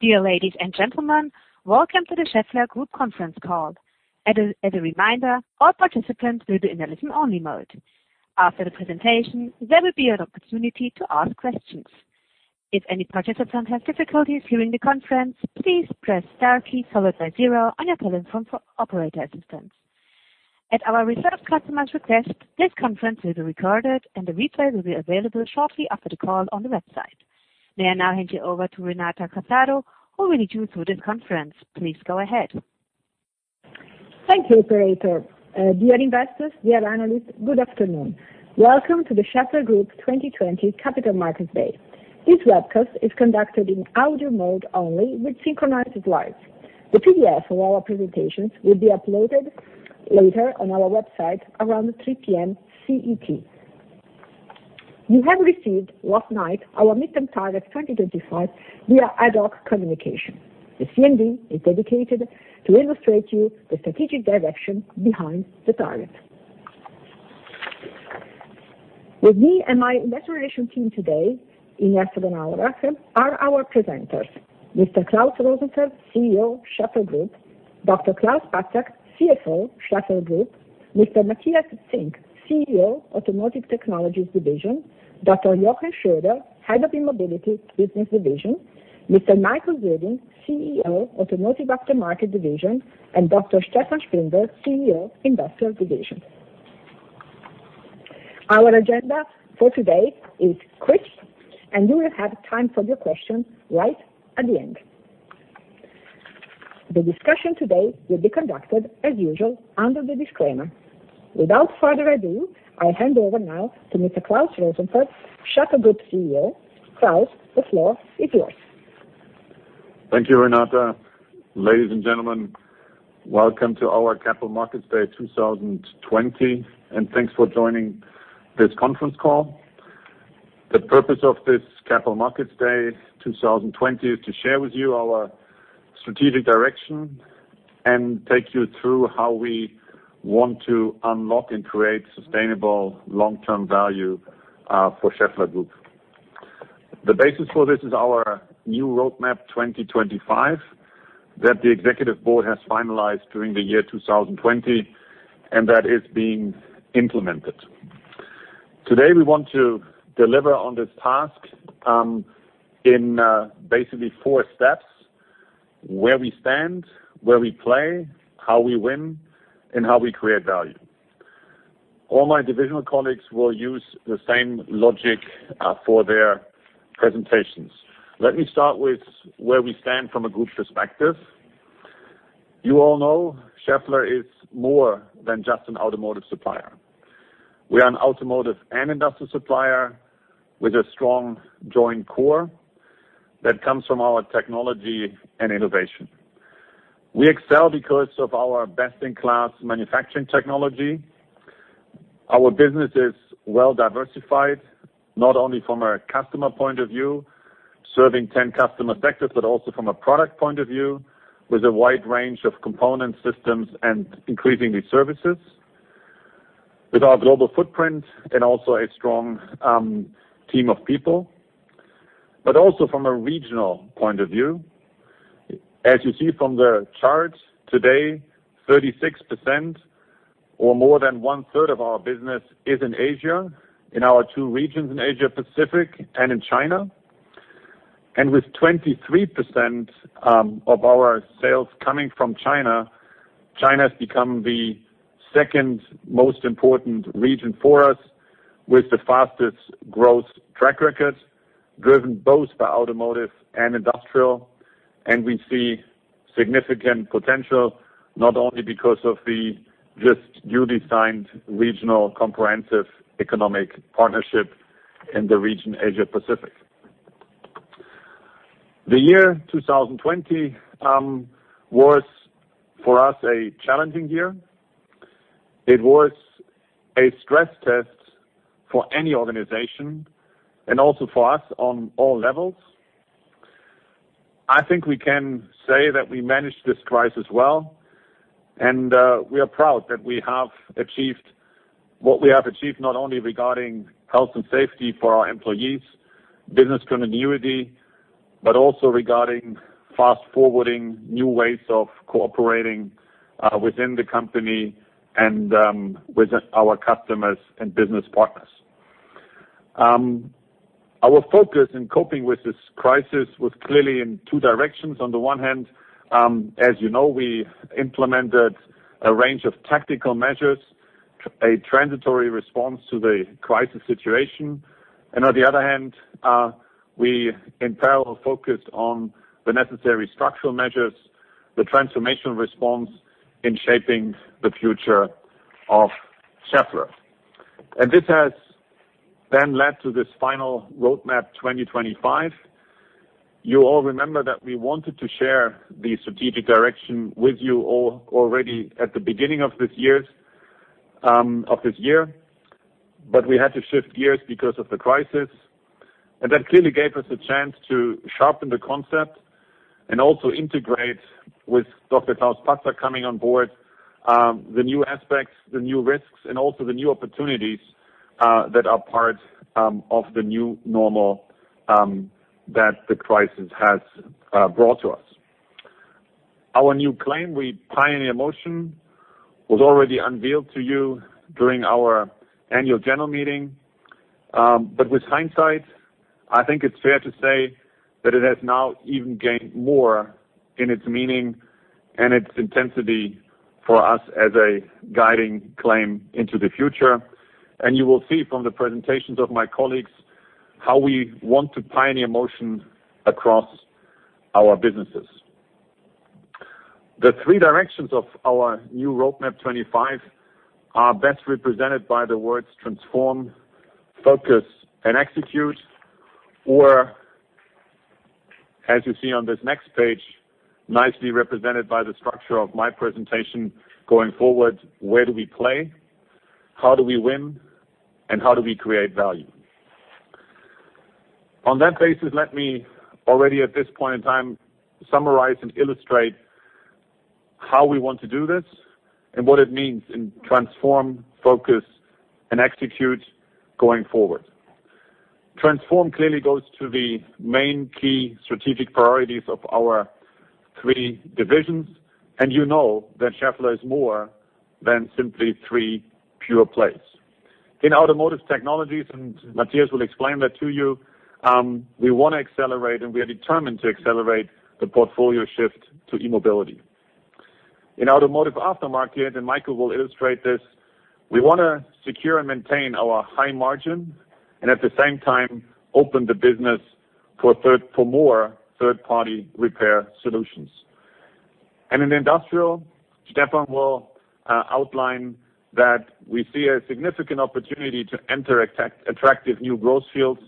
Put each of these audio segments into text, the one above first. Dear ladies and gentlemen, welcome to the Schaeffler Group conference call. As a reminder, all participants will be in a listen-only mode. After the presentation, there will be an opportunity to ask questions. If any participant has difficulties hearing the conference, please press star key followed by zero on your telephone for operator assistance. At our research customers request, this conference is recorded and a replay will be available shortly after the call on the website. May I now hand you over to Renata Casaro, who will lead you through this conference. Please go ahead. Thank you, operator. Dear investors, dear analysts, good afternoon. Welcome to the Schaeffler Group 2020 Capital Markets Day. This webcast is conducted in audio mode only with synchronized slides. The PDF of our presentations will be uploaded later on our website around 3:00 P.M. CET. You have received last night our midterm target 2025 via ad hoc communication. The CMD is dedicated to illustrate to you the strategic direction behind the target. With me and my investor relation team today in Essen, in our office are our presenters, Mr. Klaus Rosenfeld, CEO of Schaeffler Group, Dr. Klaus Patzak, CFO of Schaeffler Group, Mr. Matthias Zink, CEO Automotive Technologies Division, Dr. Jochen Schröder, Head of E-Mobility Business Division, Mr. Michael Söding, CEO Automotive Aftermarket Division, and Dr. Stefan Spindler, CEO Industrial Division. Our agenda for today is quick, and you will have time for your questions right at the end. The discussion today will be conducted as usual under the disclaimer. Without further ado, I'll hand over now to Mr. Klaus Rosenfeld, Schaeffler Group CEO. Klaus, the floor is yours. Thank you, Renata. Ladies and gentlemen, welcome to our Capital Markets Day 2020, and thanks for joining this conference call. The purpose of this Capital Markets Day 2020 is to share with you our strategic direction and take you through how we want to unlock and create sustainable long-term value for Schaeffler Group. The basis for this is our new Roadmap 2025 that the executive board has finalized during the year 2020 and that is being implemented. Today, we want to deliver on this task in basically four steps: where we stand, where we play, how we win, and how we create value. All my divisional colleagues will use the same logic for their presentations. Let me start with where we stand from a group perspective. You all know Schaeffler is more than just an automotive supplier. We are an automotive and industrial supplier with a strong joint core that comes from our technology and innovation. We excel because of our best-in-class manufacturing technology. Our business is well-diversified, not only from a customer point of view, serving 10 customer sectors, but also from a product point of view, with a wide range of component systems and increasingly services, with our global footprint and also a strong team of people. Also from a regional point of view. As you see from the chart today, 36% or more than one-third of our business is in Asia, in our two regions in Asia Pacific and in China. With 23% of our sales coming from China has become the second most important region for us with the fastest growth track record, driven both by automotive and industrial. We see significant potential not only because of the just newly signed Regional Comprehensive Economic Partnership in the region Asia Pacific. The year 2020 was, for us, a challenging year. It was a stress test for any organization and also for us on all levels. I think we can say that we managed this crisis well, and we are proud that we have achieved what we have achieved, not only regarding health and safety for our employees, business continuity, but also regarding fast-forwarding new ways of cooperating within the company and with our customers and business partners. Our focus in coping with this crisis was clearly in two directions. On the one hand, as you know, we implemented a range of tactical measures, a transitory response to the crisis situation. On the other hand, we in parallel focused on the necessary structural measures, the transformation response in shaping the future of Schaeffler. This has then led to this final Roadmap 2025. You all remember that we wanted to share the strategic direction with you already at the beginning of this year, but we had to shift gears because of the crisis. That clearly gave us a chance to sharpen the concept and also integrate with Dr. Klaus Patzak coming on board, the new aspects, the new risks, and also the new opportunities that are part of the new normal that the crisis has brought to us. Our new claim, we pioneer motion, was already unveiled to you during our annual general meeting. With hindsight, I think it's fair to say that it has now even gained more in its meaning and its intensity for us as a guiding claim into the future. You will see from the presentations of my colleagues how we want to pioneer motion across our businesses. The three directions of our new Roadmap 2025 are best represented by the words transform, focus, and execute. As you see on this next page, nicely represented by the structure of my presentation going forward, where do we play? How do we win? How do we create value? On that basis, let me already at this point in time summarize and illustrate how we want to do this, and what it means in transform, focus, and execute going forward. Transform clearly goes to the main key strategic priorities of our three divisions, and you know that Schaeffler is more than simply three pure plays. In Automotive Technologies, and Matthias will explain that to you, we want to accelerate and we are determined to accelerate the portfolio shift to e-mobility. In Automotive Aftermarket, and Michael will illustrate this, we want to secure and maintain our high margin, and at the same time open the business for more third-party repair solutions. In Industrial, Stefan will outline that we see a significant opportunity to enter attractive new growth fields,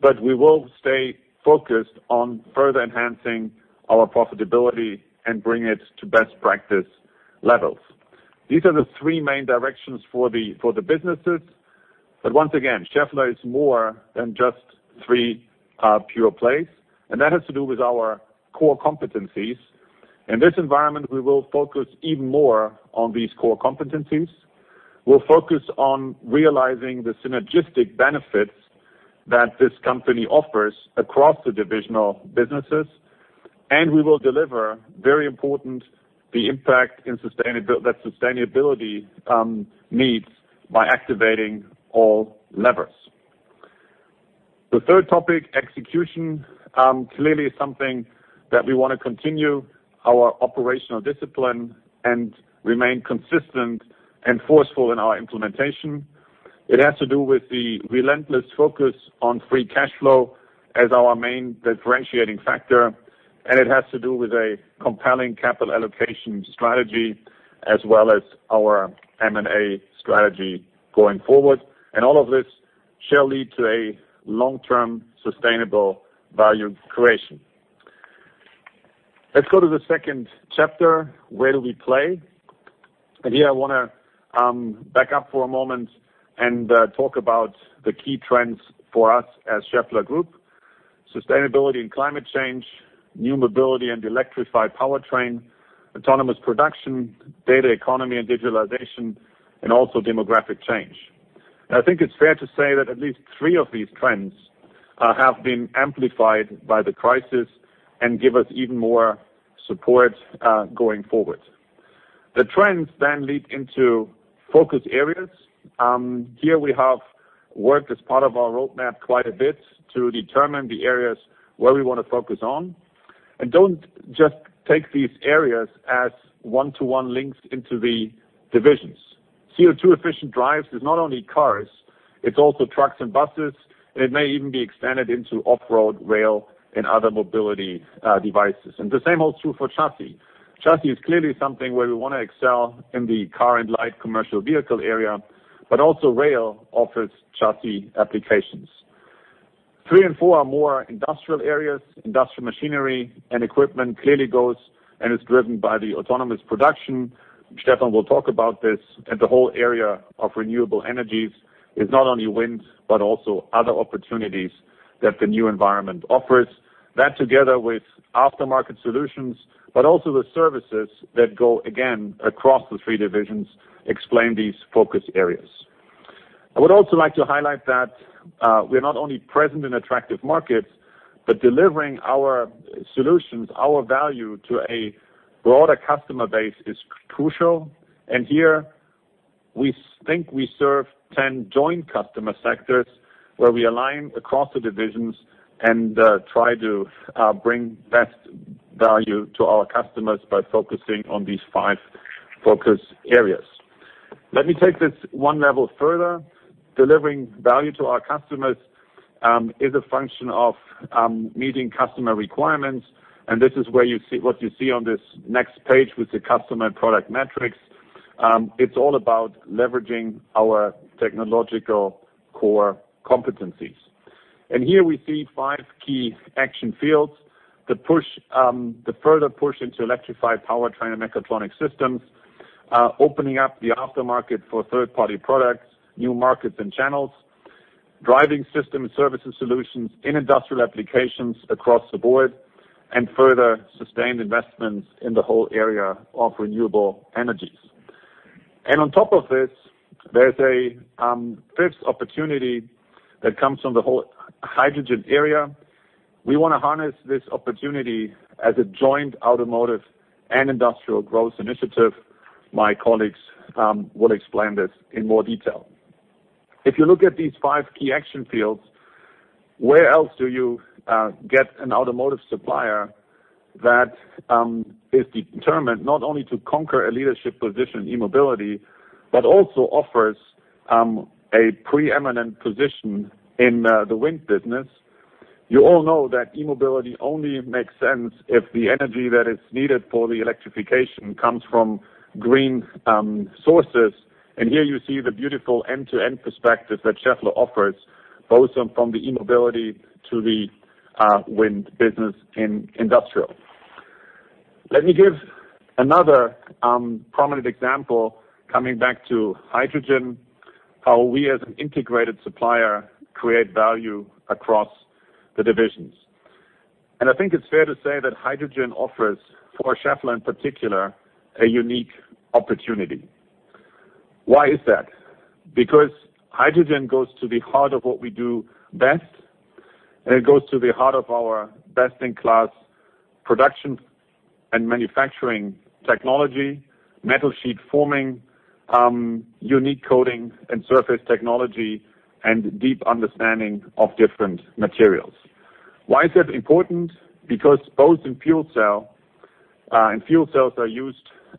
but we will stay focused on further enhancing our profitability and bring it to best practice levels. These are the three main directions for the businesses. Once again, Schaeffler is more than just three pure plays, and that has to do with our core competencies. In this environment, we will focus even more on these core competencies. We'll focus on realizing the synergistic benefits that this company offers across the divisional businesses, and we will deliver, very important, the impact that sustainability needs by activating all levers. The third topic, execution, clearly is something that we want to continue our operational discipline and remain consistent and forceful in our implementation. It has to do with the relentless focus on free cash flow as our main differentiating factor, and it has to do with a compelling capital allocation strategy as well as our M&A strategy going forward. All of this shall lead to a long-term sustainable value creation. Let's go to the second chapter. Where do we play? Here I want to back up for a moment and talk about the key trends for us as Schaeffler Group. Sustainability and climate change, new mobility and electrified powertrain, autonomous production, data economy and digitalization, also demographic change. I think it's fair to say that at least three of these trends have been amplified by the crisis and give us even more support going forward. The trends then lead into focus areas. Here we have worked as part of our roadmap quite a bit to determine the areas where we want to focus on. Don't just take these areas as one-to-one links into the divisions. CO2 efficient drives is not only cars, it's also trucks and buses, and it may even be expanded into off-road rail and other mobility devices. The same holds true for chassis. Chassis is clearly something where we want to excel in the car and light commercial vehicle area, but also rail offers chassis applications. Three and four are more industrial areas. Industrial machinery and equipment clearly goes and is driven by the autonomous production. Stefan will talk about this. The whole area of renewable energies is not only wind, but also other opportunities that the new environment offers. That together with aftermarket solutions, but also the services that go, again, across the three divisions, explain these focus areas. I would also like to highlight that we're not only present in attractive markets, but delivering our solutions, our value to a broader customer base is crucial. Here we think we serve 10 joint customer sectors where we align across the divisions and try to bring best value to our customers by focusing on these five focus areas. Let me take this one level further. Delivering value to our customers is a function of meeting customer requirements, and this is what you see on this next page with the customer product matrix. It's all about leveraging our technological core competencies. Here we see five key action fields. The further push into electrified powertrain and mechatronic systems. Opening up the aftermarket for third-party products. New markets and channels. Driving system services solutions in industrial applications across the board, and further sustained investments in the whole area of renewable energies. On top of this, there's a fifth opportunity that comes from the whole hydrogen area. We want to harness this opportunity as a joint automotive and industrial growth initiative. My colleagues will explain this in more detail. If you look at these five key action fields, where else do you get an automotive supplier that is determined not only to conquer a leadership position in e-mobility, but also offers a preeminent position in the wind business? You all know that e-mobility only makes sense if the energy that is needed for the electrification comes from green sources. Here you see the beautiful end-to-end perspective that Schaeffler offers, both from the e-mobility to the wind business in Industrial. Let me give another prominent example, coming back to hydrogen, how we as an integrated supplier create value across the divisions. I think it's fair to say that hydrogen offers, for Schaeffler in particular, a unique opportunity. Why is that? Hydrogen goes to the heart of what we do best, and it goes to the heart of our best-in-class production and manufacturing technology, metal sheet forming, unique coating and surface technology, and deep understanding of different materials. Why is that important? Both in fuel cell, and fuel cells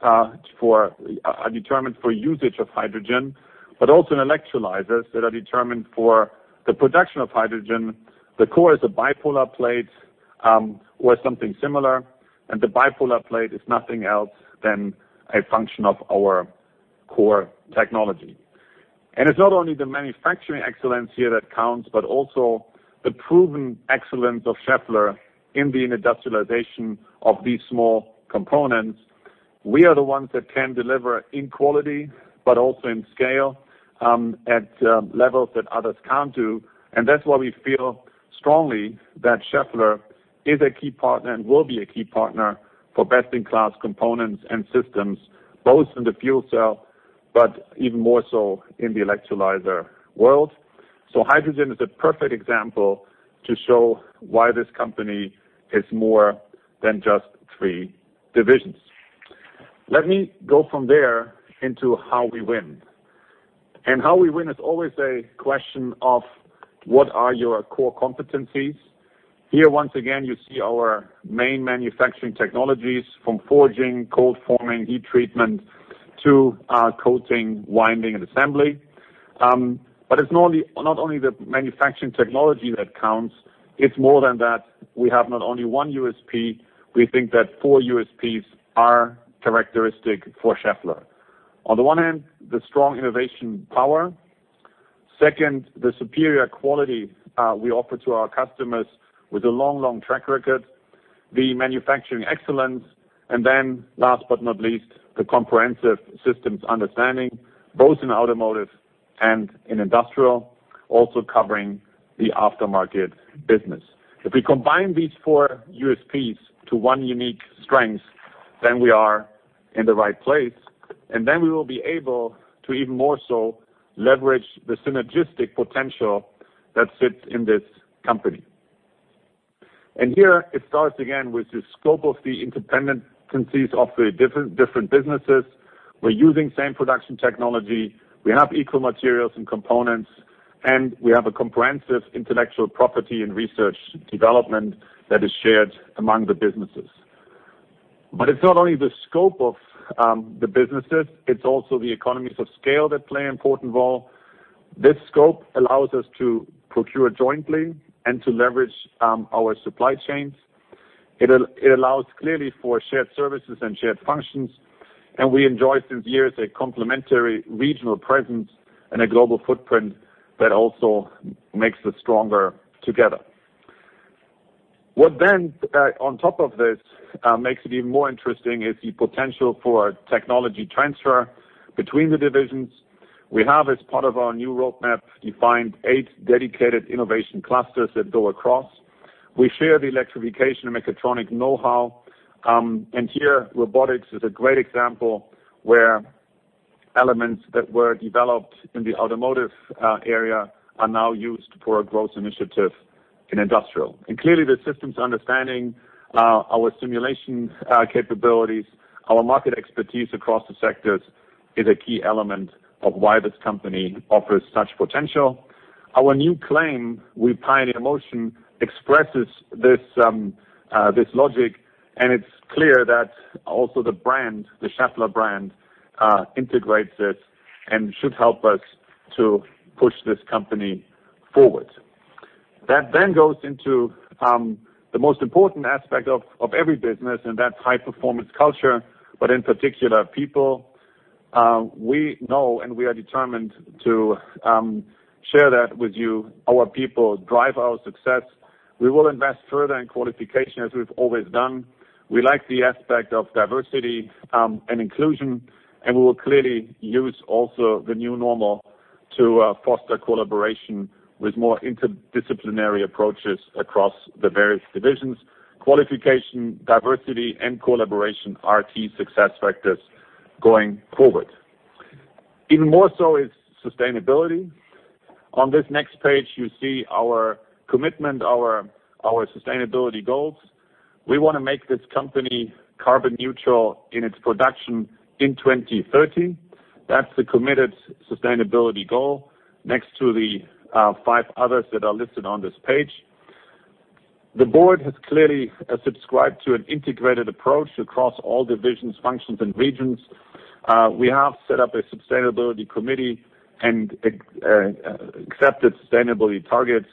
are determined for usage of hydrogen, but also in electrolyzers that are determined for the production of hydrogen, the core is a bipolar plate or something similar, and the bipolar plate is nothing else than a function of our core technology. It's not only the manufacturing excellence here that counts, but also the proven excellence of Schaeffler in the industrialization of these small components. We are the ones that can deliver in quality, but also in scale, at levels that others can't do. That's why we feel strongly that Schaeffler is a key partner and will be a key partner for best-in-class components and systems, both in the fuel cell, but even more so in the electrolyzer world. Hydrogen is a perfect example to show why this company is more than just three divisions. Let me go from there into how we win. How we win is always a question of what are your core competencies? Here, once again, you see our main manufacturing technologies from forging, cold forming, heat treatment to coating, winding, and assembly. It's not only the manufacturing technology that counts, it's more than that. We have not only one USP, we think that four USPs are characteristic for Schaeffler. On the one hand, the strong innovation power. Second, the superior quality we offer to our customers with a long track record. The manufacturing excellence. Last but not least, the comprehensive systems understanding, both in automotive and in industrial, also covering the aftermarket business. If we combine these four USPs to one unique strength, we are in the right place, we will be able to even more so leverage the synergistic potential that sits in this company. Here it starts again with the scope of the independencies of the different businesses. We're using same production technology. We have equal materials and components, and we have a comprehensive intellectual property and research development that is shared among the businesses. It's not only the scope of the businesses, it's also the economies of scale that play an important role. This scope allows us to procure jointly and to leverage our supply chains. It allows clearly for shared services and shared functions, and we enjoy since years a complementary regional presence and a global footprint that also makes us stronger together. What, on top of this, makes it even more interesting is the potential for technology transfer between the divisions. We have, as part of our new roadmap, defined eight dedicated innovation clusters that go across. We share the electrification and mechatronic know-how. Here, robotics is a great example where elements that were developed in the automotive area are now used for a growth initiative in industrial. Clearly, the systems understanding our simulation capabilities, our market expertise across the sectors is a key element of why this company offers such potential. Our new claim, we pioneer motion, expresses this logic, and it's clear that also the brand, the Schaeffler brand, integrates it and should help us to push this company forward. That then goes into the most important aspect of every business, and that's high-performance culture, but in particular, people. We know and we are determined to share that with you. Our people drive our success. We will invest further in qualification as we've always done. We like the aspect of diversity and inclusion, and we will clearly use also the new normal to foster collaboration with more interdisciplinary approaches across the various divisions. Qualification, diversity, and collaboration are key success factors going forward. Even more so is sustainability. On this next page, you see our commitment, our sustainability goals. We want to make this company carbon neutral in its production in 2030. That's the committed sustainability goal next to the five others that are listed on this page. The board has clearly subscribed to an integrated approach across all divisions, functions, and regions. We have set up a sustainability committee and accepted sustainability targets,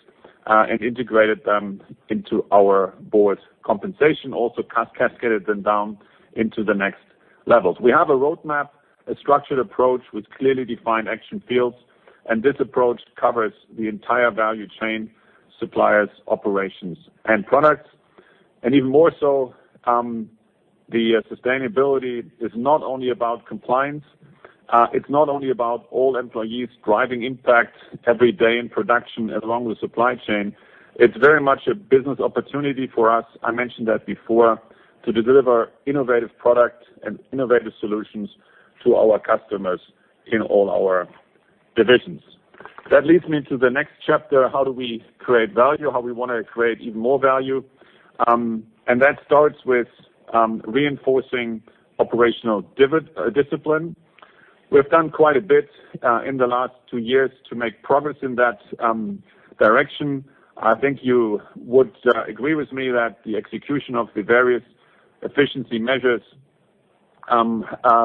and integrated them into our board compensation, also cascaded them down into the next levels. We have a roadmap, a structured approach with clearly defined action fields, and this approach covers the entire value chain, suppliers, operations, and products. Even more so, the sustainability is not only about compliance, it's not only about all employees driving impact every day in production along the supply chain. It's very much a business opportunity for us, I mentioned that before, to deliver innovative products and innovative solutions to our customers in all our divisions. That leads me to the next chapter, how do we create value? How we want to create even more value? That starts with reinforcing operational discipline. We've done quite a bit in the last two years to make progress in that direction. I think you would agree with me that the execution of the various efficiency measures,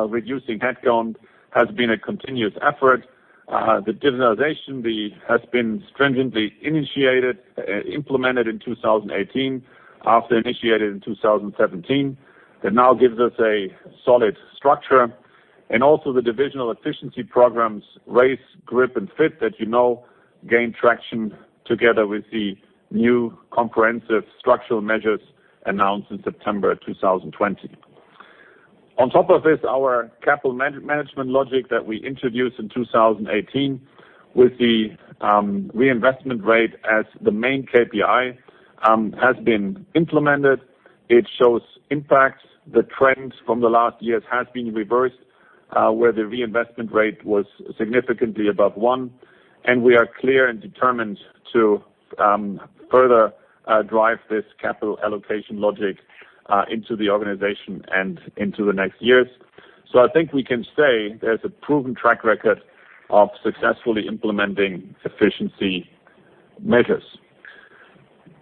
reducing headcount, has been a continuous effort. The digitalization has been stringently initiated, implemented in 2018 after initiated in 2017. That now gives us a solid structure. Also the divisional efficiency programs, RACE, GRIP, and FIT that you know, gain traction together with the new comprehensive structural measures announced in September 2020. On top of this, our capital management logic that we introduced in 2018 with the reinvestment rate as the main KPI, has been implemented. It shows impacts. The trends from the last years has been reversed, where the reinvestment rate was significantly above 1, and we are clear and determined to further drive this capital allocation logic into the organization and into the next years. I think we can say there's a proven track record of successfully implementing efficiency measures.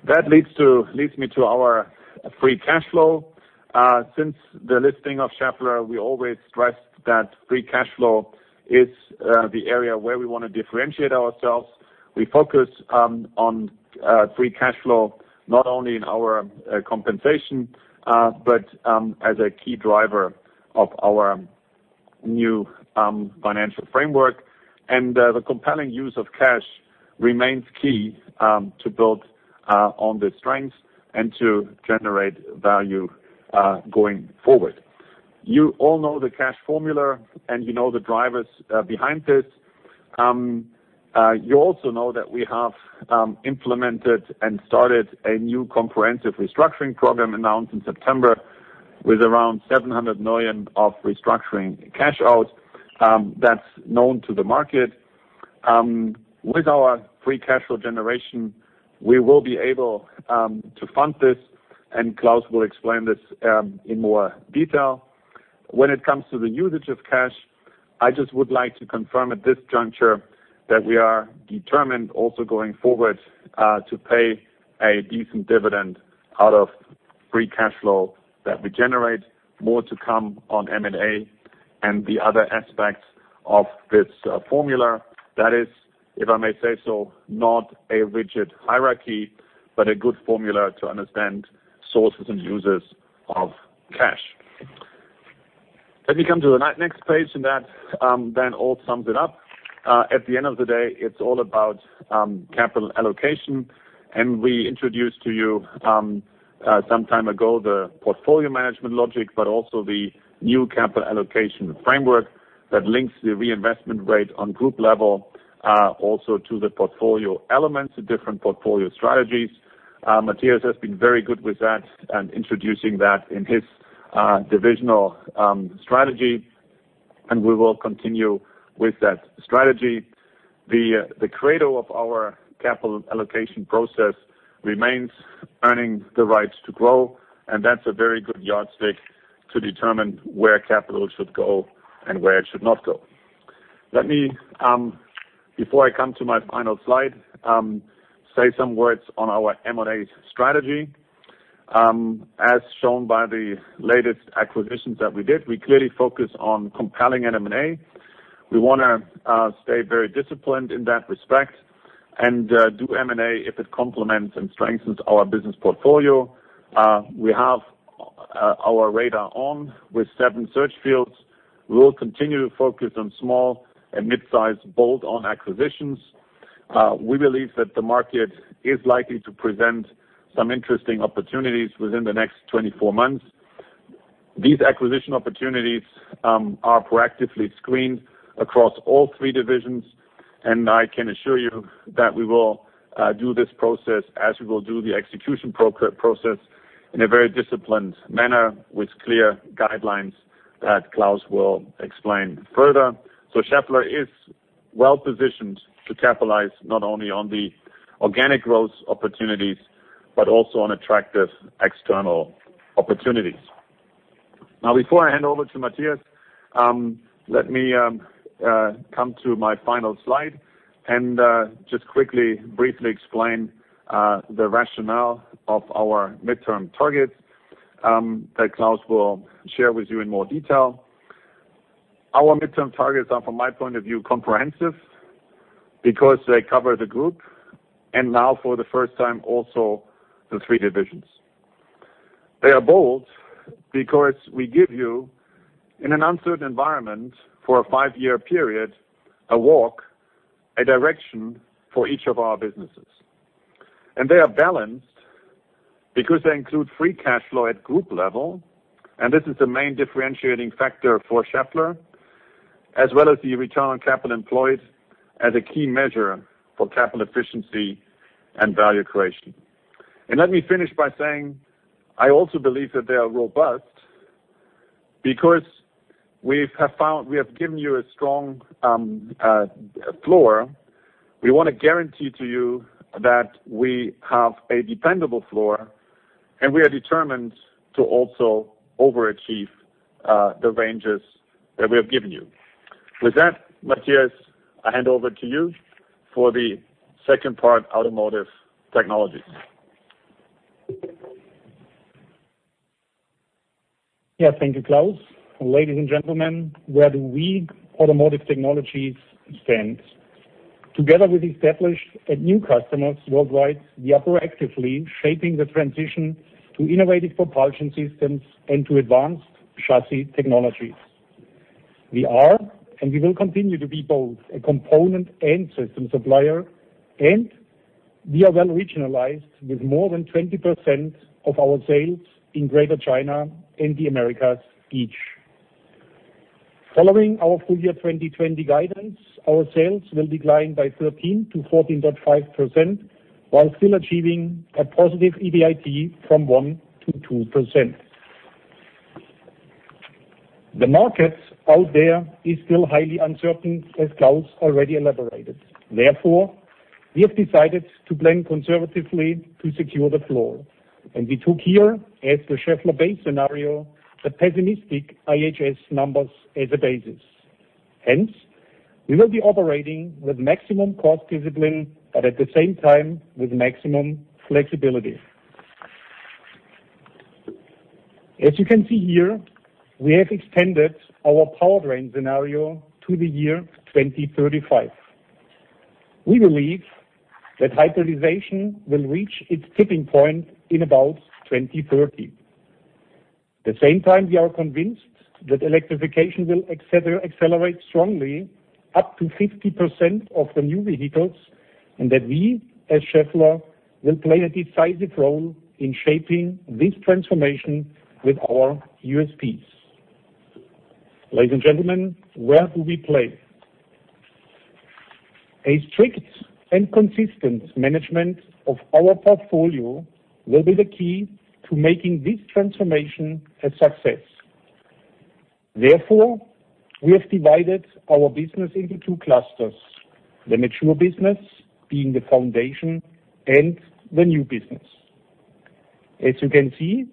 That leads me to our free cash flow. Since the listing of Schaeffler, we always stressed that free cash flow is the area where we want to differentiate ourselves. We focus on free cash flow, not only in our compensation, but as a key driver of our new financial framework. The compelling use of cash remains key, to build on the strengths and to generate value going forward. You all know the cash formula, and you know the drivers behind this. You also know that we have implemented and started a new comprehensive restructuring program announced in September with around 700 million of restructuring cash outs. That's known to the market. With our free cash flow generation, we will be able to fund this. Klaus will explain this in more detail. When it comes to the usage of cash, I just would like to confirm at this juncture that we are determined also going forward, to pay a decent dividend out of free cash flow that we generate. More to come on M&A and the other aspects of this formula. That is, if I may say so, not a rigid hierarchy, but a good formula to understand sources and users of cash. Let me come to the next page. That then all sums it up. At the end of the day, it's all about capital allocation. We introduced to you some time ago the portfolio management logic, but also the new capital allocation framework that links the reinvestment rate on group level, also to the portfolio elements, the different portfolio strategies. Matthias has been very good with that and introducing that in his divisional strategy. We will continue with that strategy. The credo of our capital allocation process remains earning the rights to grow, and that's a very good yardstick to determine where capital should go and where it should not go. Let me, before I come to my final slide, say some words on our M&A strategy. As shown by the latest acquisitions that we did, we clearly focus on compelling M&A. We want to stay very disciplined in that respect and do M&A if it complements and strengthens our business portfolio. We have our radar on with seven search fields. We will continue to focus on small and mid-size bolt-on acquisitions. We believe that the market is likely to present some interesting opportunities within the next 24 months. These acquisition opportunities are proactively screened across all three divisions. I can assure you that we will do this process as we will do the execution process in a very disciplined manner with clear guidelines that Klaus will explain further. Schaeffler is well-positioned to capitalize not only on the organic growth opportunities, but also on attractive external opportunities. Before I hand over to Matthias, let me come to my final slide and just quickly briefly explain the rationale of our midterm targets that Klaus will share with you in more detail. Our midterm targets are, from my point of view, comprehensive, because they cover the group, and now for the first time, also the three divisions. They are bold because we give you, in an uncertain environment for a five-year period, a walk, a direction for each of our businesses. They are balanced because they include free cash flow at group level, and this is the main differentiating factor for Schaeffler, as well as the return on capital employed as a key measure for capital efficiency and value creation. Let me finish by saying, I also believe that they are robust because we have given you a strong floor. We want to guarantee to you that we have a dependable floor, and we are determined to also overachieve the ranges that we have given you. With that, Matthias, I hand over to you for the second part, Automotive Technologies. Thank you, Klaus. Ladies and gentlemen, where do we Automotive Technologies stand? Together with established and new customers worldwide, we are proactively shaping the transition to innovative propulsion systems and to advanced chassis technologies. We are and we will continue to be both a component and system supplier, we are well regionalized with more than 20% of our sales in Greater China and the Americas each. Following our full year 2020 guidance, our sales will decline by 13%-14.5% while still achieving a positive EBIT from 1%-2%. The markets out there is still highly uncertain, as Klaus already elaborated. We have decided to plan conservatively to secure the floor, we took here as the Schaeffler base scenario, the pessimistic IHS numbers as a basis. We will be operating with maximum cost discipline, at the same time with maximum flexibility. As you can see here, we have extended our powertrain scenario to the year 2035. We believe that hybridization will reach its tipping point in about 2030. At the same time, we are convinced that electrification will accelerate strongly up to 50% of the new vehicles, and that we as Schaeffler will play a decisive role in shaping this transformation with our USPs. Ladies and gentlemen, where do we play? A strict and consistent management of our portfolio will be the key to making this transformation a success. Therefore, we have divided our business into two clusters: the mature business being the foundation and the new business. As you can see,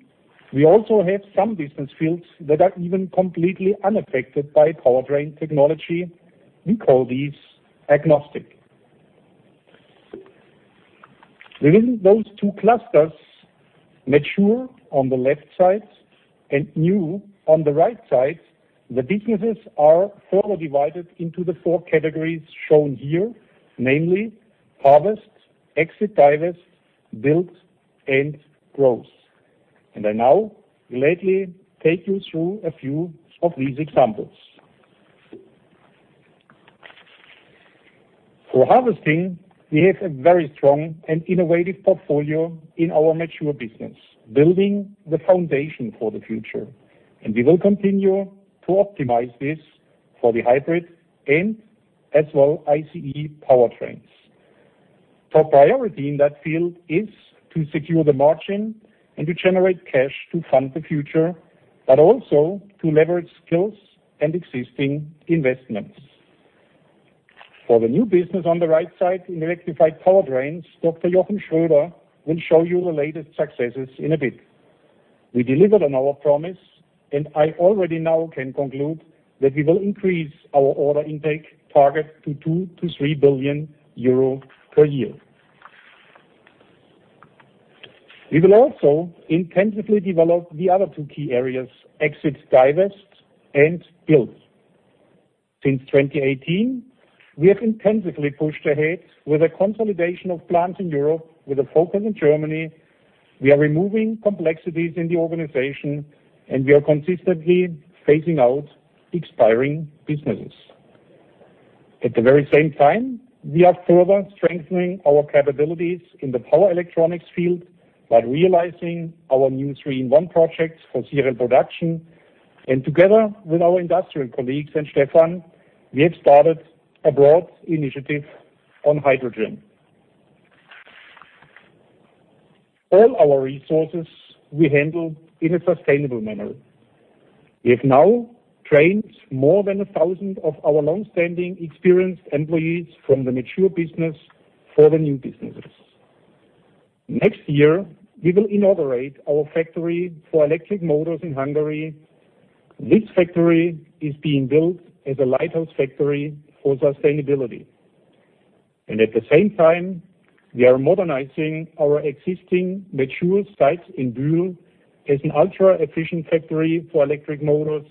we also have some business fields that are even completely unaffected by powertrain technology. We call these agnostic. Within those two clusters, mature on the left side and new on the right side, the businesses are further divided into the four categories shown here, namely Harvest, Exit/Divest, Build, and Growth. I now gladly take you through a few of these examples. For Harvesting, we have a very strong and innovative portfolio in our mature business, building the foundation for the future. We will continue to optimize this for the hybrid and as well ICE powertrains. Top priority in that field is to secure the margin and to generate cash to fund the future, but also to leverage skills and existing investments. For the new business on the right side in electrified powertrains, Dr. Jochen Schröder will show you the latest successes in a bit. We delivered on our promise, I already now can conclude that we will increase our order intake target to 2 billion to 3 billion euro per year. We will also intensively develop the other two key areas, Exit/Divest and Build. Since 2018, we have intensively pushed ahead with a consolidation of plants in Europe with a focus in Germany. We are removing complexities in the organization, we are consistently phasing out expiring businesses. At the very same time, we are further strengthening our capabilities in the power electronics field by realizing our new three-in-one project for serial production. Together with our industrial colleagues and Stefan, we have started a broad initiative on hydrogen. All our resources we handle in a sustainable manner. We have now trained more than 1,000 of our long-standing experienced employees from the mature business for the new businesses. Next year, we will inaugurate our factory for electric motors in Hungary. New factory is being built as a lighthouse factory for sustainability. At the same time, we are modernizing our existing mature sites in Bühl as an ultra-efficient factory for electric motors,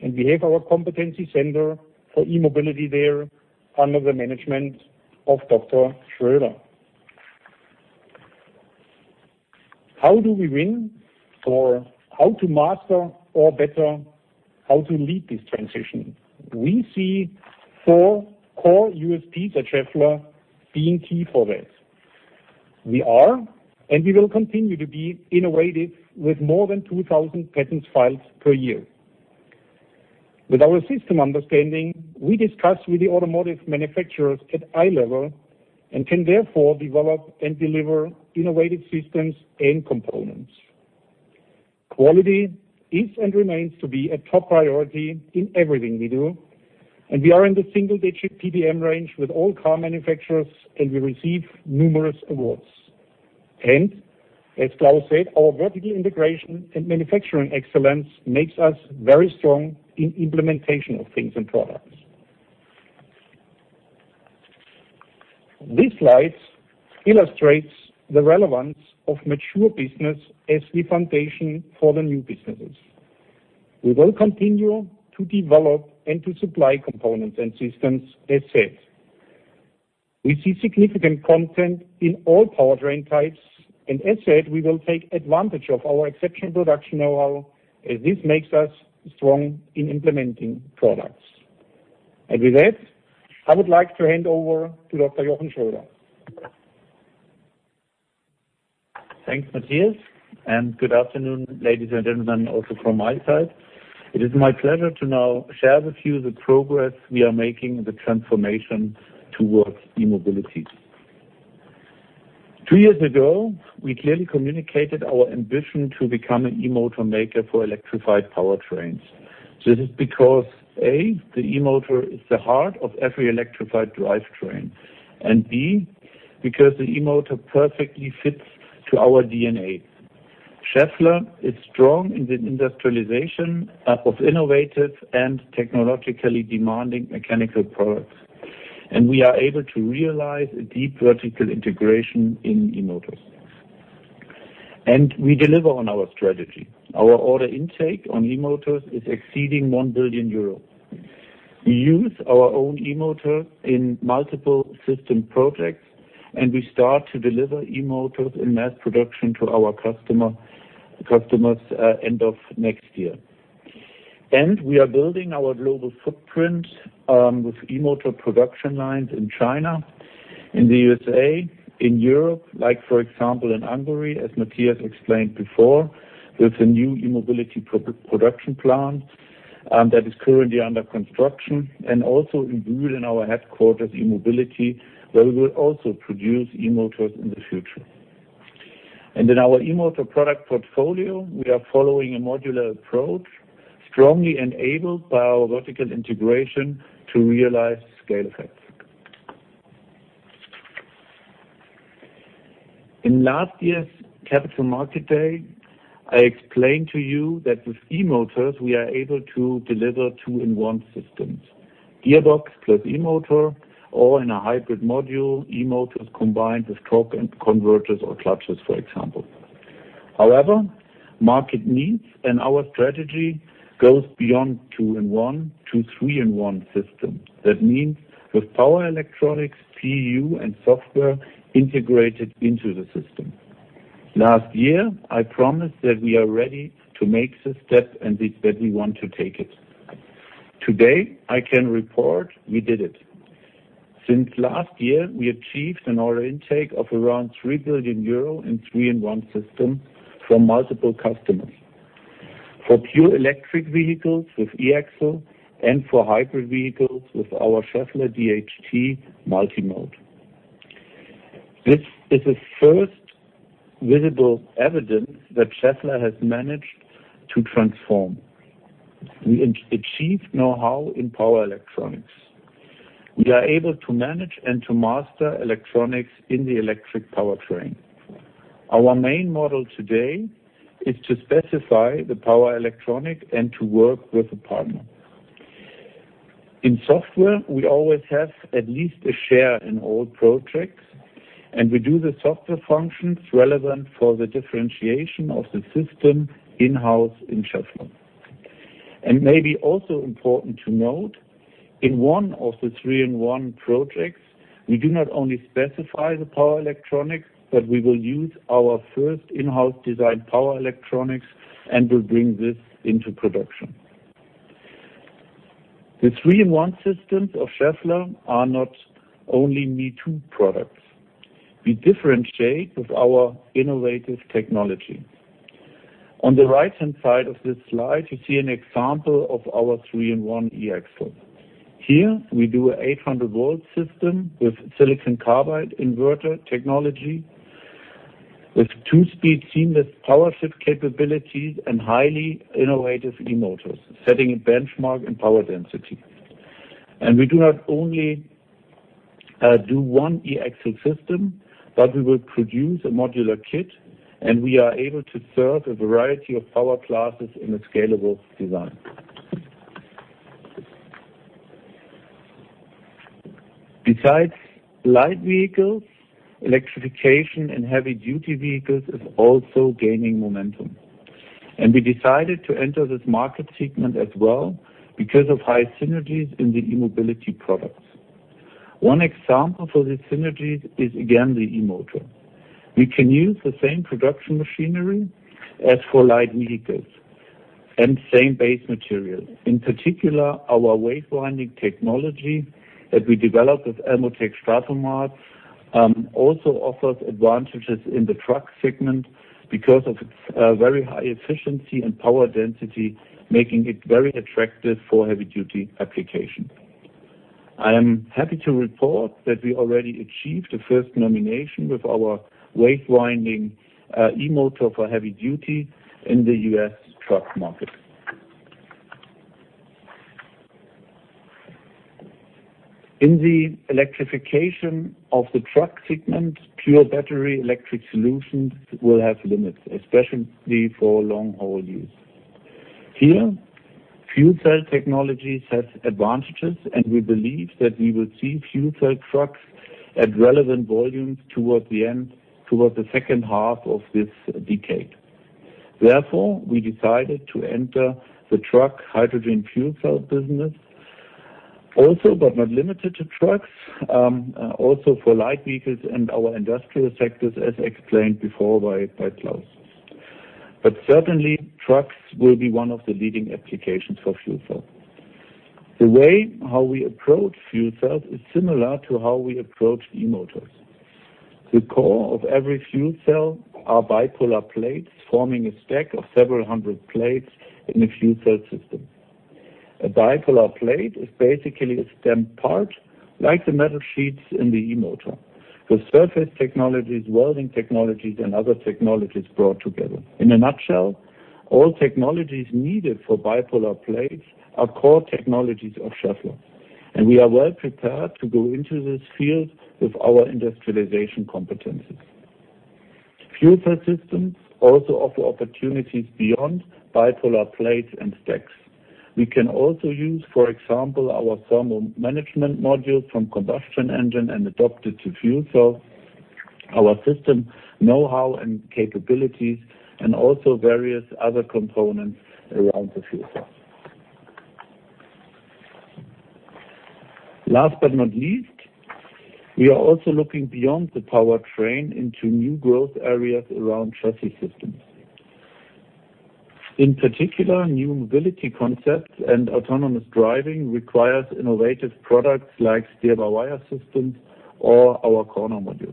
and we have our competency center for e-mobility there under the management of Dr. Schröder. How do we win or how to master or better, how to lead this transition? We see four core USPs at Schaeffler being key for that. We are, and we will continue to be innovative with more than 2,000 patents filed per year. With our system understanding, we discuss with the automotive manufacturers at eye level and can therefore develop and deliver innovative systems and components. Quality is and remains to be a top priority in everything we do, we are in the single-digit PPM range with all car manufacturers, we receive numerous awards. As Klaus said, our vertical integration and manufacturing excellence makes us very strong in implementation of things and products. This slide illustrates the relevance of mature business as the foundation for the new businesses. We will continue to develop and to supply components and systems as said. We see significant content in all powertrain types, as said, we will take advantage of our exceptional production know-how as this makes us strong in implementing products. With that, I would like to hand over to Dr. Jochen Schröder. Thanks, Matthias. Good afternoon, ladies and gentlemen, also from my side. It is my pleasure to now share with you the progress we are making in the transformation towards e-mobility. Two years ago, we clearly communicated our ambition to become an e-motor maker for electrified powertrains. This is because, A, the e-motor is the heart of every electrified drivetrain, and B, because the e-motor perfectly fits to our DNA. Schaeffler is strong in the industrialization of innovative and technologically demanding mechanical products, and we are able to realize a deep vertical integration in e-motors. We deliver on our strategy. Our order intake on e-motors is exceeding 1 billion euros. We use our own e-motor in multiple system projects, and we start to deliver e-motors in mass production to our customers end of next year. We are building our global footprint, with e-motor production lines in China, in the U.S.A., in Europe, like for example, in Hungary, as Matthias explained before, with a new e-mobility production plant that is currently under construction, and also in Bühl, in our headquarters of e-mobility, where we will also produce e-motors in the future. In last year's Capital Markets Day, I explained to you that with e-motors, we are able to deliver two-in-one systems. Gearbox plus e-motor, or in a hybrid module, e-motors combined with torque and converters or clutches, for example. However, market needs and our strategy goes beyond two-in-one to three-in-one system. That means with power electronics, PEU, and software integrated into the system. Last year, I promised that we are ready to make the step, and that we want to take it. Today, I can report we did it. Since last year, we achieved an order intake of around 3 billion euro in three-in-one system from multiple customers. For pure electric vehicles with E-axle and for hybrid vehicles with our Schaeffler DHT multimode. This is the first visible evidence that Schaeffler has managed to transform. We achieved know-how in power electronics. We are able to manage and to master electronics in the electric powertrain. Our main model today is to specify the power electronics and to work with a partner. In software, we always have at least a share in all projects. We do the software functions relevant for the differentiation of the system in-house in Schaeffler. Maybe also important to note, in one of the three-in-one projects, we do not only specify the power electronics, but we will use our first in-house designed power electronics and will bring this into production. The three-in-one systems of Schaeffler are not only me-too products. We differentiate with our innovative technology. On the right-hand side of this slide, you see an example of our three-in-one E-axle. Here, we do a 800 V system with silicon carbide inverter technology, with two-speed seamless powershift capabilities and highly innovative e-motors, setting a benchmark in power density. We do not only do one E-axle system, but we will produce a modular kit, and we are able to serve a variety of power classes in a scalable design. Besides light vehicles, electrification and heavy duty vehicles is also gaining momentum. We decided to enter this market segment as well because of high synergies in the e-mobility products. One example for these synergies is again the e-motor. We can use the same production machinery as for light vehicles and same base material. In particular, our wave winding technology that we developed with Elmotec Statomat also offers advantages in the truck segment because of its very high efficiency and power density, making it very attractive for heavy-duty application. I am happy to report that we already achieved the first nomination with our wave winding e-motor for heavy-duty in the U.S. truck market. In the electrification of the truck segment, pure battery electric solutions will have limits, especially for long-haul use. Here, fuel cell technologies has advantages, and we believe that we will see fuel cell trucks at relevant volumes towards the end, towards the second half of this decade. We decided to enter the truck hydrogen fuel cell business also, but not limited to trucks, also for light vehicles and our industrial sectors, as explained before by Klaus. Certainly, trucks will be one of the leading applications for fuel cell. The way how we approach fuel cells is similar to how we approach e-motors. The core of every fuel cell are bipolar plates, forming a stack of several hundred plates in a fuel cell system. A bipolar plate is basically a stamped part, like the metal sheets in the e-motor, with surface technologies, welding technologies, and other technologies brought together. In a nutshell, all technologies needed for bipolar plates are core technologies of Schaeffler, and we are well prepared to go into this field with our industrialization competencies. Fuel cell systems also offer opportunities beyond bipolar plates and stacks. We can also use, for example, our thermal management modules from combustion engine and adopt it to fuel cells, our system know-how and capabilities, and also various other components around the fuel cell. Last but not least, we are also looking beyond the powertrain into new growth areas around chassis systems. In particular, new mobility concepts and autonomous driving requires innovative products like steer-by-wire systems or our corner modules.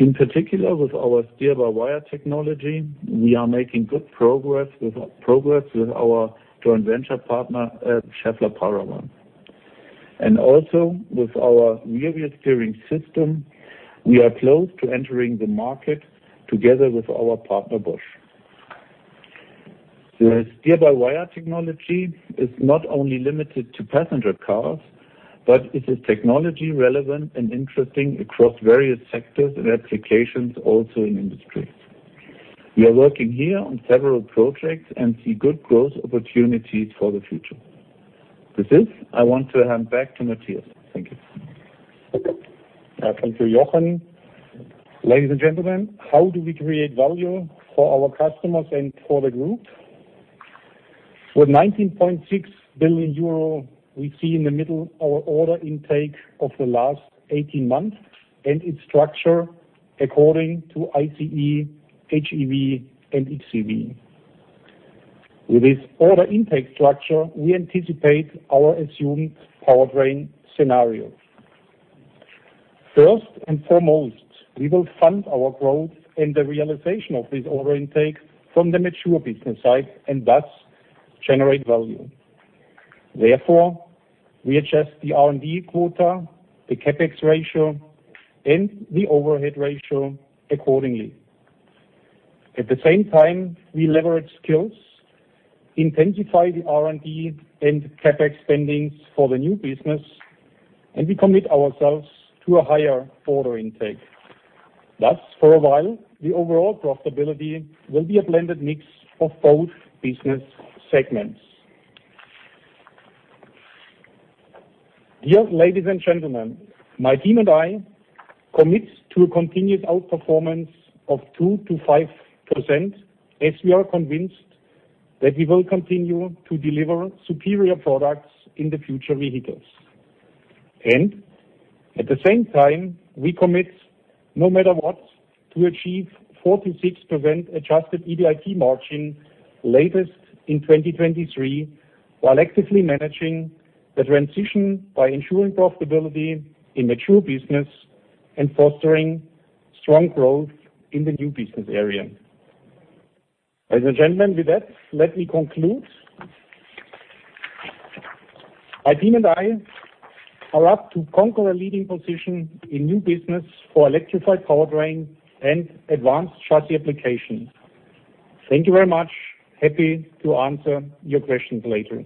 In particular, with our steer-by-wire technology, we are making good progress with our joint venture partner at Schaeffler Paravan. Also, with our rear-wheel steering system, we are close to entering the market together with our partner, Bosch. The steer-by-wire technology is not only limited to passenger cars, but it is technology relevant and interesting across various sectors and applications also in industry. We are working here on several projects and see good growth opportunities for the future. With this, I want to hand back to Matthias. Thank you. Thank you, Jochen. Ladies and gentlemen, how do we create value for our customers and for the group? With 19.6 billion euro, we see in the middle our order intake of the last 18 months and its structure according to ICE, HEV, and xEV. With this order intake structure, we anticipate our assumed powertrain scenario. First and foremost, we will fund our growth and the realization of this order intake from the mature business side and thus generate value. Therefore, we adjust the R&D quota, the CapEx ratio, and the overhead ratio accordingly. At the same time, we leverage skills, intensify the R&D and CapEx spendings for the new business, and we commit ourselves to a higher order intake. Thus, for a while, the overall profitability will be a blended mix of both business segments. Dear ladies and gentlemen, my team and I commit to a continued outperformance of 2%-5%, as we are convinced that we will continue to deliver superior products in the future vehicles. At the same time, we commit, no matter what, to achieve 4%-6% adjusted EBIT margin latest in 2023, while actively managing the transition by ensuring profitability in mature business and fostering strong growth in the new business area. Ladies and gentlemen, with that, let me conclude. My team and I are up to conquer a leading position in new business for electrified powertrain and advanced chassis applications. Thank you very much. Happy to answer your questions later.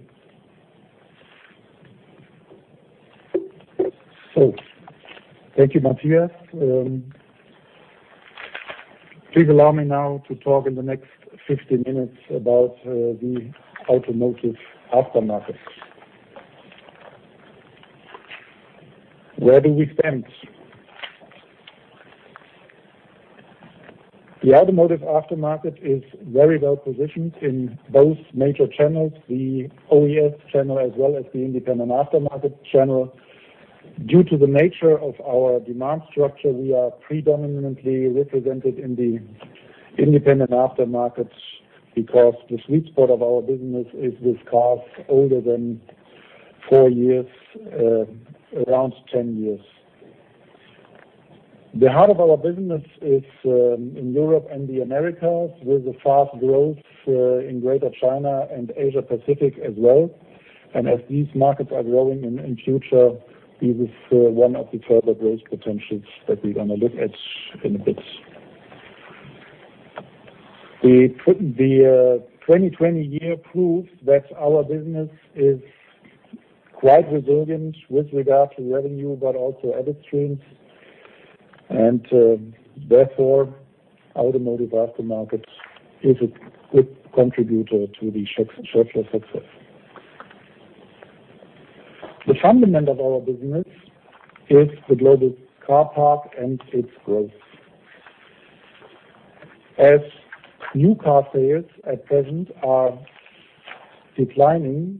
Thank you, Matthias. Please allow me now to talk in the next 15 minutes about the Automotive Aftermarket. Where do we stand? The Automotive Aftermarket is very well positioned in both major channels, the OES channel, as well as the independent aftermarket channel. Due to the nature of our demand structure, we are predominantly represented in the independent aftermarkets because the sweet spot of our business is with cars older than four years, around 10 years. The heart of our business is in Europe and the Americas, with a fast growth in Greater China and Asia Pacific as well. As these markets are growing in future, this is one of the further growth potentials that we're going to look at in a bit. The 2020 year proved that our business is quite resilient with regard to revenue, but also other streams. Therefore, Automotive Aftermarkets is a good contributor to the Schaeffler success. The fundament of our business is the global car park and its growth. As new car sales at present are declining,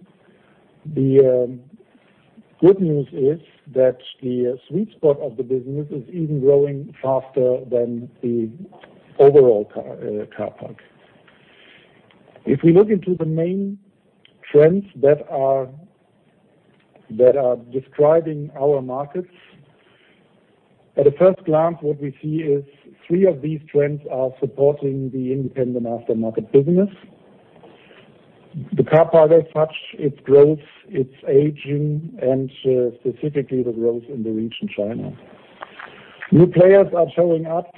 the good news is that the sweet spot of the business is even growing faster than the overall car park. If we look into the main trends that are describing our markets, at the first glance, what we see is three of these trends are supporting the independent aftermarket business. The car park as such, its growth, its aging, and specifically the growth in the region China. New players are showing up.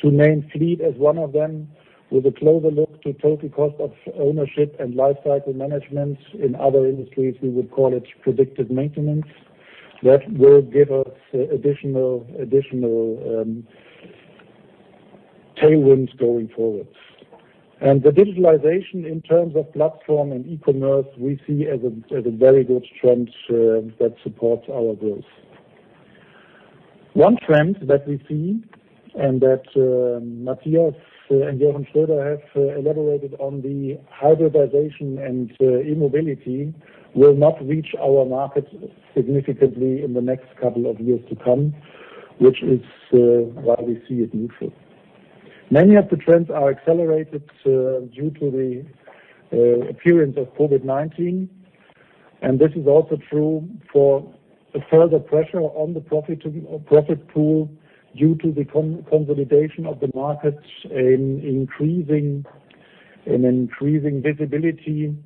To name fleet as one of them, with a closer look to total cost of ownership and life cycle management. In other industries, we would call it predictive maintenance. That will give us additional tailwinds going forward. The digitalization in terms of platform and e-commerce, we see as a very good trend that supports our growth. One trend that we see, and that Matthias and Jochen Schröder have elaborated on the hybridization and e-mobility, will not reach our market significantly in the next couple of years to come, which is why we see it neutral. Many of the trends are accelerated due to the appearance of COVID-19, and this is also true for a further pressure on the profit pool due to the consolidation of the markets and increasing visibility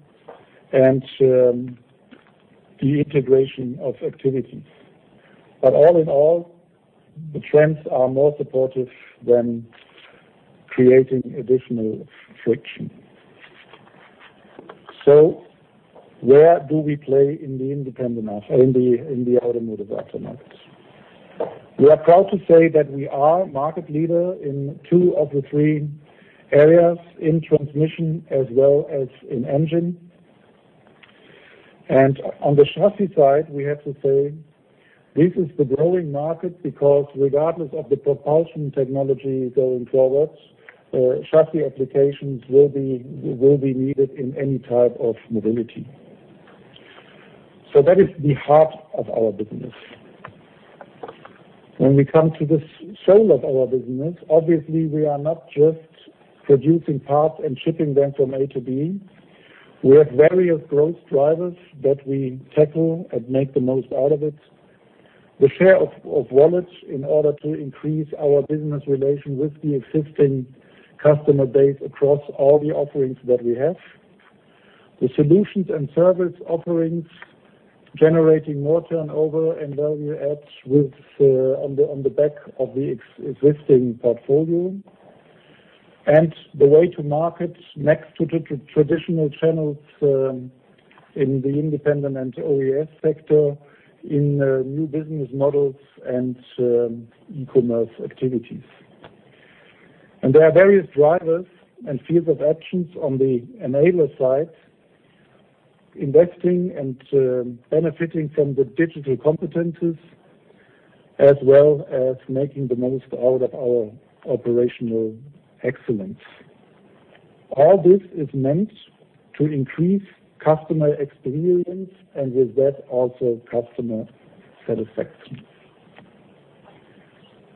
and the integration of activities. All in all, the trends are more supportive than creating additional friction. Where do we play in the Automotive Aftermarket? We are proud to say that we are market leader in two of the three areas, in transmission as well as in engine. On the chassis side, we have to say this is the growing market because regardless of the propulsion technology going forward, chassis applications will be needed in any type of mobility. That is the heart of our business. When we come to the soul of our business, obviously, we are not just producing parts and shipping them from A to B. We have various growth drivers that we tackle and make the most out of it. The share of wallets in order to increase our business relation with the existing customer base across all the offerings that we have. The solutions and service offerings, generating more turnover and value adds on the back of the existing portfolio. The way to market next to the traditional channels in the independent and OES sector, in new business models and e-commerce activities. There are various drivers and fields of actions on the enabler side, investing and benefiting from the digital competencies, as well as making the most out of our operational excellence. All this is meant to increase customer experience, and with that, also customer satisfaction.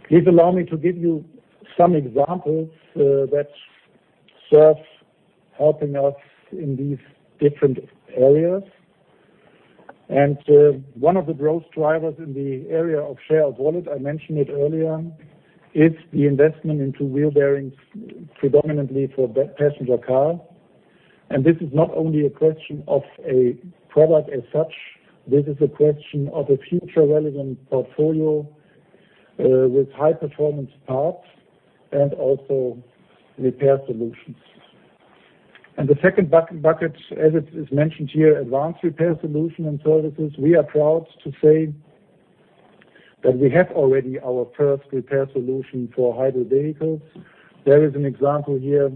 Please allow me to give you some examples that serve helping us in these different areas. One of the growth drivers in the area of share of wallet, I mentioned it earlier, is the investment into wheel bearings predominantly for passenger cars. This is not only a question of a product as such, this is a question of a future relevant portfolio with high-performance parts and also repair solutions. The second bucket, as it is mentioned here, advanced repair solution and services. We are proud to say that we have already our first repair solution for hybrid vehicles. There is an example here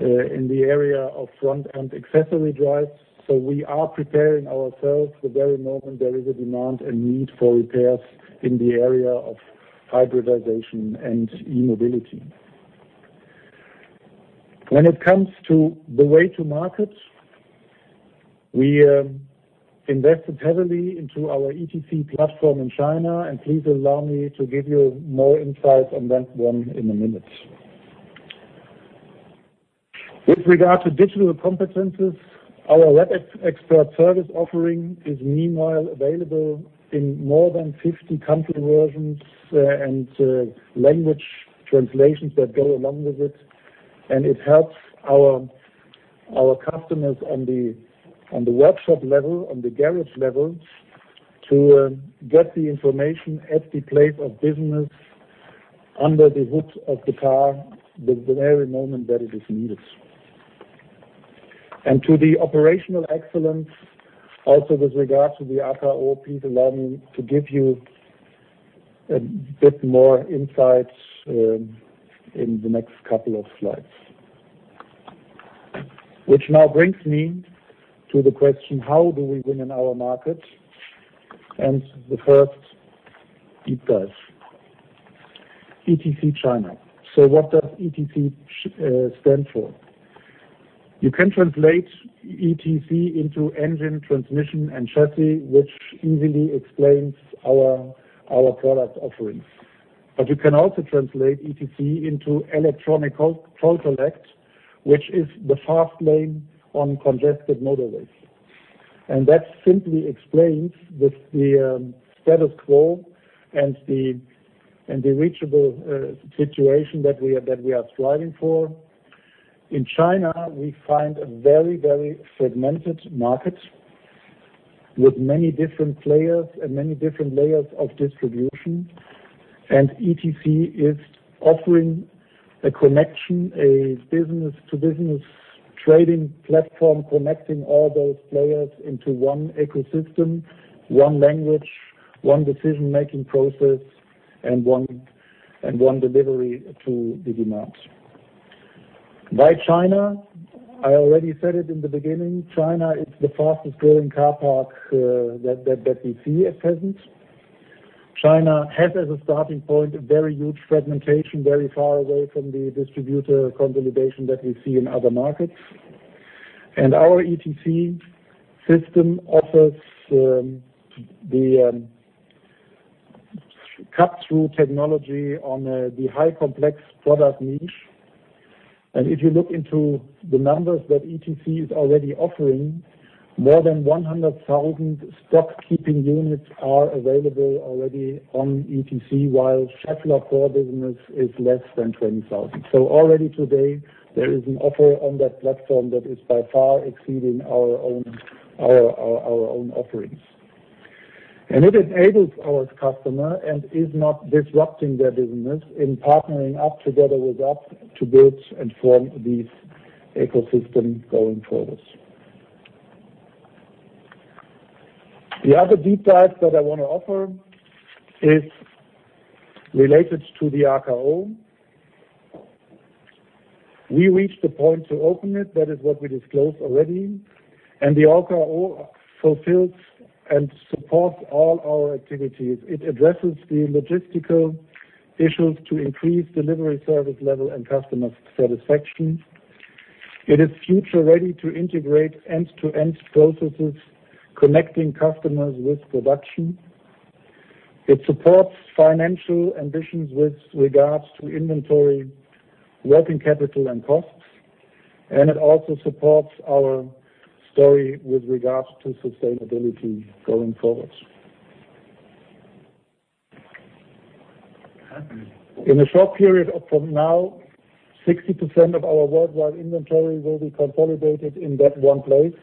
in the area of front-end accessory drives. We are preparing ourselves the very moment there is a demand and need for repairs in the area of hybridization and e-mobility. When it comes to the way to market, we invested heavily into our ETC platform in China, and please allow me to give you more insight on that one in a minute. With regard to digital competencies, our REPXPERT service offering is meanwhile available in more than 50 country versions and language translations that go along with it helps our customers on the workshop level, on the garage level, to get the information at the place of business under the hood of the car the very moment that it is needed. To the operational excellence, also with regards to the AKO, please allow me to give you a bit more insight in the next couple of slides. Which now brings me to the question, how do we win in our market? The first deep dive. ETC China. What does ETC stand for? You can translate ETC into engine, transmission, and chassis, which easily explains our product offerings. You can also translate ETC into electronic toll collect, which is the fast lane on congested motorways. That simply explains the status quo and the reachable situation that we are striving for. In China, we find a very fragmented market with many different players and many different layers of distribution. ETC is offering a connection, a business-to-business trading platform connecting all those players into one ecosystem, one language, one decision-making process, and one delivery to the demands. Why China? I already said it in the beginning. China is the fastest-growing car park that we see at present. China has as a starting point, a very huge fragmentation, very far away from the distributor consolidation that we see in other markets. Our ETC system offers the cut-through technology on the high complex product niche. If you look into the numbers that ETC is already offering, more than 100,000 stock-keeping units are available already on ETC, while Schaeffler core business is less than 20,000. Already today, there is an offer on that platform that is by far exceeding our own offerings. It enables our customer and is not disrupting their business in partnering up together with us to build and form this ecosystem going forward. The other deep dive that I want to offer is related to the AKO. We reached the point to open it. That is what we disclosed already. The AKO fulfills and supports all our activities. It addresses the logistical issues to increase delivery service level and customer satisfaction. It is future-ready to integrate end-to-end processes, connecting customers with production. It supports financial ambitions with regards to inventory, working capital, and costs, and it also supports our story with regards to sustainability going forward. In a short period from now, 60% of our worldwide inventory will be consolidated in that one place,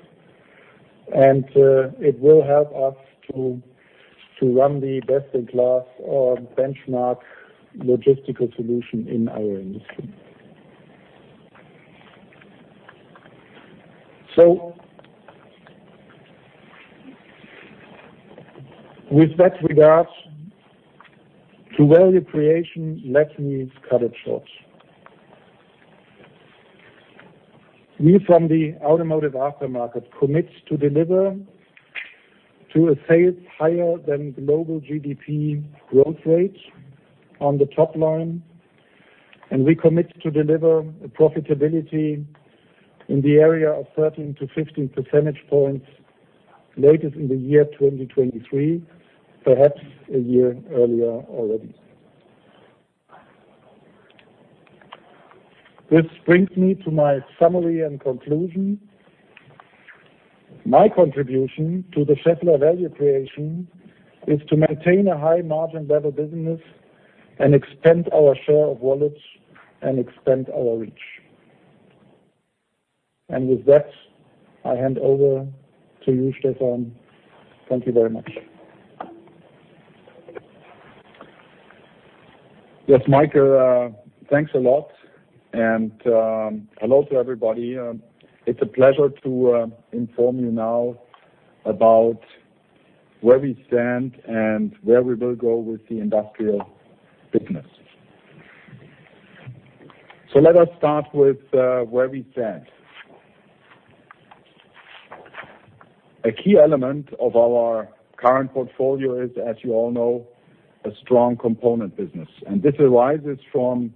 and it will help us to run the best-in-class or benchmark logistical solution in our industry. With that regard to value creation, let me cut it short. We from the Automotive Aftermarket commit to deliver to a sales higher than global GDP growth rate on the top line, and we commit to deliver a profitability in the area of 13 to 15 percentage points latest in the year 2023, perhaps a year earlier already. This brings me to my summary and conclusion. My contribution to the Schaeffler value creation is to maintain a high margin level business and expand our share of wallets and expand our reach. With that, I hand over to you, Stefan. Thank you very much. Yes, Michael, thanks a lot, and hello to everybody. It's a pleasure to inform you now about where we stand and where we will go with the industrial business. Let us start with where we stand. A key element of our current portfolio is, as you all know, a strong component business. This arises from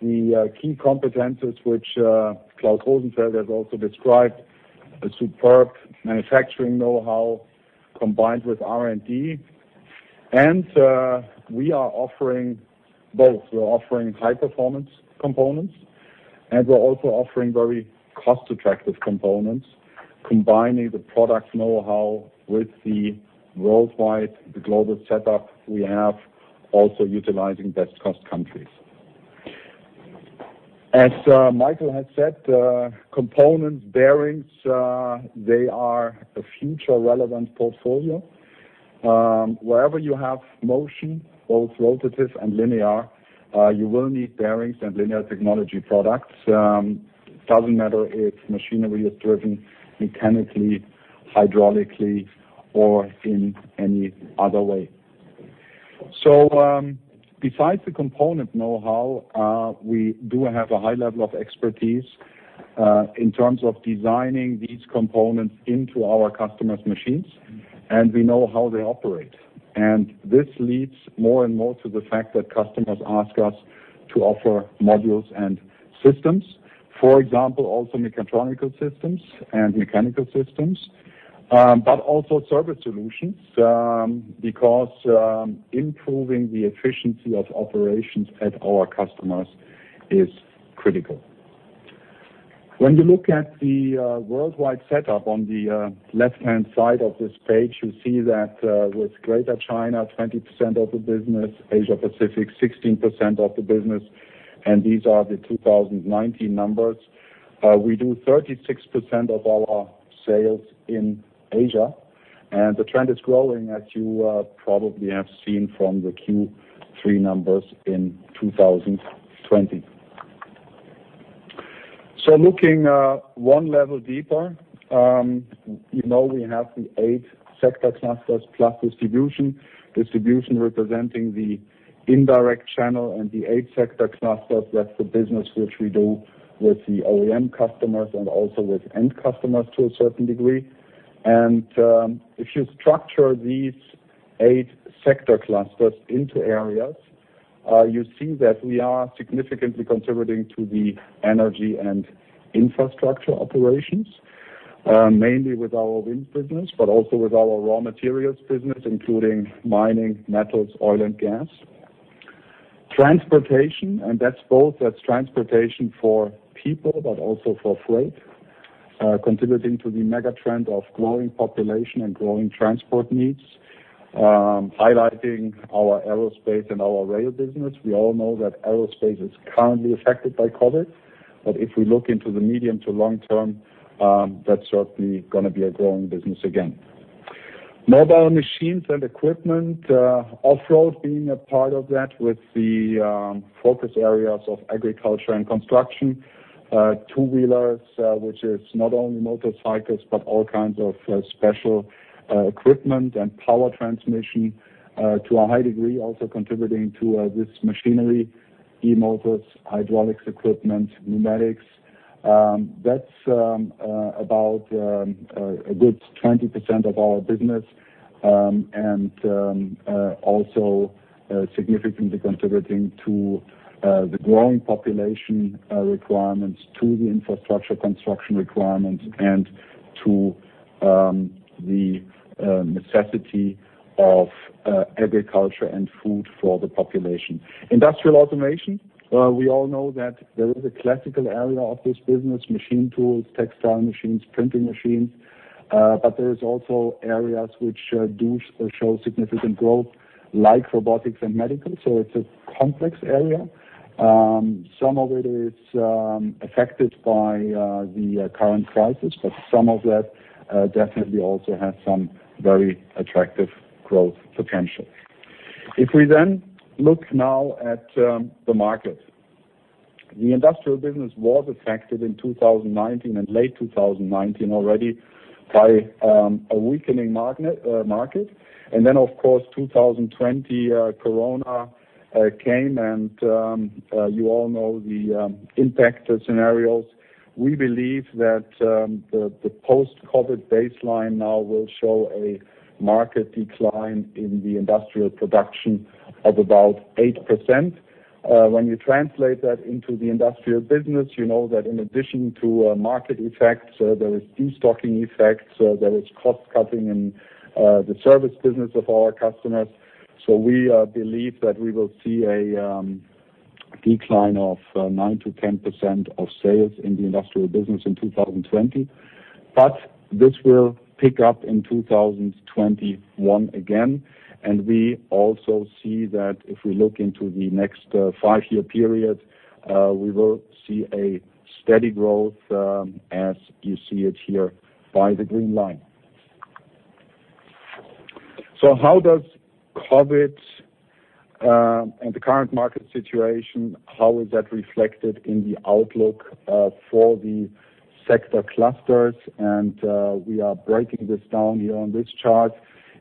the key competencies, which Klaus Rosenfeld has also described, a superb manufacturing know-how combined with R&D. We are offering both. We're offering high-performance components, and we're also offering very cost-effective components, combining the product know-how with the worldwide, the global setup we have, also utilizing best-cost countries. As Michael had said, components, bearings, they are a future relevant portfolio. Wherever you have motion, both rotative and linear, you will need bearings and linear technology products. It doesn't matter if machinery is driven mechanically, hydraulically, or in any other way. Besides the component know-how, we do have a high level of expertise in terms of designing these components into our customers' machines, and we know how they operate. This leads more and more to the fact that customers ask us to offer modules and systems. For example, also mechatronical systems and mechanical systems, but also service solutions, because improving the efficiency of operations at our customers is critical. When you look at the worldwide setup on the left-hand side of this page, you see that with Greater China, 20% of the business, Asia Pacific, 16% of the business, and these are the 2019 numbers. We do 36% of all our sales in Asia, and the trend is growing, as you probably have seen from the Q3 numbers in 2020. Looking one level deeper, you know we have the eight sector clusters plus distribution. Distribution representing the indirect channel and the eight sector clusters, that's the business which we do with the OEM customers and also with end customers to a certain degree. If you structure these eight sector clusters into areas, you see that we are significantly contributing to the energy and infrastructure operations, mainly with our wind business, but also with our raw materials business, including mining, metals, oil, and gas. Transportation, and that's both, that's transportation for people but also for freight, contributing to the mega-trend of growing population and growing transport needs, highlighting our aerospace and our rail business. We all know that aerospace is currently affected by COVID, but if we look into the medium to long term, that's certainly going to be a growing business again. Mobile machines and equipment, off-road being a part of that with the focus areas of agriculture and construction. Two-wheelers, which is not only motorcycles, but all kinds of special equipment and power transmission to a high degree, also contributing to this machinery, e-motors, hydraulics equipment, pneumatics. That is about a good 20% of our business, and also significantly contributing to the growing population requirements, to the infrastructure construction requirements, and to the necessity of agriculture and food for the population. Industrial automation. We all know that there is a classical area of this business, machine tools, textile machines, printing machines. There is also areas which do show significant growth, like robotics and medical. It is a complex area. Some of it is affected by the current crisis, but some of that definitely also has some very attractive growth potential. If we then look now at the market. The industrial business was affected in 2019 and late 2019 already by a weakening market. Then, of course, 2020, Corona came and you all know the impact scenarios. We believe that the post-COVID baseline now will show a market decline in the industrial production of about 8%. When you translate that into the industrial business, you know that in addition to market effects, there is destocking effects, there is cost-cutting in the service business of our customers. We believe that we will see a decline of 9%-10% of sales in the industrial business in 2020. This will pick up in 2021 again. We also see that if we look into the next five-year period, we will see a steady growth, as you see it here by the green line. How does COVID and the current market situation, how is that reflected in the outlook for the sector clusters? We are breaking this down here on this chart.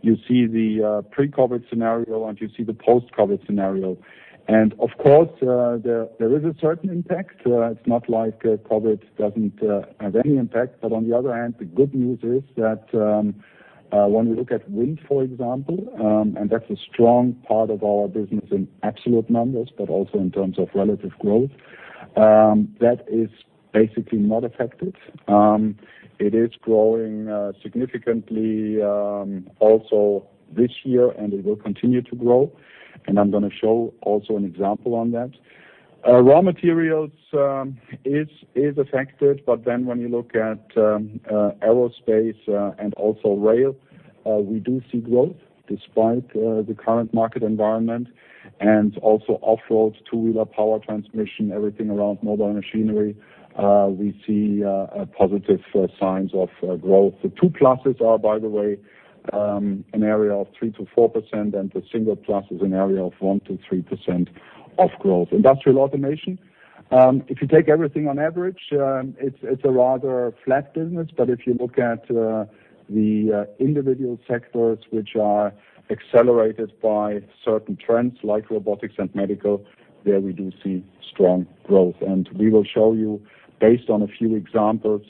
You see the pre-COVID scenario, and you see the post-COVID scenario. Of course, there is a certain impact. It's not like COVID doesn't have any impact. On the other hand, the good news is that when we look at wind, for example, that's a strong part of our business in absolute numbers, but also in terms of relative growth, that is basically not affected. It is growing significantly also this year, and it will continue to grow. I'm going to show also an example on that. Raw materials is affected, when you look at aerospace and also rail, we do see growth despite the current market environment. Off-road, two-wheeler power transmission, everything around mobile machinery, we see positive signs of growth. The two pluses are, by the way, an area of 3%-4%, and the single plus is an area of 1%-3% of growth. Industrial automation. If you take everything on average, it's a rather flat business. If you look at the individual sectors which are accelerated by certain trends like robotics and medical, there we do see strong growth. We will show you, based on a few examples,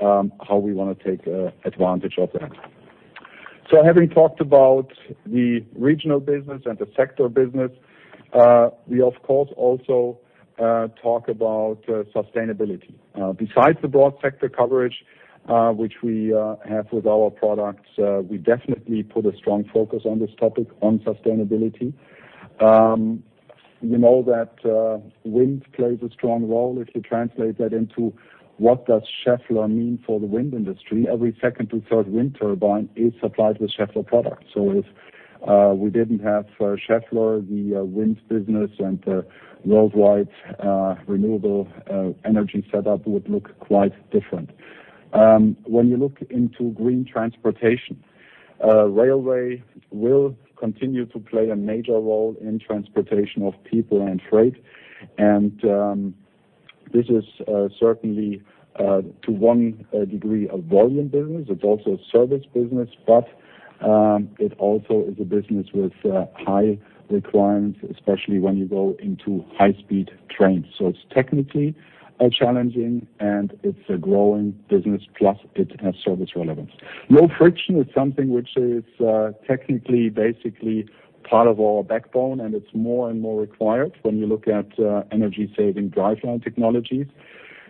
how we want to take advantage of that. Having talked about the regional business and the sector business, we of course also talk about sustainability. Besides the broad sector coverage which we have with our products, we definitely put a strong focus on this topic, on sustainability. You know that wind plays a strong role. If you translate that into what does Schaeffler mean for the wind industry, every second to third wind turbine is supplied with Schaeffler products. If we didn't have Schaeffler, the wind business and the worldwide renewable energy setup would look quite different. When you look into green transportation, railway will continue to play a major role in transportation of people and freight. This is certainly to one degree a volume business. It's also a service business, but it also is a business with high requirements, especially when you go into high-speed trains. It's technically challenging, and it's a growing business, plus it has service relevance. Low friction is something which is technically basically part of our backbone, and it's more and more required when you look at energy-saving driveline technologies.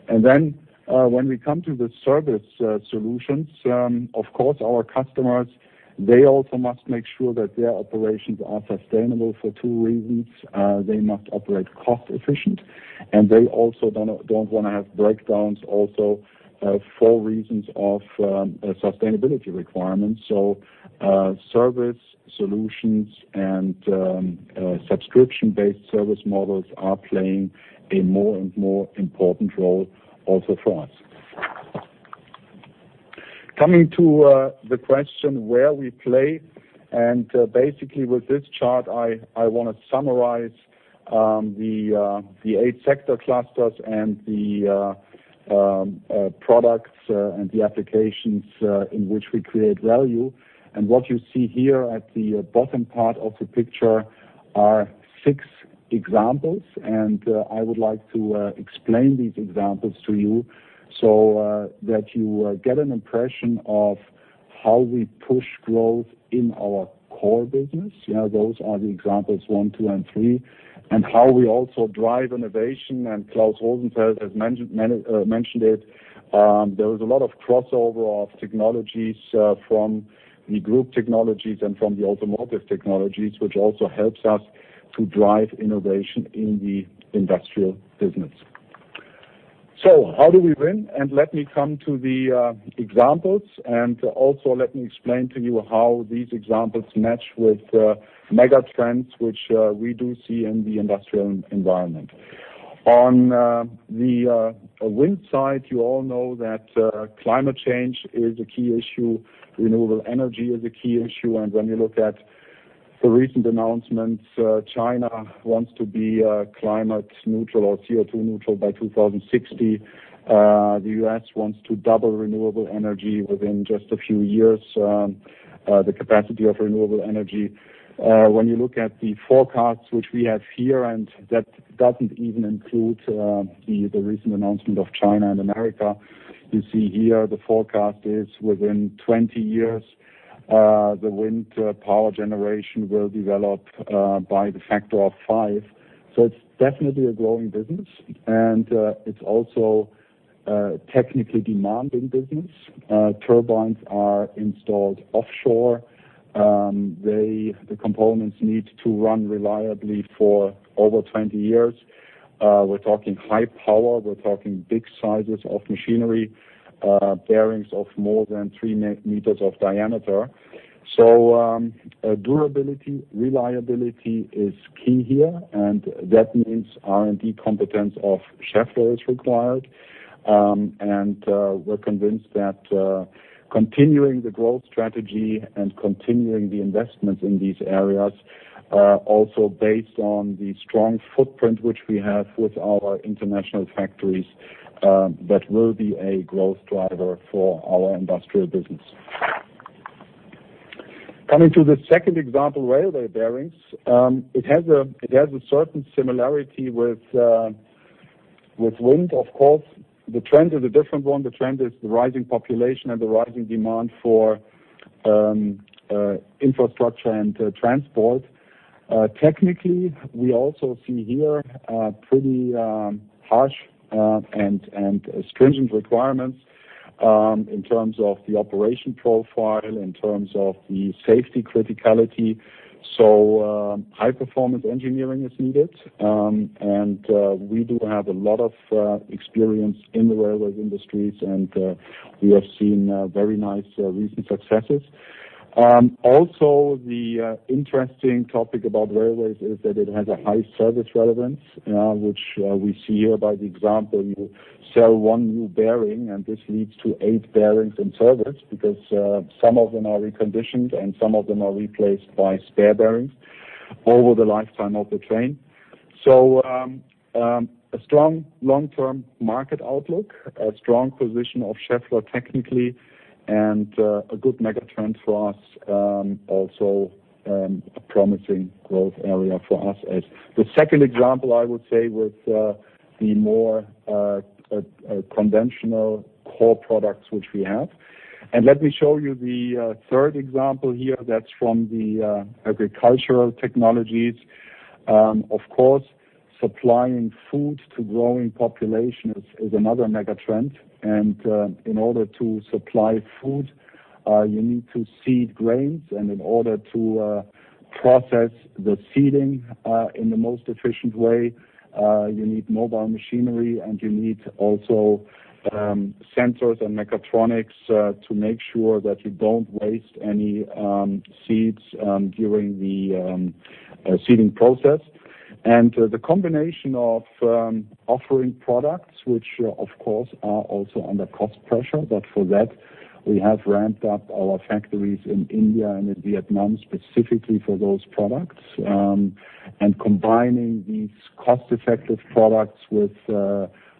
When we come to the service solutions, of course, our customers, they also must make sure that their operations are sustainable for two reasons. They must operate cost-efficient, and they also don't want to have breakdowns for reasons of sustainability requirements. Service solutions and subscription-based service models are playing a more and more important role also for us. Coming to the question where we play, basically with this chart, I want to summarize the eight sector clusters and the products and the applications in which we create value. What you see here at the bottom part of the picture are six examples, and I would like to explain these examples to you so that you get an impression of how we push growth in our core business. Those are the examples one, two, and three, and how we also drive innovation. Klaus Rosenfeld has mentioned it. There is a lot of crossover of technologies from the group technologies and from the Automotive Technologies, which also helps us to drive innovation in the industrial business. How do we win? Let me come to the examples, and also let me explain to you how these examples match with mega trends which we do see in the industrial environment. On the wind side, you all know that climate change is a key issue. Renewable energy is a key issue. When you look at the recent announcements, China wants to be climate neutral or CO2 neutral by 2060. The U.S. wants to double renewable energy within just a few years, the capacity of renewable energy. When you look at the forecasts, which we have here, and that doesn't even include the recent announcement of China and America. You see here the forecast is within 20 years, the wind power generation will develop by the factor of five. It's definitely a growing business, and it's also a technically demanding business. Turbines are installed offshore. The components need to run reliably for over 20 years. We're talking high power, we're talking big sizes of machinery, bearings of more than three meters of diameter. Durability, reliability is key here, and that means R&D competence of Schaeffler is required. We're convinced that continuing the growth strategy and continuing the investments in these areas are also based on the strong footprint which we have with our international factories, that will be a growth driver for our industrial business. Coming to the second example, railway bearings. It has a certain similarity with wind, of course. The trend is a different one. The trend is the rising population and the rising demand for infrastructure and transport. Technically, we also see here pretty harsh and stringent requirements in terms of the operation profile, in terms of the safety criticality. High-performance engineering is needed. We do have a lot of experience in the railway industries, and we have seen very nice recent successes. Also, the interesting topic about railways is that it has a high service relevance, which we see here by the example, you sell one new bearing, and this leads to eight bearings in service, because some of them are reconditioned and some of them are replaced by spare bearings over the lifetime of the train. A strong long-term market outlook, a strong position of Schaeffler technically, and a good mega-trend for us, also a promising growth area for us as the second example, I would say, with the more conventional core products which we have. Let me show you the third example here. That's from the agricultural technologies. Of course, supplying food to growing population is another mega-trend. In order to supply food, you need to seed grains, and in order to process the seeding in the most efficient way, you need mobile machinery, and you need also sensors and mechatronics to make sure that you don't waste any seeds during the seeding process. The combination of offering products, which of course are also under cost pressure, but for that, we have ramped up our factories in India and in Vietnam specifically for those products. Combining these cost-effective products with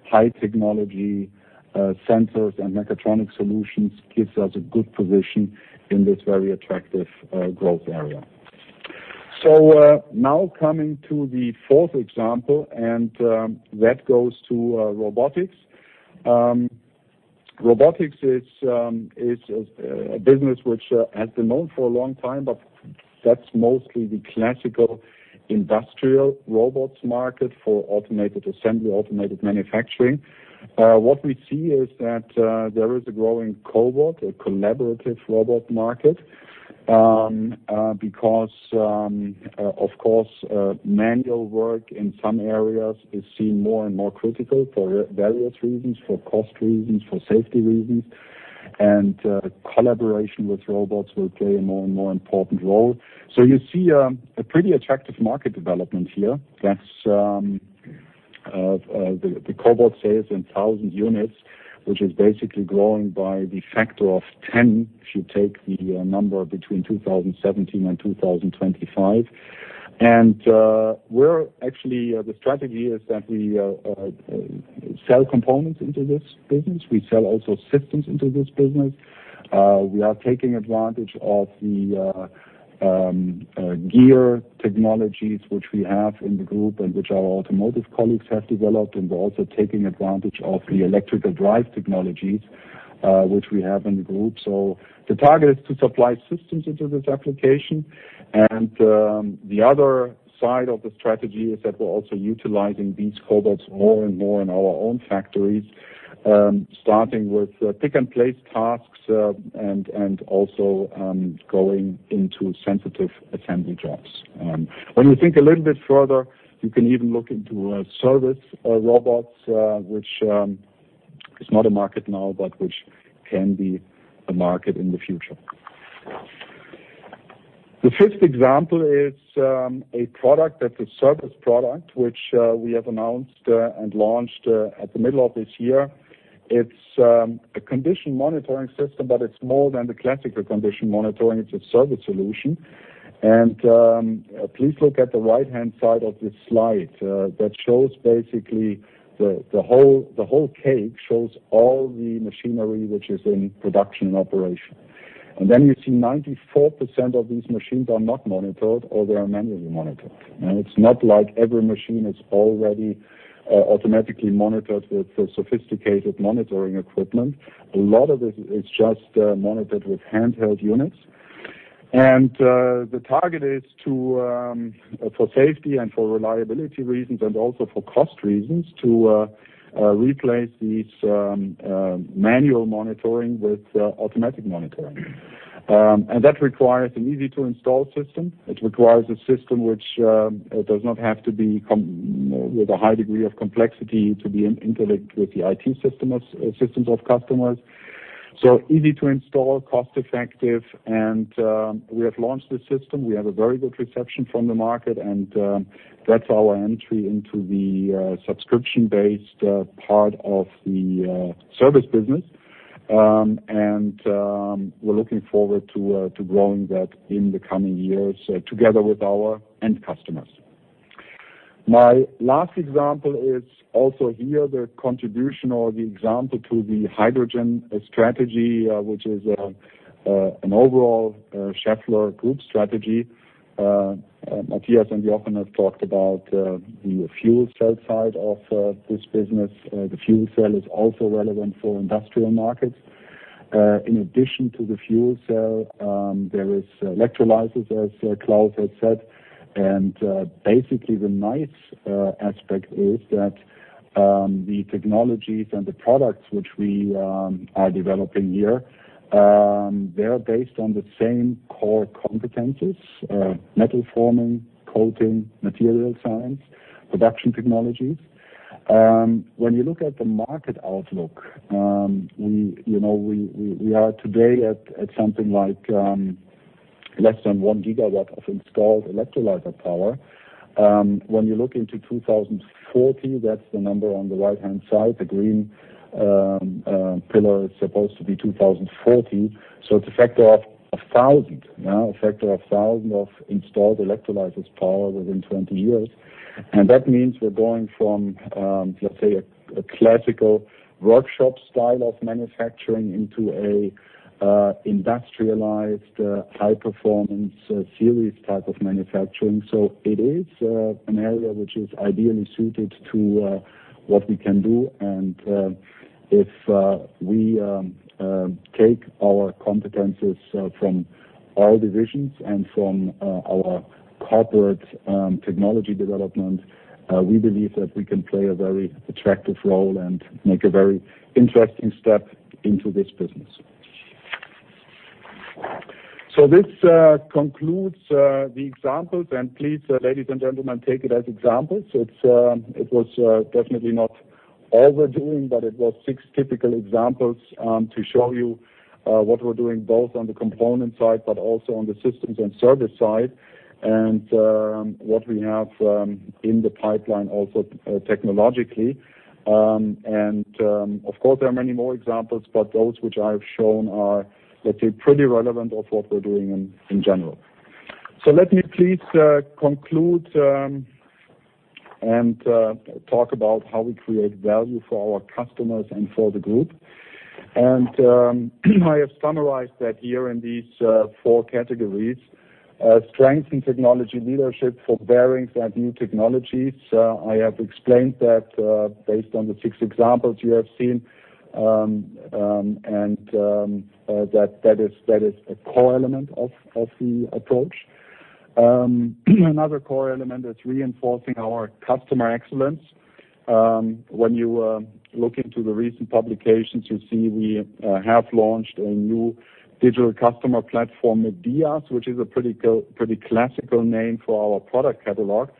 high technology sensors and mechatronic solutions gives us a good position in this very attractive growth area. Now coming to the fourth example, and that goes to robotics. Robotics is a business which has been known for a long time, but that's mostly the classical industrial robots market for automated assembly, automated manufacturing. What we see is that there is a growing cobot, a collaborative robot market, because of course, manual work in some areas is seen more and more critical for various reasons, for cost reasons, for safety reasons. Collaboration with robots will play a more and more important role. You see a pretty attractive market development here. That's the cobot sales in 1,000 units, which is basically growing by the factor of 10 if you take the number between 2017 and 2025. Actually, the strategy is that we sell components into this business. We sell also systems into this business. We are taking advantage of the gear technologies which we have in the group and which our automotive colleagues have developed, and we're also taking advantage of the electrical drive technologies, which we have in the group. The target is to supply systems into this application. The other side of the strategy is that we're also utilizing these cobots more and more in our own factories, starting with pick and place tasks, and also going into sensitive assembly jobs. When you think a little bit further, you can even look into service robots, which is not a market now, but which can be a market in the future. The fifth example is a product that's a service product, which we have announced and launched at the middle of this year. It's a condition monitoring system. It's more than the classical condition monitoring. It's a service solution. Please look at the right-hand side of this slide that shows basically the whole cake shows all the machinery which is in production and operation. Then you see 94% of these machines are not monitored, or they are manually monitored. It's not like every machine is already automatically monitored with sophisticated monitoring equipment. A lot of it is just monitored with handheld units. The target is, for safety and for reliability reasons, and also for cost reasons, to replace these manual monitoring with automatic monitoring. That requires an easy-to-install system. It requires a system which does not have to be with a high degree of complexity to be interlinked with the IT systems of customers. Easy to install, cost-effective, and we have launched this system. We have a very good reception from the market, and that's our entry into the subscription-based part of the service business. We're looking forward to growing that in the coming years together with our end customers. My last example is also here, the contribution or the example to the hydrogen strategy, which is an overall Schaeffler Group strategy. Matthias and Jochen have talked about the fuel cell side of this business. The fuel cell is also relevant for industrial markets. In addition to the fuel cell, there is electrolyzers, as Klaus had said. Basically, the nice aspect is that the technologies and the products which we are developing here, they are based on the same core competencies, metal forming, coating, material science, production technologies. When you look at the market outlook, we are today at something like less than one gigawatt of installed electrolyzer power. When you look into 2040, that's the number on the right-hand side. The green pillar is supposed to be 2040. It's a factor of 1,000. A factor of 1,000 of installed electrolyzer power within 20 years. That means we're going from, let's say, a classical workshop style of manufacturing into an industrialized high-performance series type of manufacturing. It is an area which is ideally suited to what we can do. If we take our competencies from all divisions and from our corporate technology development, we believe that we can play a very attractive role and make a very interesting step into this business. This concludes the examples, and please, ladies and gentlemen, take it as examples. It was definitely not all we're doing, but it was six typical examples to show you what we're doing both on the component side, but also on the systems and service side, and what we have in the pipeline also technologically. Of course, there are many more examples, but those which I've shown are, let's say, pretty relevant of what we're doing in general. Let me please conclude and talk about how we create value for our customers and for the group. I have summarized that here in these four categories. Strengthen technology leadership for bearings and new technologies. I have explained that based on the six examples you have seen, and that is a core element of the approach. Another core element is reinforcing our customer excellence. When you look into the recent publications, you see we have launched a new digital customer platform, medias, which is a pretty classical name for our product catalog.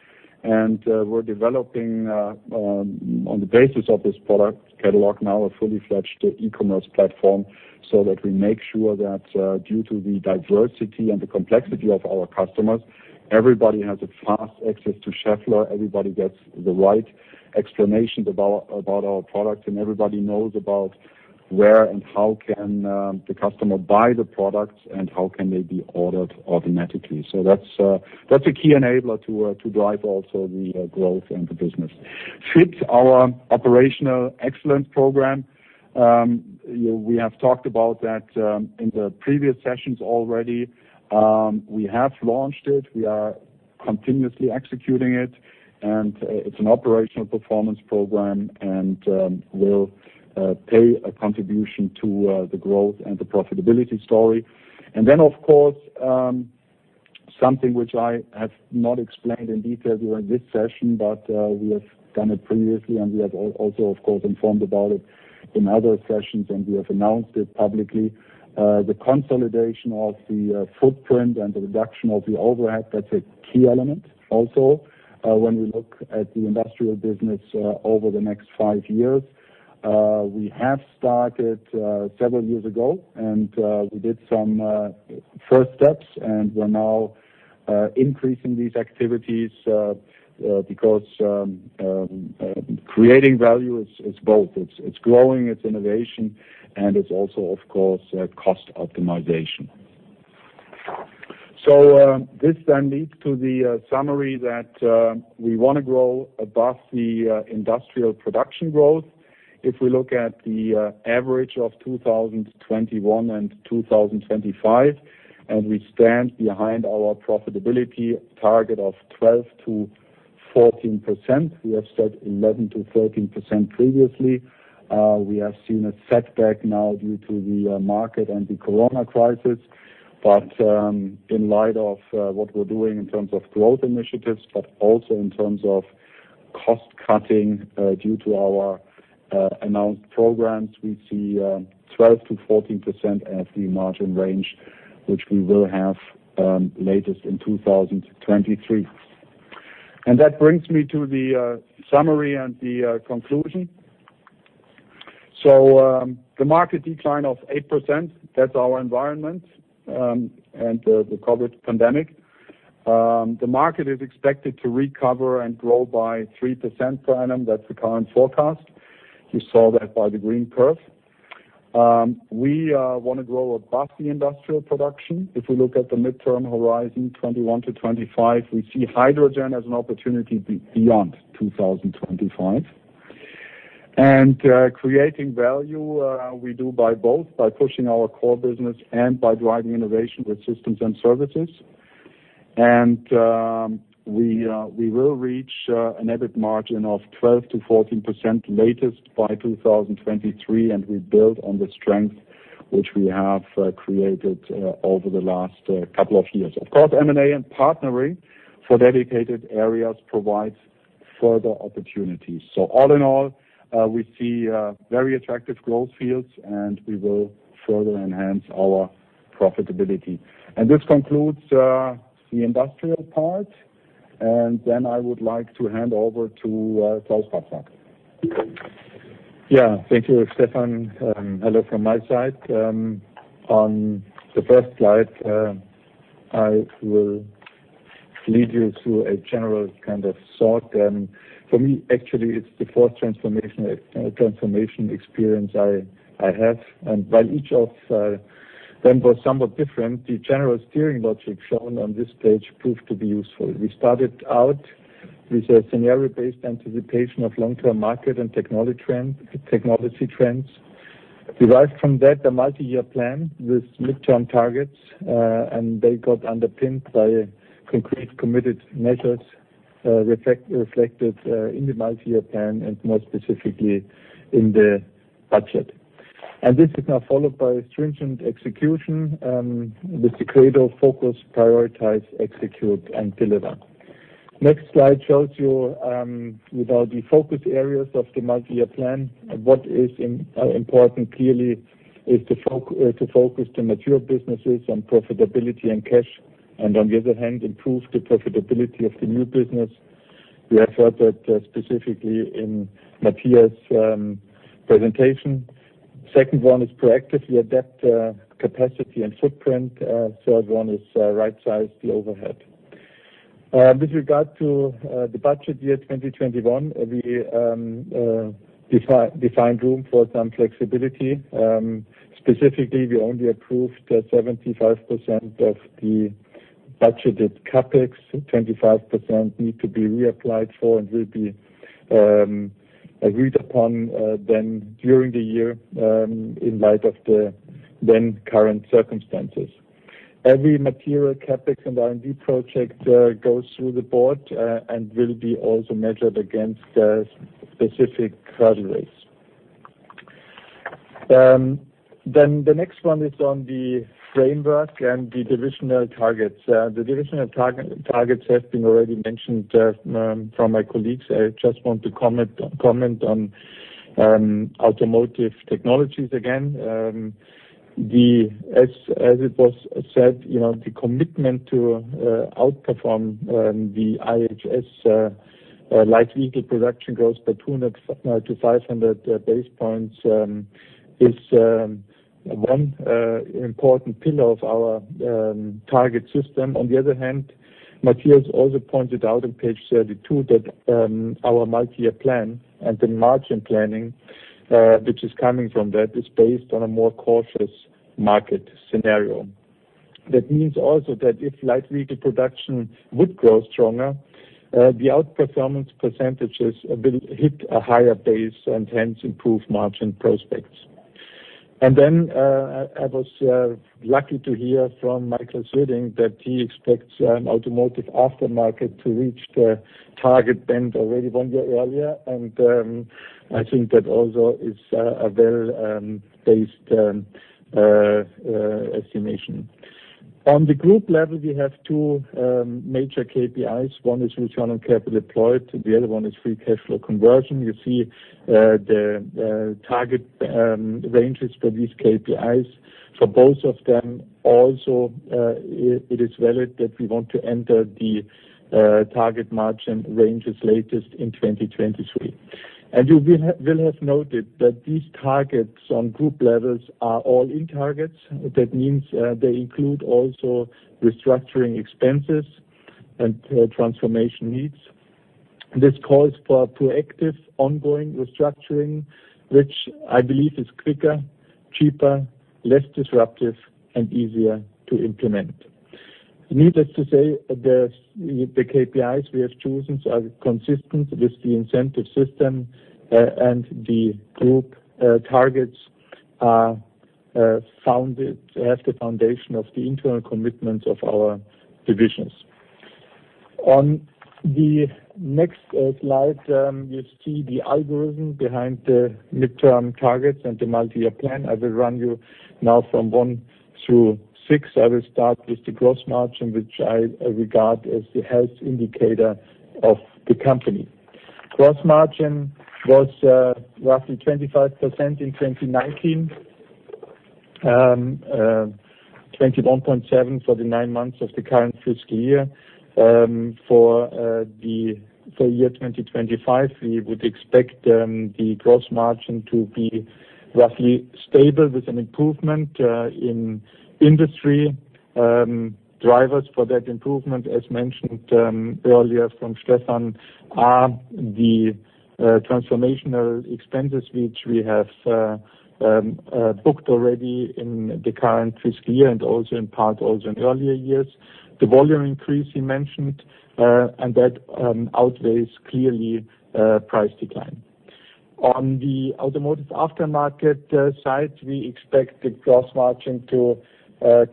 We're developing, on the basis of this product catalog now, a fully-fledged e-commerce platform so that we make sure that due to the diversity and the complexity of our customers, everybody has a fast access to Schaeffler, everybody gets the right explanations about our products, and everybody knows about where and how can the customer buy the products and how can they be ordered automatically. That's a key enabler to drive also the growth in the business. FIT, our operational excellence program. We have talked about that in the previous sessions already. We have launched it, we are continuously executing it, and it's an operational performance program, and will pay a contribution to the growth and the profitability story. Of course, something which I have not explained in detail during this session, but we have done it previously, and we have also, of course, informed about it in other sessions, and we have announced it publicly. The consolidation of the footprint and the reduction of the overhead, that's a key element also when we look at the Industrial business over the next five years. We have started several years ago, and we did some first steps, and we're now increasing these activities because creating value it's both. It's growing, it's innovation, and it's also, of course, cost optimization. This then leads to the summary that we want to grow above the industrial production growth. If we look at the average of 2021 and 2025, and we stand behind our profitability target of 12%-14%. We have said 11%-13% previously. We have seen a setback now due to the market and the COVID crisis. In light of what we're doing in terms of growth initiatives, but also in terms of cost-cutting due to our announced programs, we see 12%-14% as the margin range, which we will have latest in 2023. That brings me to the summary and the conclusion. The market decline of 8%, that's our environment, and the COVID pandemic. The market is expected to recover and grow by 3% per annum. That's the current forecast. You saw that by the green curve. We want to grow above the industrial production. If we look at the midterm horizon, 2021 to 2025, we see hydrogen as an opportunity beyond 2025. Creating value, we do by both, by pushing our core business and by driving innovation with systems and services. We will reach an EBIT margin of 12%-14% latest by 2023. We build on the strength which we have created over the last couple of years. Of course, M&A and partnering for dedicated areas provides further opportunities. All in all, we see very attractive growth fields, and we will further enhance our profitability. This concludes the industrial part. Then I would like to hand over to Klaus Patzak. Yeah. Thank you, Stefan. Hello from my side. On the first slide, I will lead you through a general kind of thought. For me, actually, it's the fourth transformation experience I have. While each of them was somewhat different, the general steering logic shown on this page proved to be useful. We started out with a scenario-based anticipation of long-term market and technology trends. Derived from that, a multi-year plan with midterm targets, and they got underpinned by concrete committed measures, reflected in the multi-year plan and more specifically in the budget. This is now followed by stringent execution, and with the credo focus, prioritize, execute and deliver. Next slide shows you the focus areas of the multi-year plan. What is important, clearly, is to focus the mature businesses on profitability and cash, and on the other hand, improve the profitability of the new business. We have heard that specifically in Matthias' presentation. Second one is proactively adapt capacity and footprint. Third one is right-size the overhead. With regard to the budget year 2021, we defined room for some flexibility. Specifically, we only approved 75% of the budgeted CapEx, 25% need to be reapplied for and will be agreed upon then during the year, in light of the then current circumstances. Every material CapEx and R&D project goes through the board, and will be also measured against specific hurdle rates. The next one is on the framework and the divisional targets. The divisional targets have been already mentioned from my colleagues. I just want to comment on Automotive Technologies again. As it was said, the commitment to outperform the IHS light vehicle production growth by 200-500 basis points is one important pillar of our target system. On the other hand, Matthias also pointed out on page 32 that our multi-year plan and the margin planning, which is coming from that, is based on a more cautious market scenario. That means also that if light vehicle production would grow stronger, the outperformance percentages will hit a higher base and hence improve margin prospects. Then, I was lucky to hear from Michael Söding that he expects Automotive Aftermarket to reach the target band already one year earlier. I think that also is a well-based estimation. On the group level, we have two major KPIs. One is return on capital employed, the other one is free cash flow conversion. You see the target ranges for these KPIs. For both of them also, it is valid that we want to enter the target margin ranges latest in 2023. You will have noted that these targets on Group levels are all-in targets. That means they include also restructuring expenses and transformation needs. This calls for a proactive, ongoing restructuring, which I believe is quicker, cheaper, less disruptive, and easier to implement. Needless to say, the KPIs we have chosen are consistent with the incentive system, and the Group targets have the foundation of the internal commitments of our divisions. On the next slide, you see the algorithm behind the mid-term targets and the multi-year plan. I will run you now from one through six. I will start with the gross margin, which I regard as the health indicator of the company. Gross margin was roughly 25% in 2019, 21.7% for the nine months of the current fiscal year. For the full year 2025, we would expect the gross margin to be roughly stable with an improvement in Industrial. Drivers for that improvement, as mentioned earlier from Stefan, are the transformational expenses which we have booked already in the current fiscal year, and also in part also in earlier years. That outweighs clearly price decline. On the Automotive Aftermarket side, we expect the gross margin to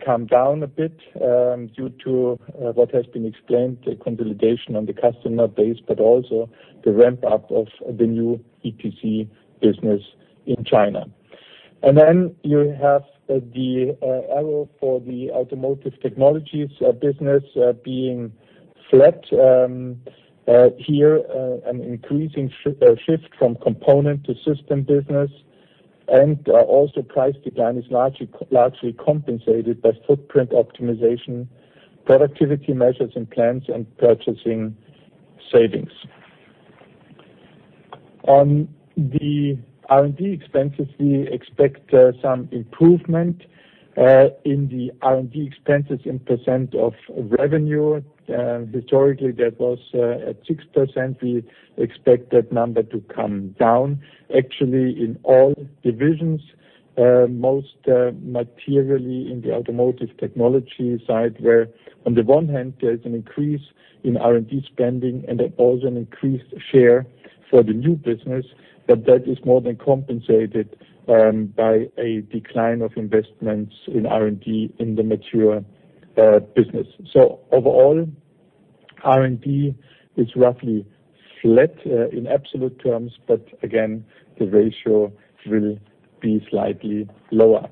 come down a bit due to what has been explained, the consolidation on the customer base, but also the ramp-up of the new ETC business in China. Then you have the arrow for the Automotive Technologies business being flat. Here, an increasing shift from component to system business, also price decline is largely compensated by footprint optimization, productivity measures in plants, and purchasing savings. On the R&D expenses, we expect some improvement in the R&D expenses in percent of revenue. Historically, that was at 6%. We expect that number to come down actually in all divisions, most materially in the Automotive Technologies side, where on the one hand, there's an increase in R&D spending and also an increased share for the new business, but that is more than compensated by a decline of investments in R&D in the mature business. Overall, R&D is roughly flat in absolute terms, but again, the ratio will be slightly lower.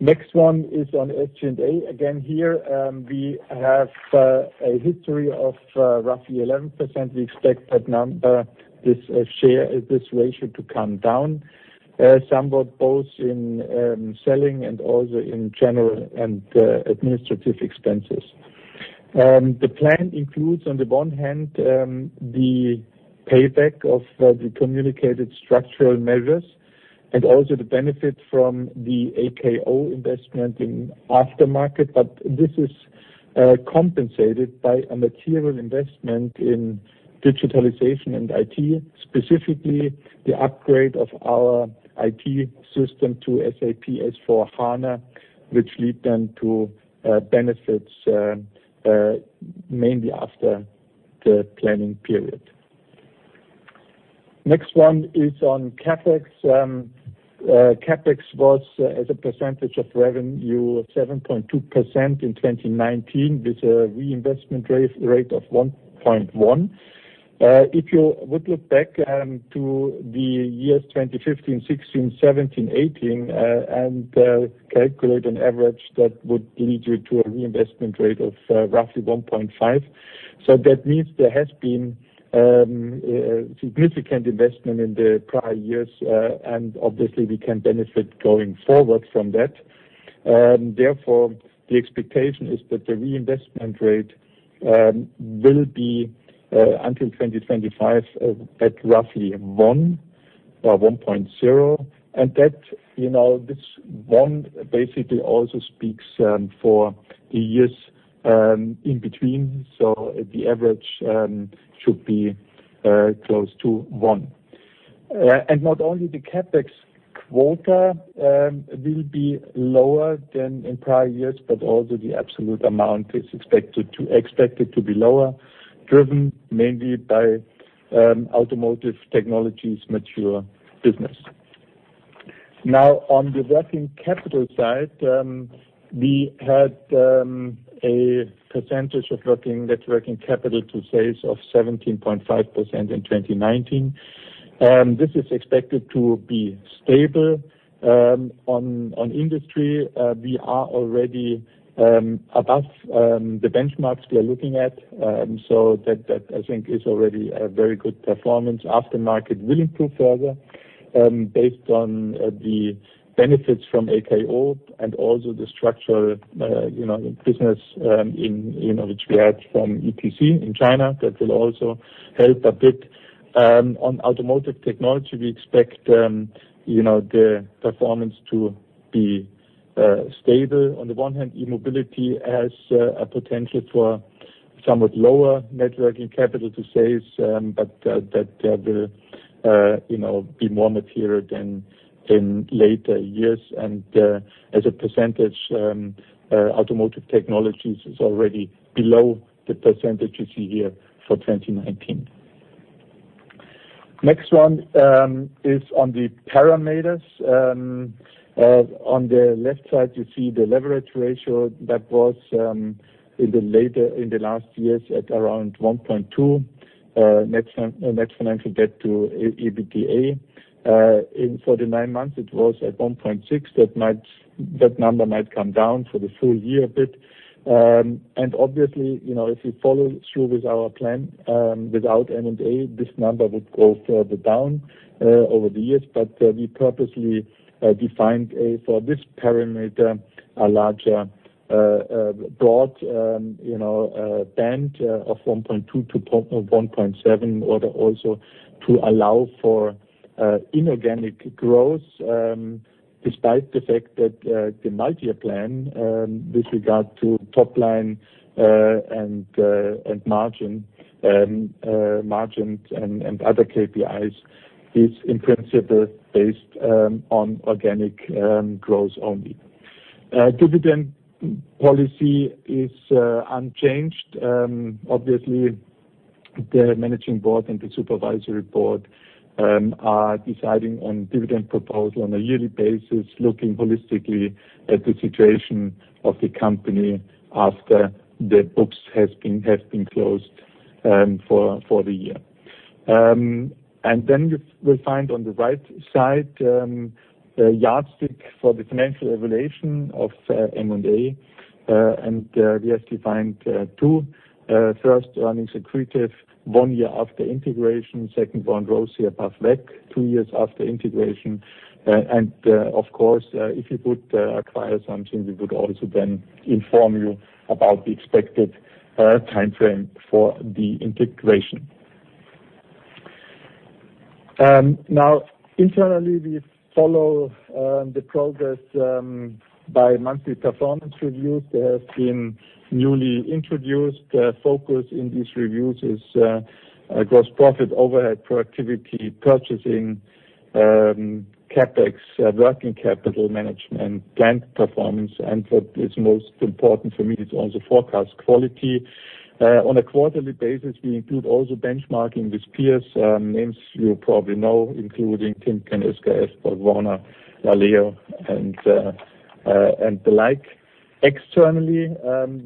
Next one is on SG&A. Again, here we have a history of roughly 11%. We expect this ratio to come down somewhat, both in selling and also in general and administrative expenses. The plan includes, on the one hand, the payback of the communicated structural measures and also the benefit from the AKO investment in aftermarket, but this is compensated by a material investment in digitalization and IT, specifically the upgrade of our IT system to SAP S/4HANA, which lead then to benefits mainly after the planning period. Next one is on CapEx. CapEx was, as a percentage of revenue, 7.2% in 2019, with a reinvestment rate of 1.1. If you would look back to the years 2015, 2016, 2017, 2018, and calculate an average, that would lead you to a reinvestment rate of roughly 1.5. That means there has been a significant investment in the prior years, and obviously, we can benefit going forward from that. Therefore, the expectation is that the reinvestment rate will be, until 2025, at roughly 1 or 1.0. This 1 basically also speaks for the years in between. The average should be close to 1. Not only the CapEx quota will be lower than in prior years, but also the absolute amount is expected to be lower, driven mainly by Automotive Technologies' mature business. On the working capital side, we had a percentage of net working capital to sales of 17.5% in 2019. This is expected to be stable. On industry, we are already above the benchmarks we are looking at. That I think is already a very good performance. Aftermarket will improve further based on the benefits from AKO and also the structural business which we had from ETC in China. That will also help a bit. On Automotive Technologies, we expect the performance to be stable. On the one hand, E-mobility has a potential for somewhat lower net working capital to sales, that will be more material than in later years. As a percentage, Auto Technologies is already below the percentage you see here for 2019. Next one is on the parameters. On the left side, you see the leverage ratio that was in the last years at around 1.2x. Net financial debt to EBITDA. For the nine months, it was at 1.6x. That number might come down for the full year a bit. Obviously, if we follow through with our plan without M&A, this number would go further down over the years. We purposely defined, for this parameter, a larger broad band of 1.2x to 1.7x in order also to allow for inorganic growth, despite the fact that the multi-year plan with regard to top line and margins and other KPIs is in principle based on organic growth only. Dividend policy is unchanged. Obviously, the managing board and the supervisory board are deciding on dividend proposal on a yearly basis, looking holistically at the situation of the company after the books have been closed for the year. Then you will find on the right side, a yardstick for the financial evaluation of M&A. We have defined two. First, earnings accretive one year after integration. Second, one ROCE above WACC two years after integration. Of course, if you would acquire something, we would also then inform you about the expected timeframe for the integration. Internally, we follow the progress by monthly performance reviews that have been newly introduced. Focus in these reviews is gross profit, overhead, productivity, purchasing, CapEx, working capital management, and plant performance. What is most important for me is also forecast quality. On a quarterly basis, we include also benchmarking with peers. Names you probably know, including Timken, SKF, BorgWarner, Valeo, and the like. Externally,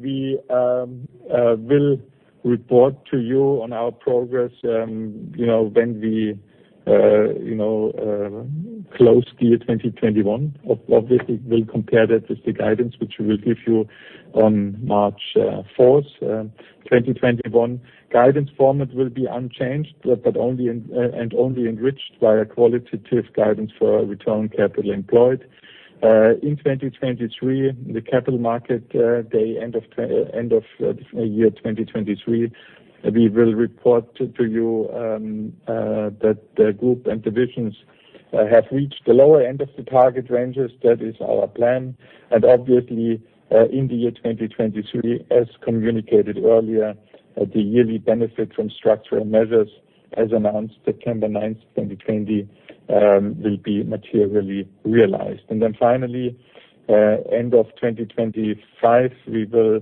we will report to you on our progress when we close the year 2021. Obviously, we will compare that with the guidance, which we will give you on March 4th. 2021 guidance format will be unchanged, only enriched via qualitative guidance for return on capital employed. In 2023, the Capital Markets Day end of year 2023, we will report to you that the group and divisions have reached the lower end of the target ranges. That is our plan. In the year 2023, as communicated earlier, the yearly benefit from structural measures, as announced December 9th, 2020, will be materially realized. Finally, end of 2025, we will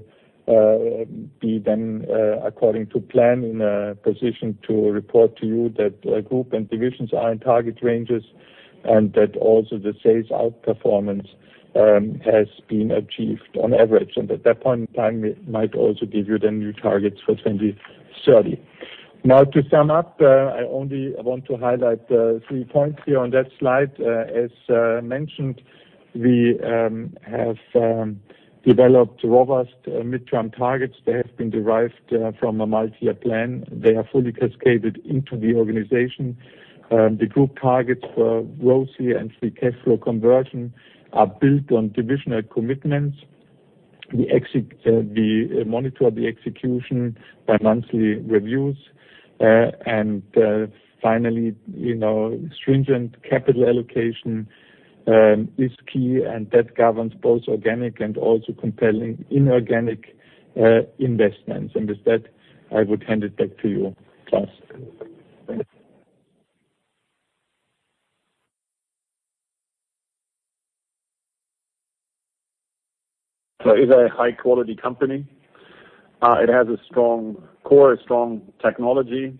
be then, according to plan, in a position to report to you that group and divisions are in target ranges, and that also the sales outperformance has been achieved on average. At that point in time, we might also give you the new targets for 2030. To sum up, I only want to highlight three points here on that slide. As mentioned, we have developed robust midterm targets that have been derived from a multi-year plan. They are fully cascaded into the organization. The group targets for ROCE and free cash flow conversion are built on divisional commitments. We monitor the execution by monthly reviews. Finally, stringent capital allocation is key, and that governs both organic and also compelling inorganic investments. With that, I would hand it back to you, Klaus. Thanks. It's a high-quality company. It has a strong core, strong technology.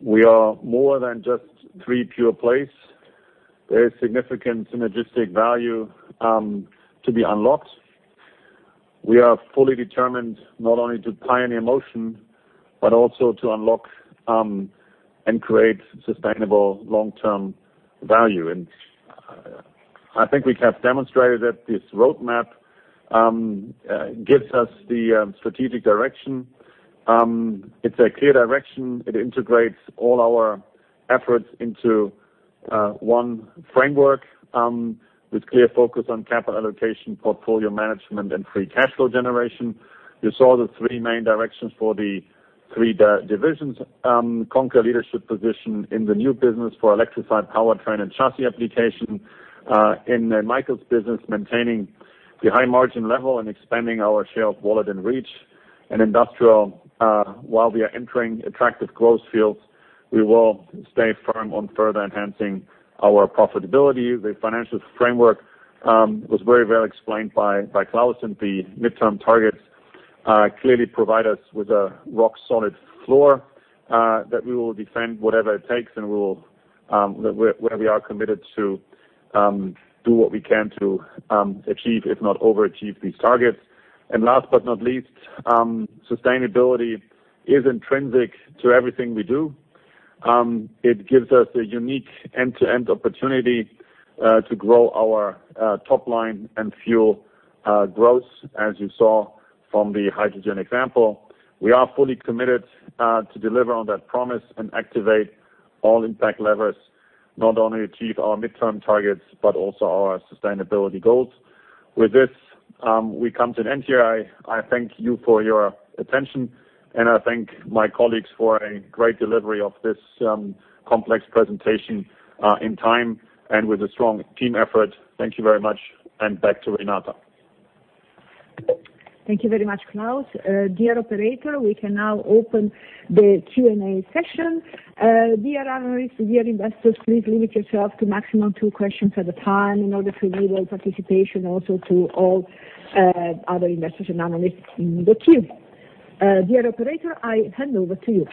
We are more than just three pure plays. There is significant synergistic value to be unlocked. We are fully determined not only to pioneer motion, but also to unlock and create sustainable long-term value. I think we have demonstrated that this roadmap gives us the strategic direction. It's a clear direction. It integrates all our efforts into one framework with clear focus on capital allocation, portfolio management, and free cash flow generation. You saw the three main directions for the three divisions. Conquer leadership position in the new business for electrified powertrain and chassis application. In Michael's business, maintaining the high margin level and expanding our share of wallet and reach. In Industrial, while we are entering attractive growth fields, we will stay firm on further enhancing our profitability. The financial framework was very well explained by Klaus, the midterm targets clearly provide us with a rock solid floor that we will defend whatever it takes, and where we are committed to do what we can to achieve, if not overachieve, these targets. Last but not least, sustainability is intrinsic to everything we do. It gives us a unique end-to-end opportunity to grow our top line and fuel growth, as you saw from the hydrogen example. We are fully committed to deliver on that promise and activate all impact levers, not only achieve our midterm targets, but also our sustainability goals. With this, we come to an end here. I thank you for your attention, and I thank my colleagues for a great delivery of this complex presentation in time and with a strong team effort. Thank you very much. Back to Renata. Thank you very much, Klaus. Dear operator, we can now open the Q&A session. Dear analysts, dear investors, please limit yourself to maximum two questions at a time in order to enable participation also to all other investors and analysts in the queue. Dear operator, I hand over to you.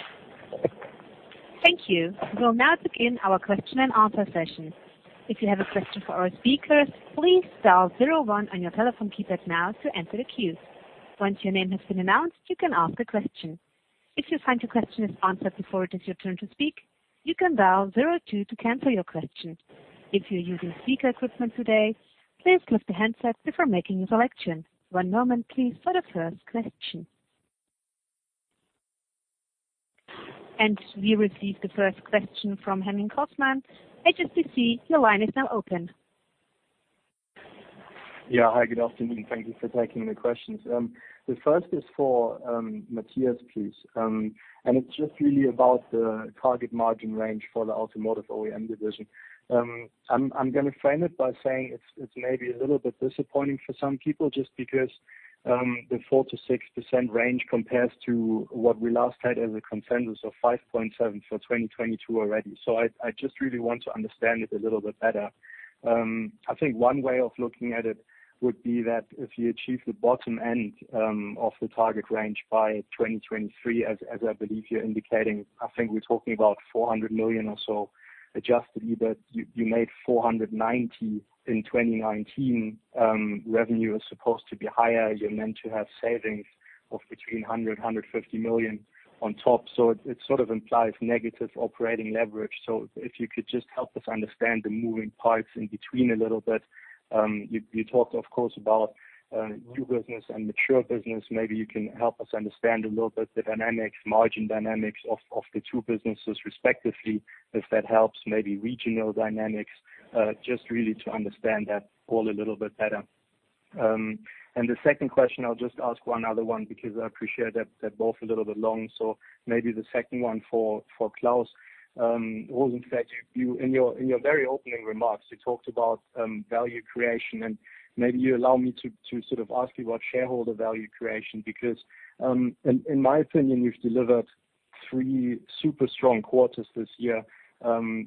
Thank you. We'll now begin our question-and-answer session. If you have a question for our speakers, please dial zero one on your telephone keypad now to enter the queue. Once your name has been announced, you can ask the question. If you find your question has been answered before it reaches your turn to speak, you can dial zero two to cancel your question. If you're using a speaker equipment today, please raise your handset before asking a question. One moment please for the first question. We received the first question from Henning Cosman, HSBC. Your line is now open. Yeah. Hi, good afternoon. Thank you for taking the questions. The first is for Matthias, please, and it's just really about the target margin range for the Automotive OEM division. I'm going to frame it by saying it's maybe a little bit disappointing for some people just because the 4%-6% range compares to what we last had as a consensus of 5.7% for 2022 already. I just really want to understand it a little bit better. I think one way of looking at it would be that if you achieve the bottom end of the target range by 2023, as I believe you're indicating, I think we're talking about 400 million or so adjusted. You made 490 million in 2019. Revenue is supposed to be higher. You're meant to have savings of between 100 million and 150 million on top. It sort of implies negative operating leverage. If you could just help us understand the moving parts in between a little bit. You talked, of course, about new business and mature business. Maybe you can help us understand a little bit the dynamics, margin dynamics of the two businesses respectively, if that helps. Maybe regional dynamics. Just really to understand that all a little bit better. The second question, I'll just ask one other one, because I appreciate they're both a little bit long. Maybe the second one for Klaus. It was, in fact, in your very opening remarks, you talked about value creation, and maybe you allow me to sort of ask you about shareholder value creation, because, in my opinion, you've delivered three super strong quarters this year,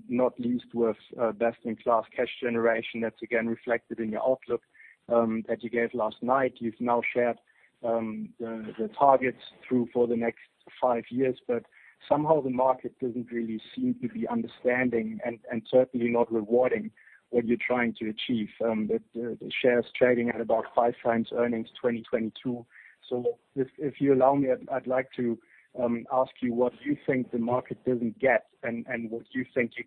not least with best in class cash generation. That's again reflected in your outlook that you gave last night. You've now shared the targets through for the next five years, but somehow the market doesn't really seem to be understanding and certainly not rewarding what you're trying to achieve, with the shares trading at about five times earnings 2022. If you allow me, I'd like to ask you what you think the market doesn't get and what you think you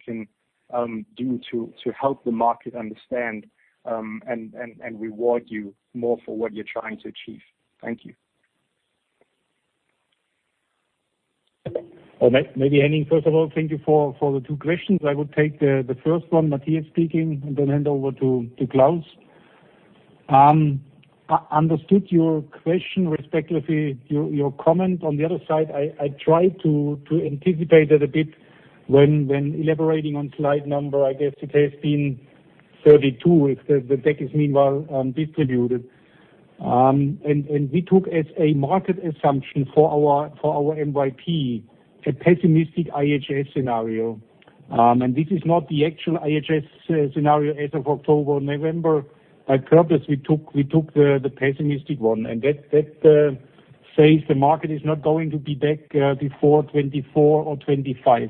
can do to help the market understand, and reward you more for what you're trying to achieve. Thank you. Maybe, Henning, first of all, thank you for the two questions. I would take the first one, Matthias speaking, and then hand over to Klaus. I understood your question, respectively, your comment. On the other side, I tried to anticipate it a bit when elaborating on slide number 32, if the deck is meanwhile distributed. We took as a market assumption for our MYP, a pessimistic IHS scenario. This is not the actual IHS scenario as of October or November at purpose. We took the pessimistic one, and that says the market is not going to be back before 2024 or 2025.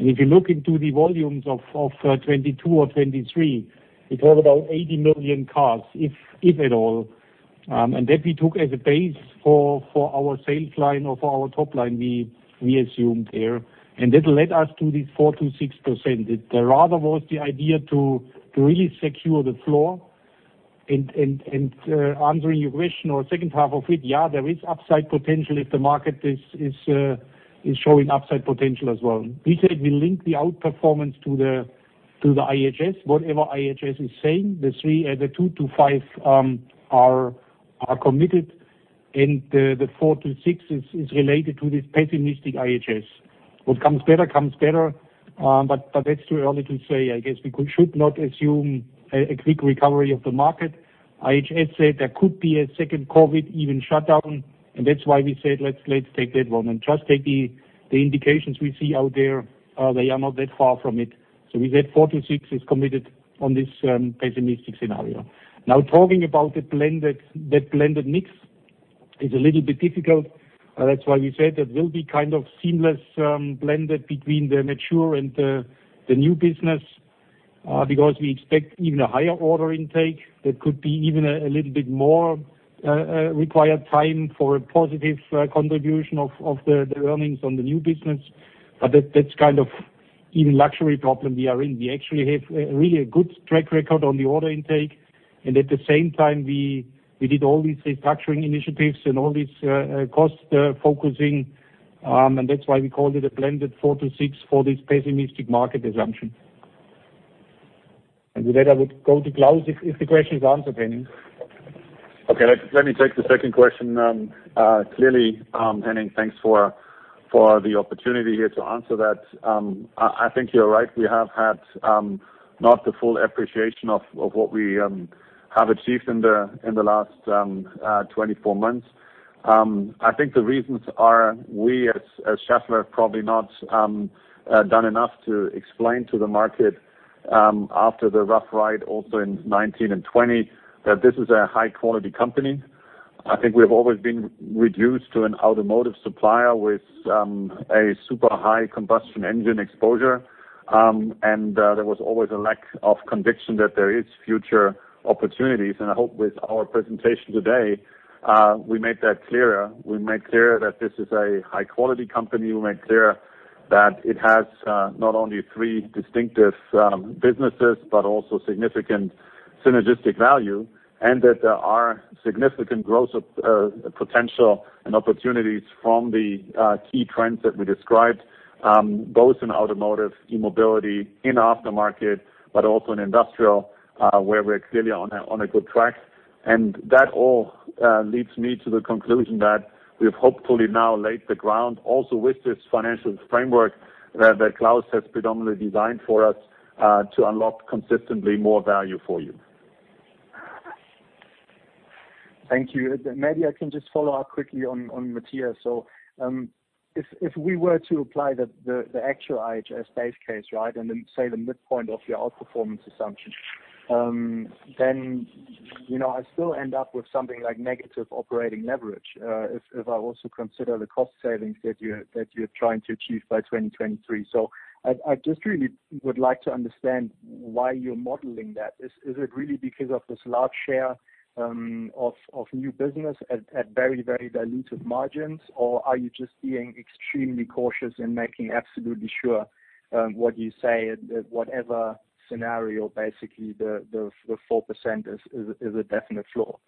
If you look into the volumes of 2022 or 2023, we talk about 80 million cars, if at all. That we took as a base for our sales line or for our top line, we assumed there. That led us to this 4%-6%. It rather was the idea to really secure the floor. Answering your question or second half of it, yeah, there is upside potential if the market is showing upside potential as well. We said we link the outperformance to the To the IHS, whatever IHS is saying, the 2 to 5 percentage points are committed, and the 4 to 6 percentage points is related to this pessimistic IHS. What comes better, comes better. That's too early to say. I guess we should not assume a quick recovery of the market. IHS said there could be a second COVID event shutdown, and that's why we said, let's take that one and just take the indications we see out there. They are not that far from it. We said 4 to 6 percentage points is committed on this pessimistic scenario. Now talking about that blended mix is a little bit difficult. That's why we said that we'll be kind of seamless blended between the mature and the new business, because we expect even a higher order intake. That could be even a little bit more required time for a positive contribution of the earnings on the new business. That's kind of even luxury problem we are in. We actually have really a good track record on the order intake. At the same time, we did all these restructuring initiatives and all these cost focusing, and that's why we called it a blended 4 to 6 percentage points for this pessimistic market assumption. With that, I would go to Klaus if the question is answered, Henning. Okay, let me take the second question. Clearly, Henning, thanks for the opportunity here to answer that. I think you're right. We've had not the full appreciation of what we have achieved in the last 24 months. I think the reasons are we as Schaeffler have probably not done enough to explain to the market, after the rough ride also in 2019 and 2020, that this is a high-quality company. I think we've always been reduced to an automotive supplier with a super high combustion engine exposure. There was always a lack of conviction that there is future opportunities. I hope with our presentation today, we made that clearer. We made clear that this is a high-quality company. We made clear that it has not only three distinctive businesses but also significant synergistic value, that there are significant growth potential and opportunities from the key trends that we described, both in automotive, e-mobility, in aftermarket, but also in industrial, where we're clearly on a good track. That all leads me to the conclusion that we've hopefully now laid the ground also with this financial framework that Klaus has predominantly designed for us, to unlock consistently more value for you. Thank you. Maybe I can just follow up quickly on Matthias. If we were to apply the actual IHS base case, right, and then, say, the midpoint of your outperformance assumption, then I still end up with something like negative operating leverage, if I also consider the cost savings that you're trying to achieve by 2023. I just really would like to understand why you're modeling that. Is it really because of this large share of new business at very diluted margins, or are you just being extremely cautious in making absolutely sure, what you say, that whatever scenario, basically, the 4% is a definite floor?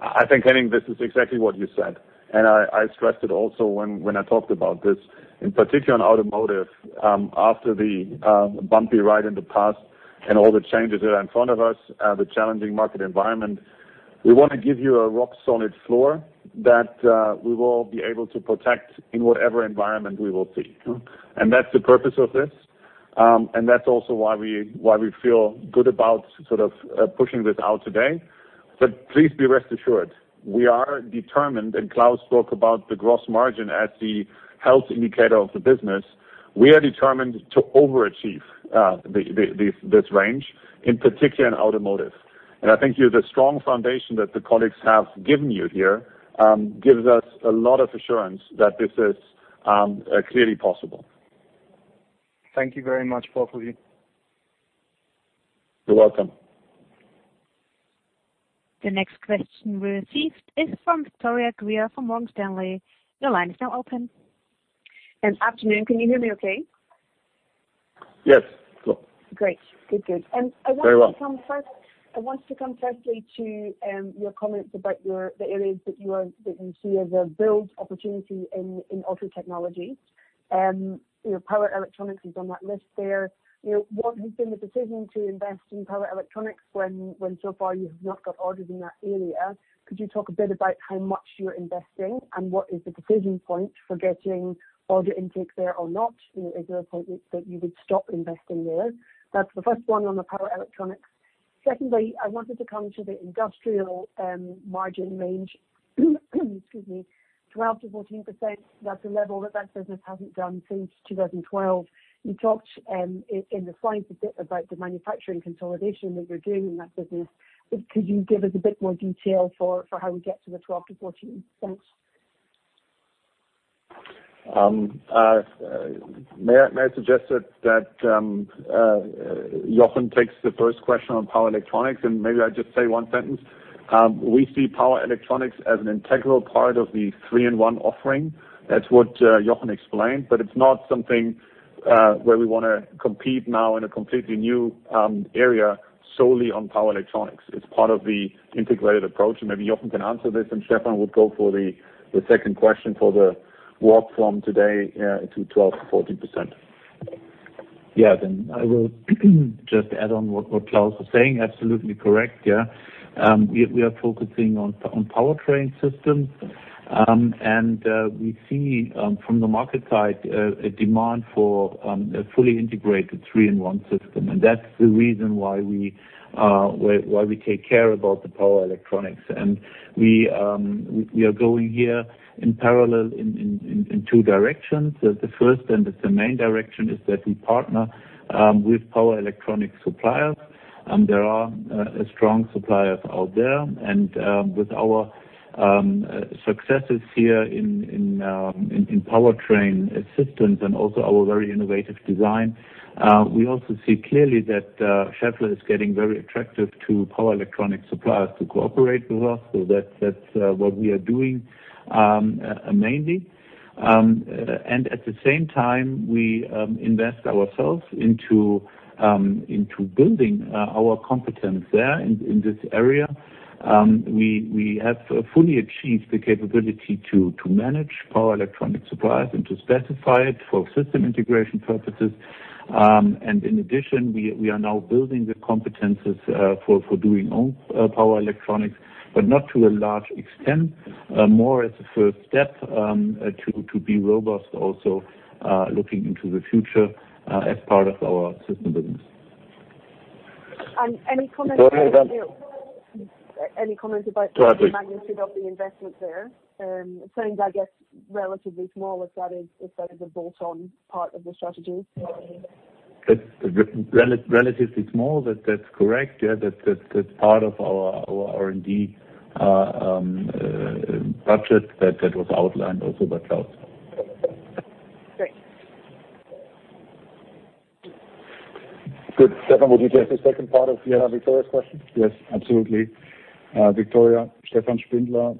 I think, Henning, this is exactly what you said. I stressed it also when I talked about this. In particular in automotive, after the bumpy ride in the past and all the changes that are in front of us, the challenging market environment, we want to give you a rock-solid floor that we will be able to protect in whatever environment we will see. That's the purpose of this. That's also why we feel good about sort of pushing this out today. Please be rest assured, we are determined, and Klaus spoke about the gross margin as the health indicator of the business. We are determined to overachieve this range, in particular in automotive. I think the strong foundation that the colleagues have given you here, gives us a lot of assurance that this is clearly possible. Thank you very much, both of you. You're welcome. The next question we received is from Victoria Greer from Morgan Stanley. Your line is now open. Afternoon. Can you hear me okay? Yes. Great. Good. Very well. I wanted to come firstly to your comments about the areas that you see as a build opportunity in Auto Technologies. Power electronics is on that list there. What has been the decision to invest in power electronics when so far you have not got orders in that area? Could you talk a bit about how much you're investing and what is the decision point for getting order intake there or not? Is there a point that you would stop investing there? That's the first one on the power electronics. I wanted to come to the industrial margin range, excuse me, 12%-14%. That's a level that that business hasn't done since 2012. You talked in the slides a bit about the manufacturing consolidation that you're doing in that business. Could you give us a bit more detail for how we get to the 12%-14%? Thanks. May I suggest that Jochen takes the first question on power electronics, and maybe I just say one sentence. We see power electronics as an integral part of the three-in-one offering. That's what Jochen explained, but it's not something where we want to compete now in a completely new area solely on power electronics. It's part of the integrated approach, and maybe Jochen can answer this, and Stefan would go for the second question for the walk from today to 12%- 14%. Yeah. I will just add on what Klaus was saying. Absolutely correct. We are focusing on powertrain systems. We see from the market side, a demand for a fully integrated three-in-one system. That's the reason why we take care about the power electronics. We are going here in parallel in two directions. The first, and it's the main direction, is that we partner with power electronic suppliers. There are strong suppliers out there. With our successes here in powertrain systems and also our very innovative design, we also see clearly that Schaeffler is getting very attractive to power electronic suppliers to cooperate with us. That's what we are doing mainly. At the same time, we invest ourselves into building our competence there in this area. We have fully achieved the capability to manage power electronic suppliers and to specify it for system integration purposes. In addition, we are now building the competencies for doing own power electronics, but not to a large extent. More as a first step to be robust also, looking into the future, as part of our system business. Any comments about- Go ahead. Any comments about- Go ahead. ...the magnitude of the investment there? It seems, I guess, relatively small if that is a bolt-on part of the strategy. It's relatively small, that's correct. That's part of our R&D budget that was outlined also by Klaus. Great. Good. Stefan, would you take the second part of Greer Victoria's question? Yes, absolutely. Victoria, Stefan Spindler.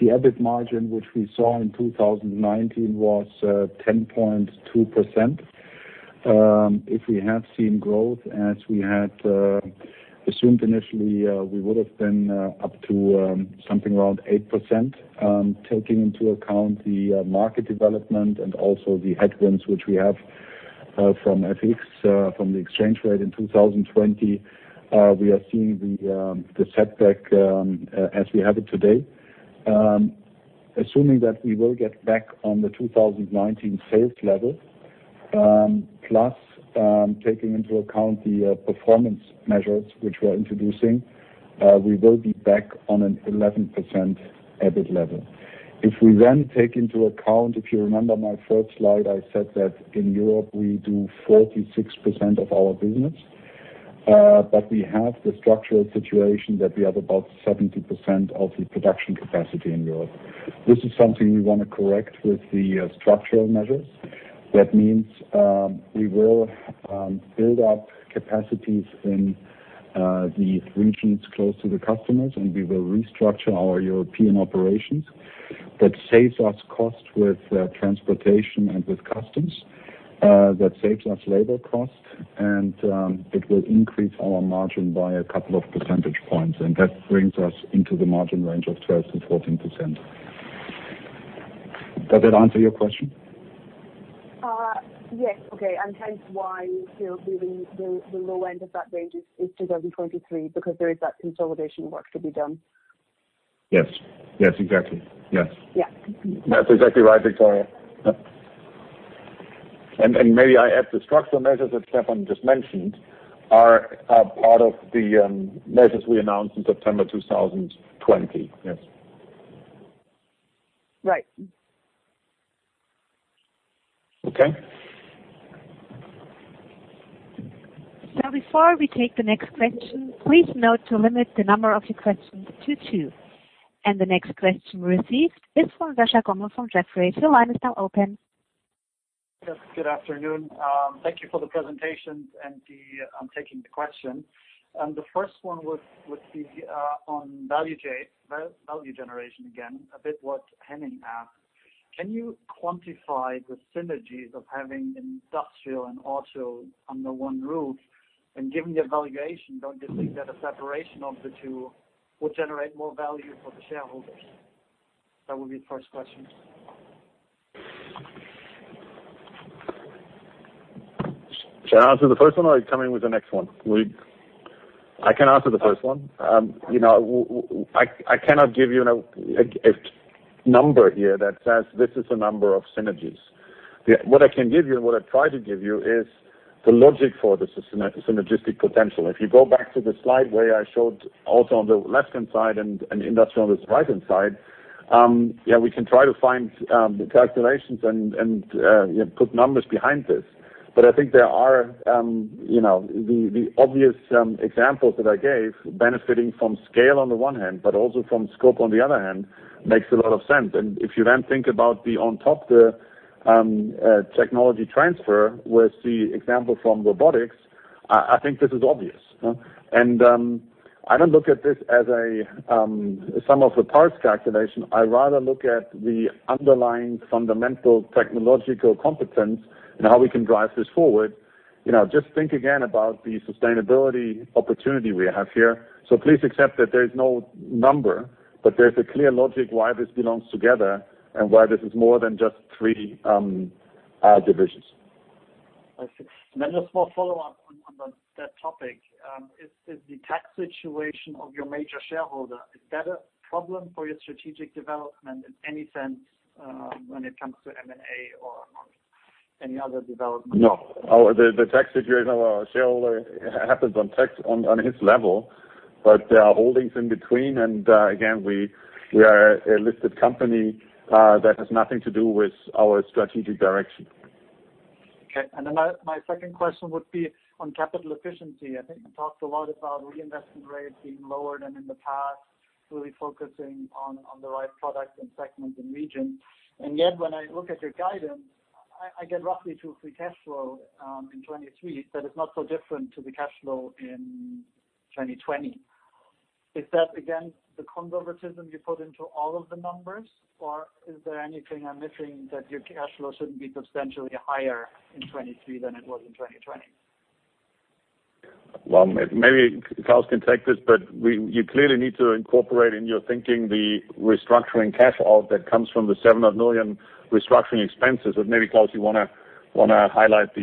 The EBIT margin, which we saw in 2019, was 10.2%. If we had seen growth as we had assumed initially, we would've been up to something around 8%, taking into account the market development and also the headwinds which we have from FX, from the exchange rate in 2020. We are seeing the setback as we have it today. Assuming that we will get back on the 2019 sales level, plus taking into account the performance measures which we're introducing, we will be back on an 11% EBIT level. If we then take into account, if you remember my first slide, I said that in Europe, we do 46% of our business. We have the structural situation that we have about 70% of the production capacity in Europe. This is something we want to correct with the structural measures. That means, we will build up capacities in the regions close to the customers, and we will restructure our European operations. That saves us cost with transportation and with customs. That saves us labor cost, and it will increase our margin by a couple of percentage points. That brings us into the margin range of 12%-14%. Does that answer your question? Yes. Okay. Hence why you feel the low end of that range is 2023, because there is that consolidation work to be done. Yes. Exactly. Yes. Yeah. That's exactly right, Victoria. Yep. Maybe I add the structural measures that Stefan just mentioned are a part of the measures we announced in September 2020. Yes. Right. Okay. Before we take the next question, please note to limit the number of your questions to two. The next question received is from Sascha Gommel from Jefferies. Your line is now open. Yes, good afternoon. Thank you for the presentations and taking the question. The first one would be on value generation again, a bit what Henning asked. Can you quantify the synergies of having industrial and auto under one roof? Given the valuation, don't you think that a separation of the two would generate more value for the shareholders? That would be the first question. Should I answer the first one or are you coming with the next one? I can answer the first one. I cannot give you a number here that says this is a number of synergies. What I can give you and what I try to give you is the logic for the synergistic potential. If you go back to the slide where I showed Auto on the left-hand side and Industrial on the right-hand side, we can try to find the calculations and put numbers behind this. I think there are the obvious examples that I gave, benefiting from scale on the one hand, but also from scope on the other hand, makes a lot of sense. If you then think about on top, the technology transfer with the example from robotics, I think this is obvious. I don't look at this as a sum of the parts calculation. I rather look at the underlying fundamental technological competence and how we can drive this forward. Just think again about the sustainability opportunity we have here. Please accept that there is no number, but there is a clear logic why this belongs together and why this is more than just three divisions. I see. Just one follow-up on that topic. Is the tax situation of your major shareholder, is that a problem for your strategic development in any sense when it comes to M&A or any other development? No. The tax situation of our shareholder happens on tax on his level, but there are holdings in between. Again, we are a listed company. That has nothing to do with our strategic direction. Okay. Then my second question would be on capital efficiency. I think you talked a lot about reinvestment rates being lower than in the past, really focusing on the right product and segment and region. Yet, when I look at your guidance, I get roughly to a free cash flow in 2023 that is not so different to the cash flow in 2020. Is that, again, the conservatism you put into all of the numbers, or is there anything I am missing that your cash flow shouldn't be substantially higher in 2023 than it was in 2020? Well, maybe Klaus can take this, you clearly need to incorporate in your thinking the restructuring cash out that comes from the 700 million restructuring expenses. Maybe, Klaus, you want to highlight the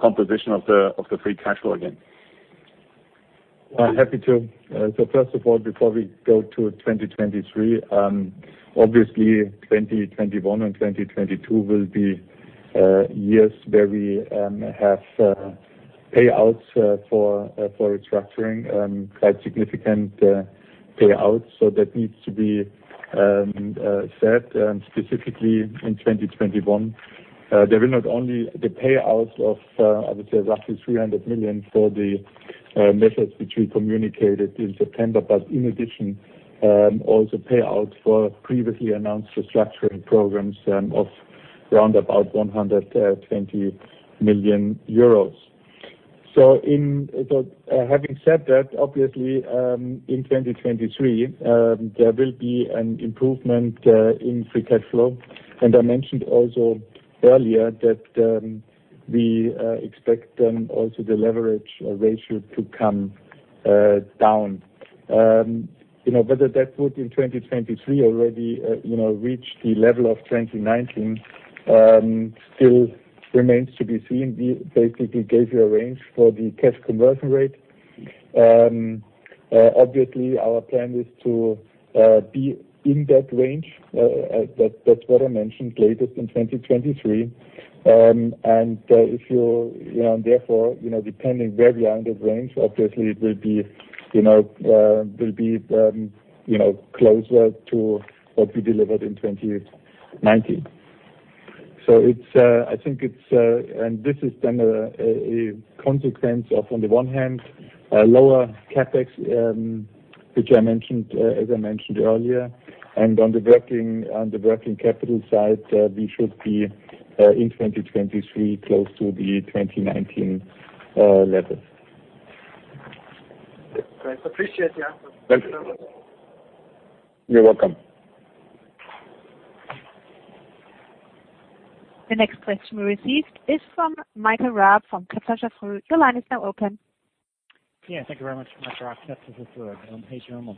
composition of the free cash flow again. Happy to. First of all, before we go to 2023, obviously 2021 and 2022 will be years where we have payouts for restructuring, quite significant payouts. That needs to be said, specifically in 2021. There will not only the payout of, I would say, roughly 300 million for the measures which we communicated in September. In addition, also payout for previously announced restructuring programs of around about 120 million EUR. Having said that, obviously, in 2023, there will be an improvement in free cash flow. I mentioned also earlier that we expect also the leverage ratio to come down. Whether that would in 2023 already reach the level of 2019 still remains to be seen. We basically gave you a range for the cash conversion rate. Obviously, our plan is to be in that range. That's what I mentioned, latest in 2023. Therefore, depending where we are in that range, obviously it will be closer to what we delivered in 2019. This is then a consequence of, on the one hand, a lower CapEx, which I mentioned, as I mentioned earlier, and on the working capital side, we should be in 2023, close to the 2019 levels. Great. Appreciate the answer. Thank you. Thank you very much. You're welcome. The next question we received is from Michael Raab from Kepler Cheuvreux. Your line is now open. Yeah. Thank you very much. Michael Raab, Kepler Cheuvreux. Hey, Klaus.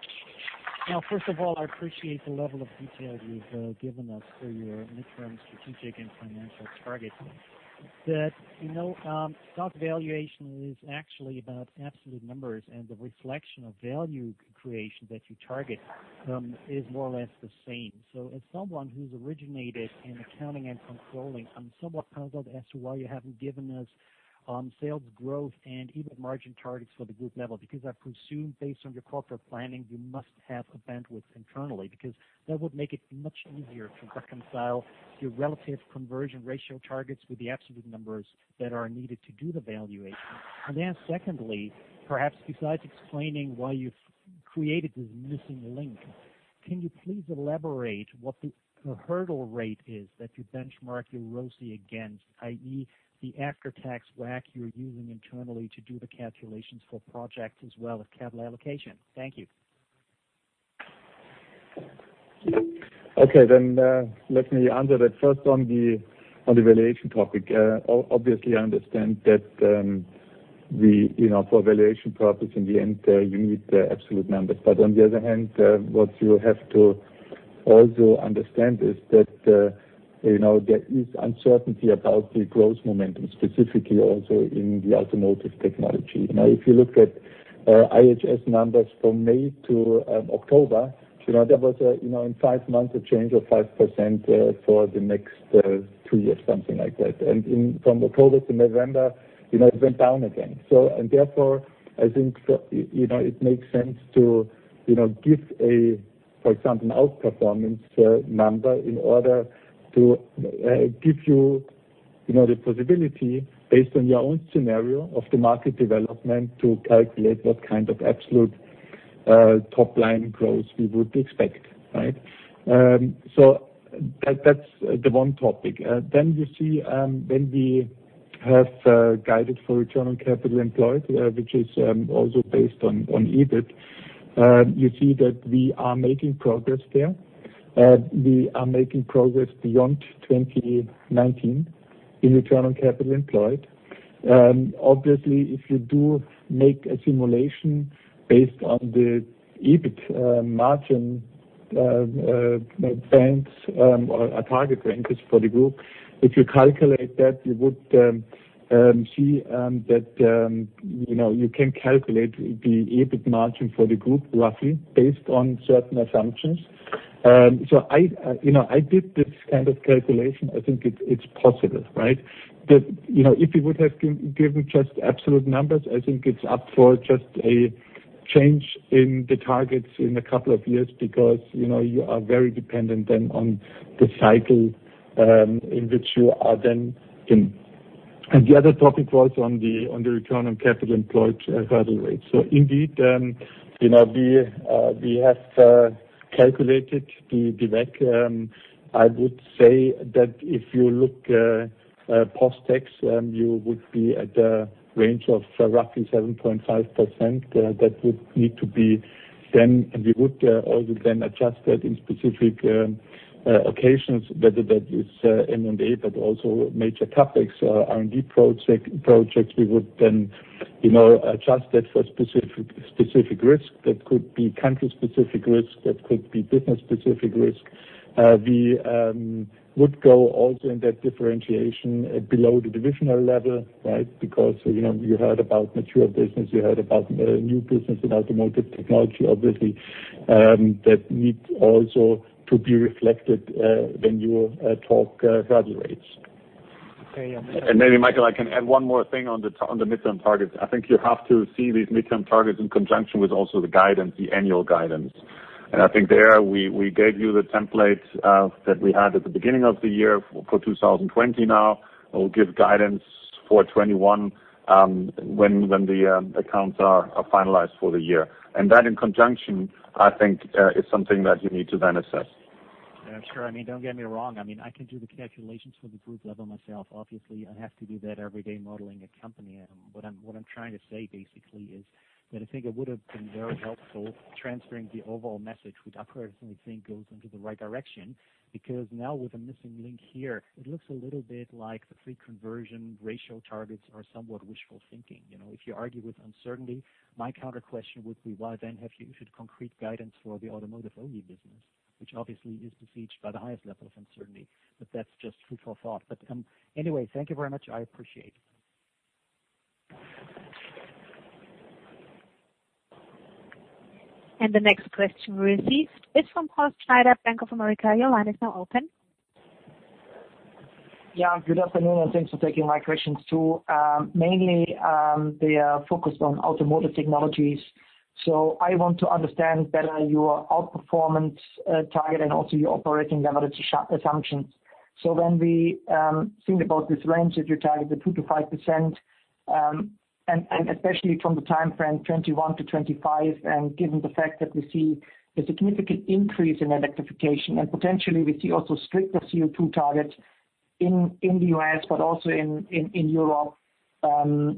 Now, first of all, I appreciate the level of detail you've given us for your mid-term strategic and financial targets. Stock valuation is actually about absolute numbers, and the reflection of value creation that you target is more or less the same. As someone who's originated in accounting and controlling, I'm somewhat puzzled as to why you haven't given us sales growth and EBIT margin targets for the group level. I presume based on your corporate planning, you must have a bandwidth internally, because that would make it much easier to reconcile your relative conversion ratio targets with the absolute numbers that are needed to do the valuation. Secondly, perhaps besides explaining why you've created this missing link, can you please elaborate what the hurdle rate is that you benchmark your ROCE against, i.e., the after-tax WACC you're using internally to do the calculations for projects as well as capital allocation? Thank you. Okay. Let me answer that first on the valuation topic. Obviously, I understand that for valuation purpose, in the end, you need absolute numbers. On the other hand, what you have to also understand is that there is uncertainty about the growth momentum, specifically also in the Automotive Technologies. If you look at IHS numbers from May to October, there was in five months a change of 5% for the next two years, something like that. From October to November, it went down again. Therefore, I think it makes sense to give a, for example, outperformance number in order to give you the possibility based on your own scenario of the market development, to calculate what kind of absolute top-line growth we would expect, right? That's the one topic. We have guided for Return on Capital Employed, which is also based on EBIT. You see that we are making progress there. We are making progress beyond 2019 in return on capital employed. If you do make a simulation based on the EBIT margin or a target range for the group, if you calculate that, you would see that you can calculate the EBIT margin for the group roughly based on certain assumptions. I did this kind of calculation. I think it's possible, right? If we would have given just absolute numbers, I think it's up for just a change in the targets in a couple of years because you are very dependent then on the cycle, in which you are then in. The other topic was on the return on capital employed hurdle rate. Indeed, we have calculated the ROCE. I would say that if you look post-tax, you would be at the range of roughly 7.5%. That would need to be then, and we would also then adjust that in specific occasions, whether that is M&A but also major CapEx, R&D projects, we would then adjust that for specific risk. That could be country specific risk, that could be business specific risk. We would go also in that differentiation below the divisional level, right? You heard about mature business, you heard about new business in Automotive Technologies, obviously, that needs also to be reflected when you talk hurdle rates. Okay. Maybe Michael, I can add one more thing on the midterm targets. I think you have to see these midterm targets in conjunction with also the guidance, the annual guidance. I think there we gave you the template that we had at the beginning of the year for 2020 now. We'll give guidance for 2021 when the accounts are finalized for the year. That in conjunction, I think, is something that you need to then assess. Sure. Don't get me wrong. I can do the calculations for the group level myself. Obviously, I have to do that every day modeling a company item. What I'm trying to say basically is that I think it would have been very helpful transferring the overall message, which I personally think goes into the right direction, because now with a missing link here, it looks a little bit like the free conversion ratio targets are somewhat wishful thinking. If you argue with uncertainty, my counter question would be why then have you issued concrete guidance for the Automotive OE business, which obviously is besieged by the highest level of uncertainty. That's just food for thought. Anyway, thank you very much. I appreciate it. The next question we received is from Horst Schneider, Bank of America. Your line is now open. Yeah, good afternoon, and thanks for taking my questions too. Mainly, they are focused on Automotive Technologies. I want to understand better your outperformance target and also your operating leverage assumptions. When we think about this range that you target the 2%-5%, and especially from the timeframe 2021 to 2025, and given the fact that we see a significant increase in electrification and potentially we see also stricter CO2 targets in the U.S., but also in Europe,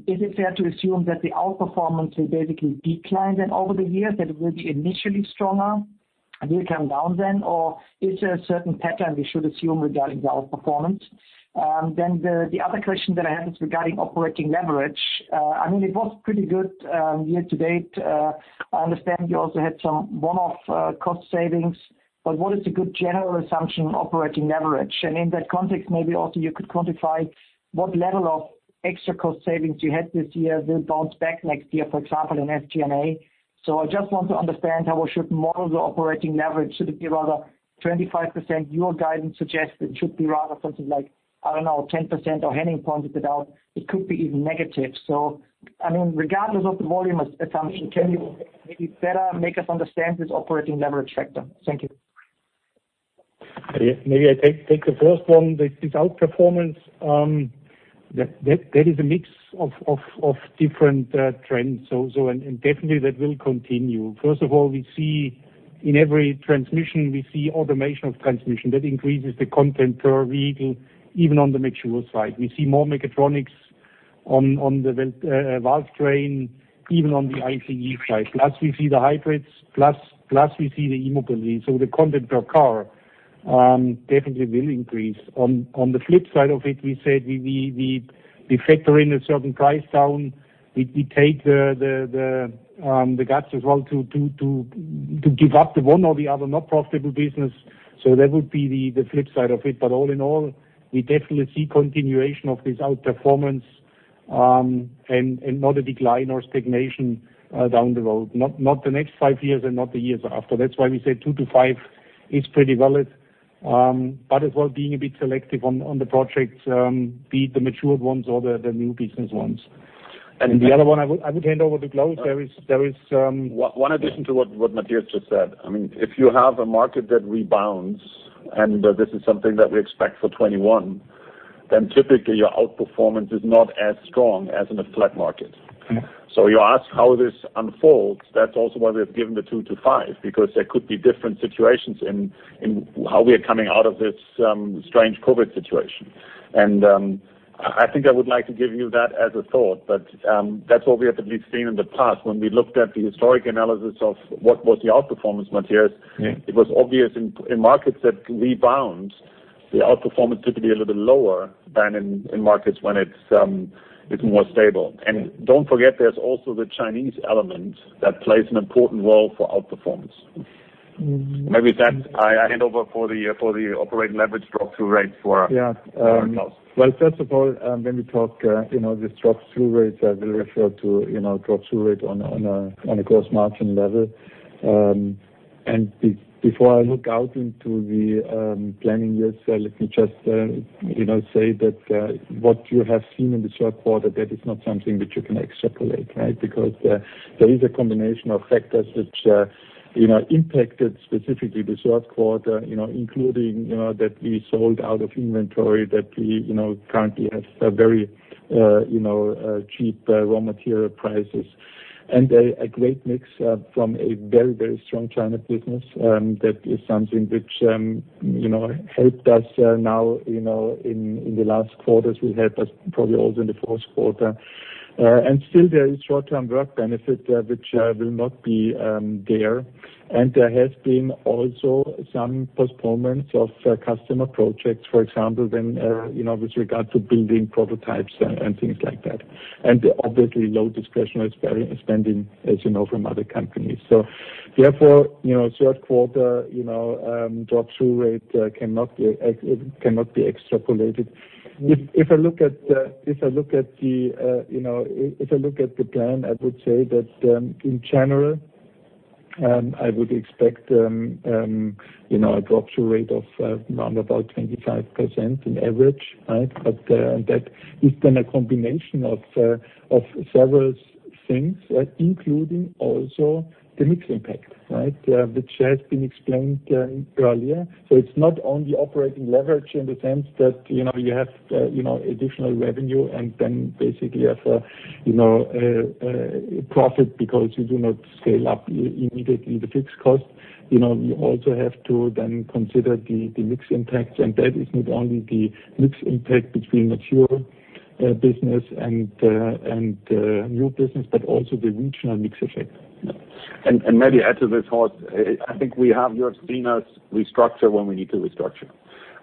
is it fair to assume that the outperformance will basically decline then over the years? That it will be initially stronger and will come down then? Is there a certain pattern we should assume regarding the outperformance? The other question that I have is regarding operating leverage. It was pretty good year to date. I understand you also had some one-off cost savings, what is a good general assumption operating leverage? In that context, maybe also you could quantify what level of extra cost savings you had this year will bounce back next year, for example, in SG&A. I just want to understand how we should model the operating leverage. Should it be rather 25% your guidance suggests it should be rather something like, I don't know, 10% or Henning pointed it out, it could be even negative. Regardless of the volume assumption, can you maybe better make us understand this operating leverage factor? Thank you. Maybe I take the first one. This outperformance, that is a mix of different trends. Definitely that will continue. First of all, we see in every transmission, we see automation of transmission. That increases the content per vehicle, even on the mature side. We see more mechatronics on the valve train, even on the ICE side. Plus we see the hybrids, plus we see the e-mobility. The content per car definitely will increase. On the flip side of it, we said we factor in a certain price down. We take the guts as well to give up the one or the other not profitable business. That would be the flip side of it. All in all, we definitely see continuation of this outperformance, and not a decline or stagnation down the road. Not the next five years and not the years after. That's why we said 2%-5% is pretty valid. As well, being a bit selective on the projects, be it the matured ones or the new business ones. The other one I would hand over to Klaus. One addition to what Matthias just said. If you have a market that rebounds, and this is something that we expect for 2021, then typically your outperformance is not as strong as in a flat market. Okay. You ask how this unfolds. That's also why we've given the 2%-5%, because there could be different situations in how we are coming out of this strange COVID situation. I think I would like to give you that as a thought, but that's what we have at least seen in the past when we looked at the historic analysis of what was the outperformance metrics. It was obvious in markets that rebound, the outperformance typically a little lower than in markets when it's more stable. Don't forget, there's also the Chinese element that plays an important role for outperformance. Maybe that I hand over for the operating leverage drop through rates for. Yeah Klaus. Well, first of all, when we talk this drop through rates, I will refer to drop through rate on a gross margin level. Before I look out into the planning years, let me just say that what you have seen in the third quarter, that is not something that you can extrapolate. There is a combination of factors which impacted specifically the third quarter including, that we sold out of inventory that we currently have very cheap raw material prices. A great mix from a very strong China business, that is something which helped us now in the last quarters, will help us probably also in the fourth quarter. Still there is short-term work benefit which will not be there. There has been also some postponements of customer projects, for example, with regard to building prototypes and things like that. Obviously low discretionary spending, as you know, from other companies. Therefore, third quarter drop-through rate cannot be extrapolated. If I look at the plan, I would say that in general, I would expect a drop-through rate of round about 25% in average. That is then a combination of several things, including also the mix impact, which has been explained earlier. It's not only operating leverage in the sense that you have additional revenue and then basically have a profit because you do not scale up immediately the fixed cost. You also have to then consider the mix impact, and that is not only the mix impact between mature business and new business, but also the regional mix effect. Maybe add to this, Horst. I think you have seen us restructure when we need to restructure.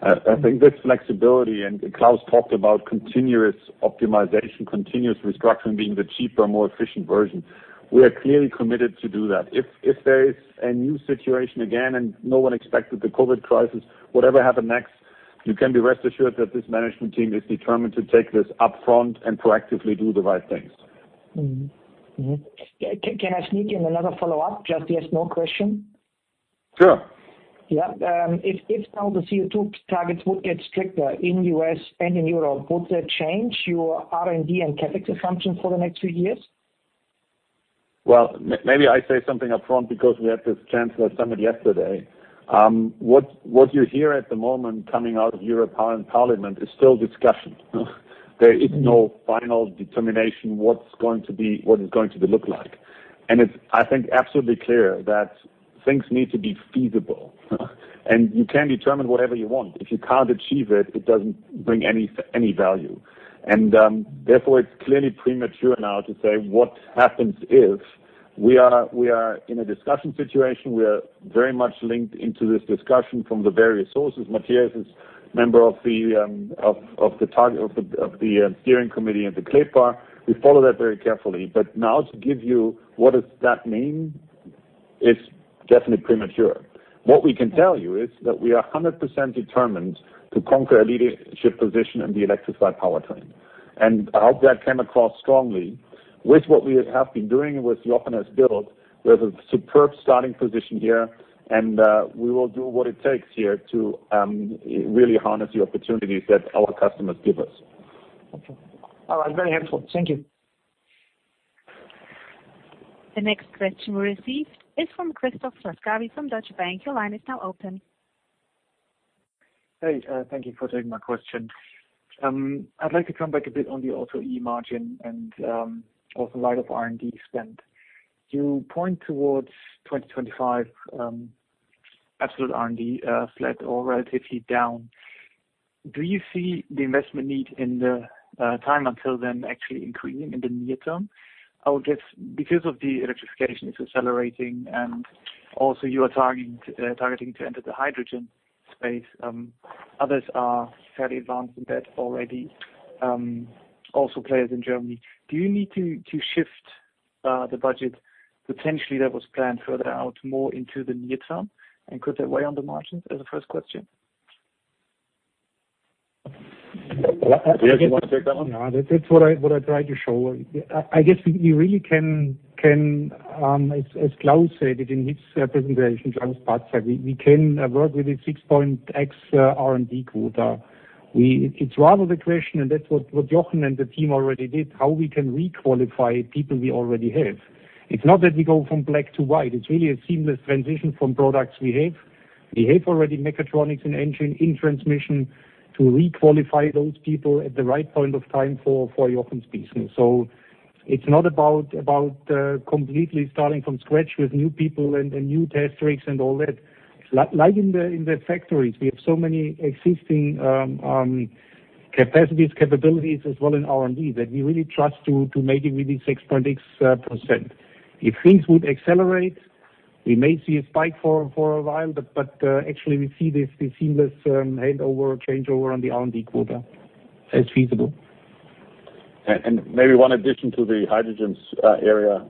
I think there's flexibility, and Klaus talked about continuous optimization, continuous restructuring being the cheaper, more efficient version. We are clearly committed to do that. If there is a new situation again, and no one expected the COVID crisis, whatever happened next, you can be rest assured that this management team is determined to take this upfront and proactively do the right things. Can I sneak in another follow-up, just a yes, no question? Sure. Yeah. If now the CO2 targets would get stricter in U.S. and in Europe, would that change your R&D and CapEx assumption for the next few years? Maybe I say something upfront because we had this chancellor summit yesterday. What you hear at the moment coming out of European Parliament is still discussion. There is no final determination what is going to be, what is going to look like. It's, I think, absolutely clear that things need to be feasible. You can determine whatever you want. If you can't achieve it doesn't bring any value. Therefore, it's clearly premature now to say what happens if. We are in a discussion situation. We are very much linked into this discussion from the various sources. Matthias is member of the steering committee and the CLEPA. We follow that very carefully. Now to give you what does that mean is definitely premature. What we can tell you is that we are 100% determined to conquer a leadership position in the electrified powertrain. I hope that came across strongly with what we have been doing and with Jochen has built. We have a superb starting position here, and we will do what it takes here to really harness the opportunities that our customers give us. Okay. All right. Very helpful. Thank you. The next question we received is from Christoph Laskawi from Deutsche Bank. Your line is now open. Hey, thank you for taking my question. I'd like to come back a bit on the Auto OE margin and also light up R&D spend. You point towards 2025, absolute R&D flat or relatively down. Do you see the investment need in the time until then actually increasing in the near term? I would guess because of the electrification is accelerating and also you are targeting to enter the hydrogen space. Others are fairly advanced in that already, also players in Germany. Do you need to shift the budget potentially that was planned further out more into the near term? Could that weigh on the margins as a first question? Matthias, you want to take that one? Yeah. That's what I tried to show. I guess we really can, as Klaus said it in his presentation, Klaus Patzak said, we can work with a 6.x R&D quota. It's rather the question, and that's what Jochen and the team already did, how we can re-qualify people we already have. It's not that we go from black to white. It's really a seamless transition from products we have. We have already mechatronics in engine, in transmission to re-qualify those people at the right point of time for Jochen's business. It's not about completely starting from scratch with new people and new test rigs and all that. Like in the factories, we have so many existing capacities, capabilities, as well in R&D that we really trust to make it with this 6.6%. If things would accelerate, we may see a spike for a while, but actually, we see this seamless handover, changeover on the R&D quota as feasible. Maybe one addition to the hydrogen area.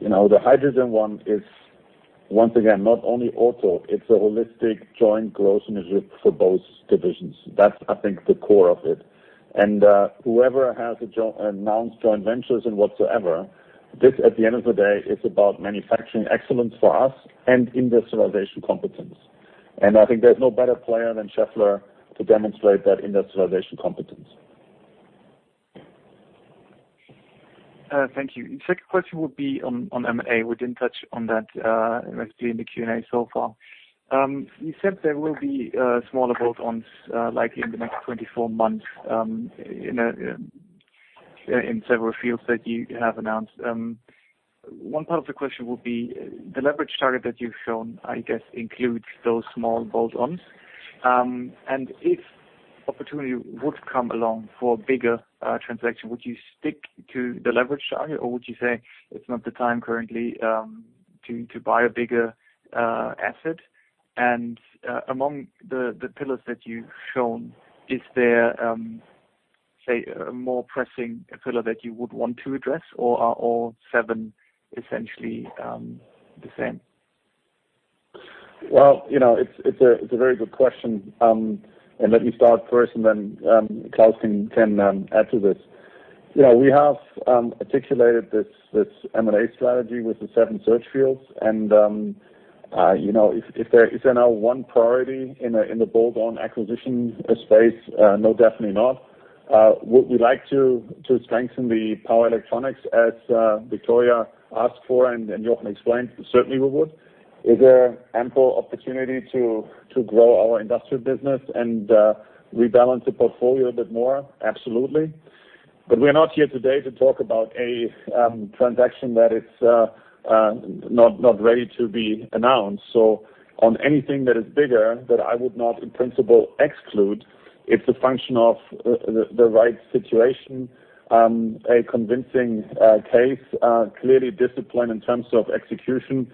The hydrogen one is, once again, not only auto, it's a holistic joint growth initiative for both divisions. That's, I think, the core of it. Whoever has announced joint ventures and whatsoever, this, at the end of the day, is about manufacturing excellence for us and industrialization competence. I think there's no better player than Schaeffler to demonstrate that industrialization competence. Thank you. Second question would be on M&A. We didn't touch on that, actually, in the Q&A so far. You said there will be smaller bolt-ons, likely in the next 24 months, in several fields that you have announced. One part of the question would be, the leverage target that you've shown, I guess, includes those small bolt-ons. If opportunity would come along for a bigger transaction, would you stick to the leverage target or would you say it's not the time currently to buy a bigger asset? Among the pillars that you've shown, is there, say, a more pressing pillar that you would want to address, or are all seven essentially the same? Well, it's a very good question. Let me start first and then Klaus can add to this. We have articulated this M&A strategy with the seven search fields, is there now one priority in the bolt-on acquisition space? No, definitely not. Would we like to strengthen the power electronics as Victoria asked for and Jochen explained? Certainly, we would. Is there ample opportunity to grow our Industrial business and rebalance the portfolio a bit more? Absolutely. We're not here today to talk about a transaction that is not ready to be announced. On anything that is bigger, that I would not, in principle, exclude, it's a function of the right situation, a convincing case, clearly discipline in terms of execution.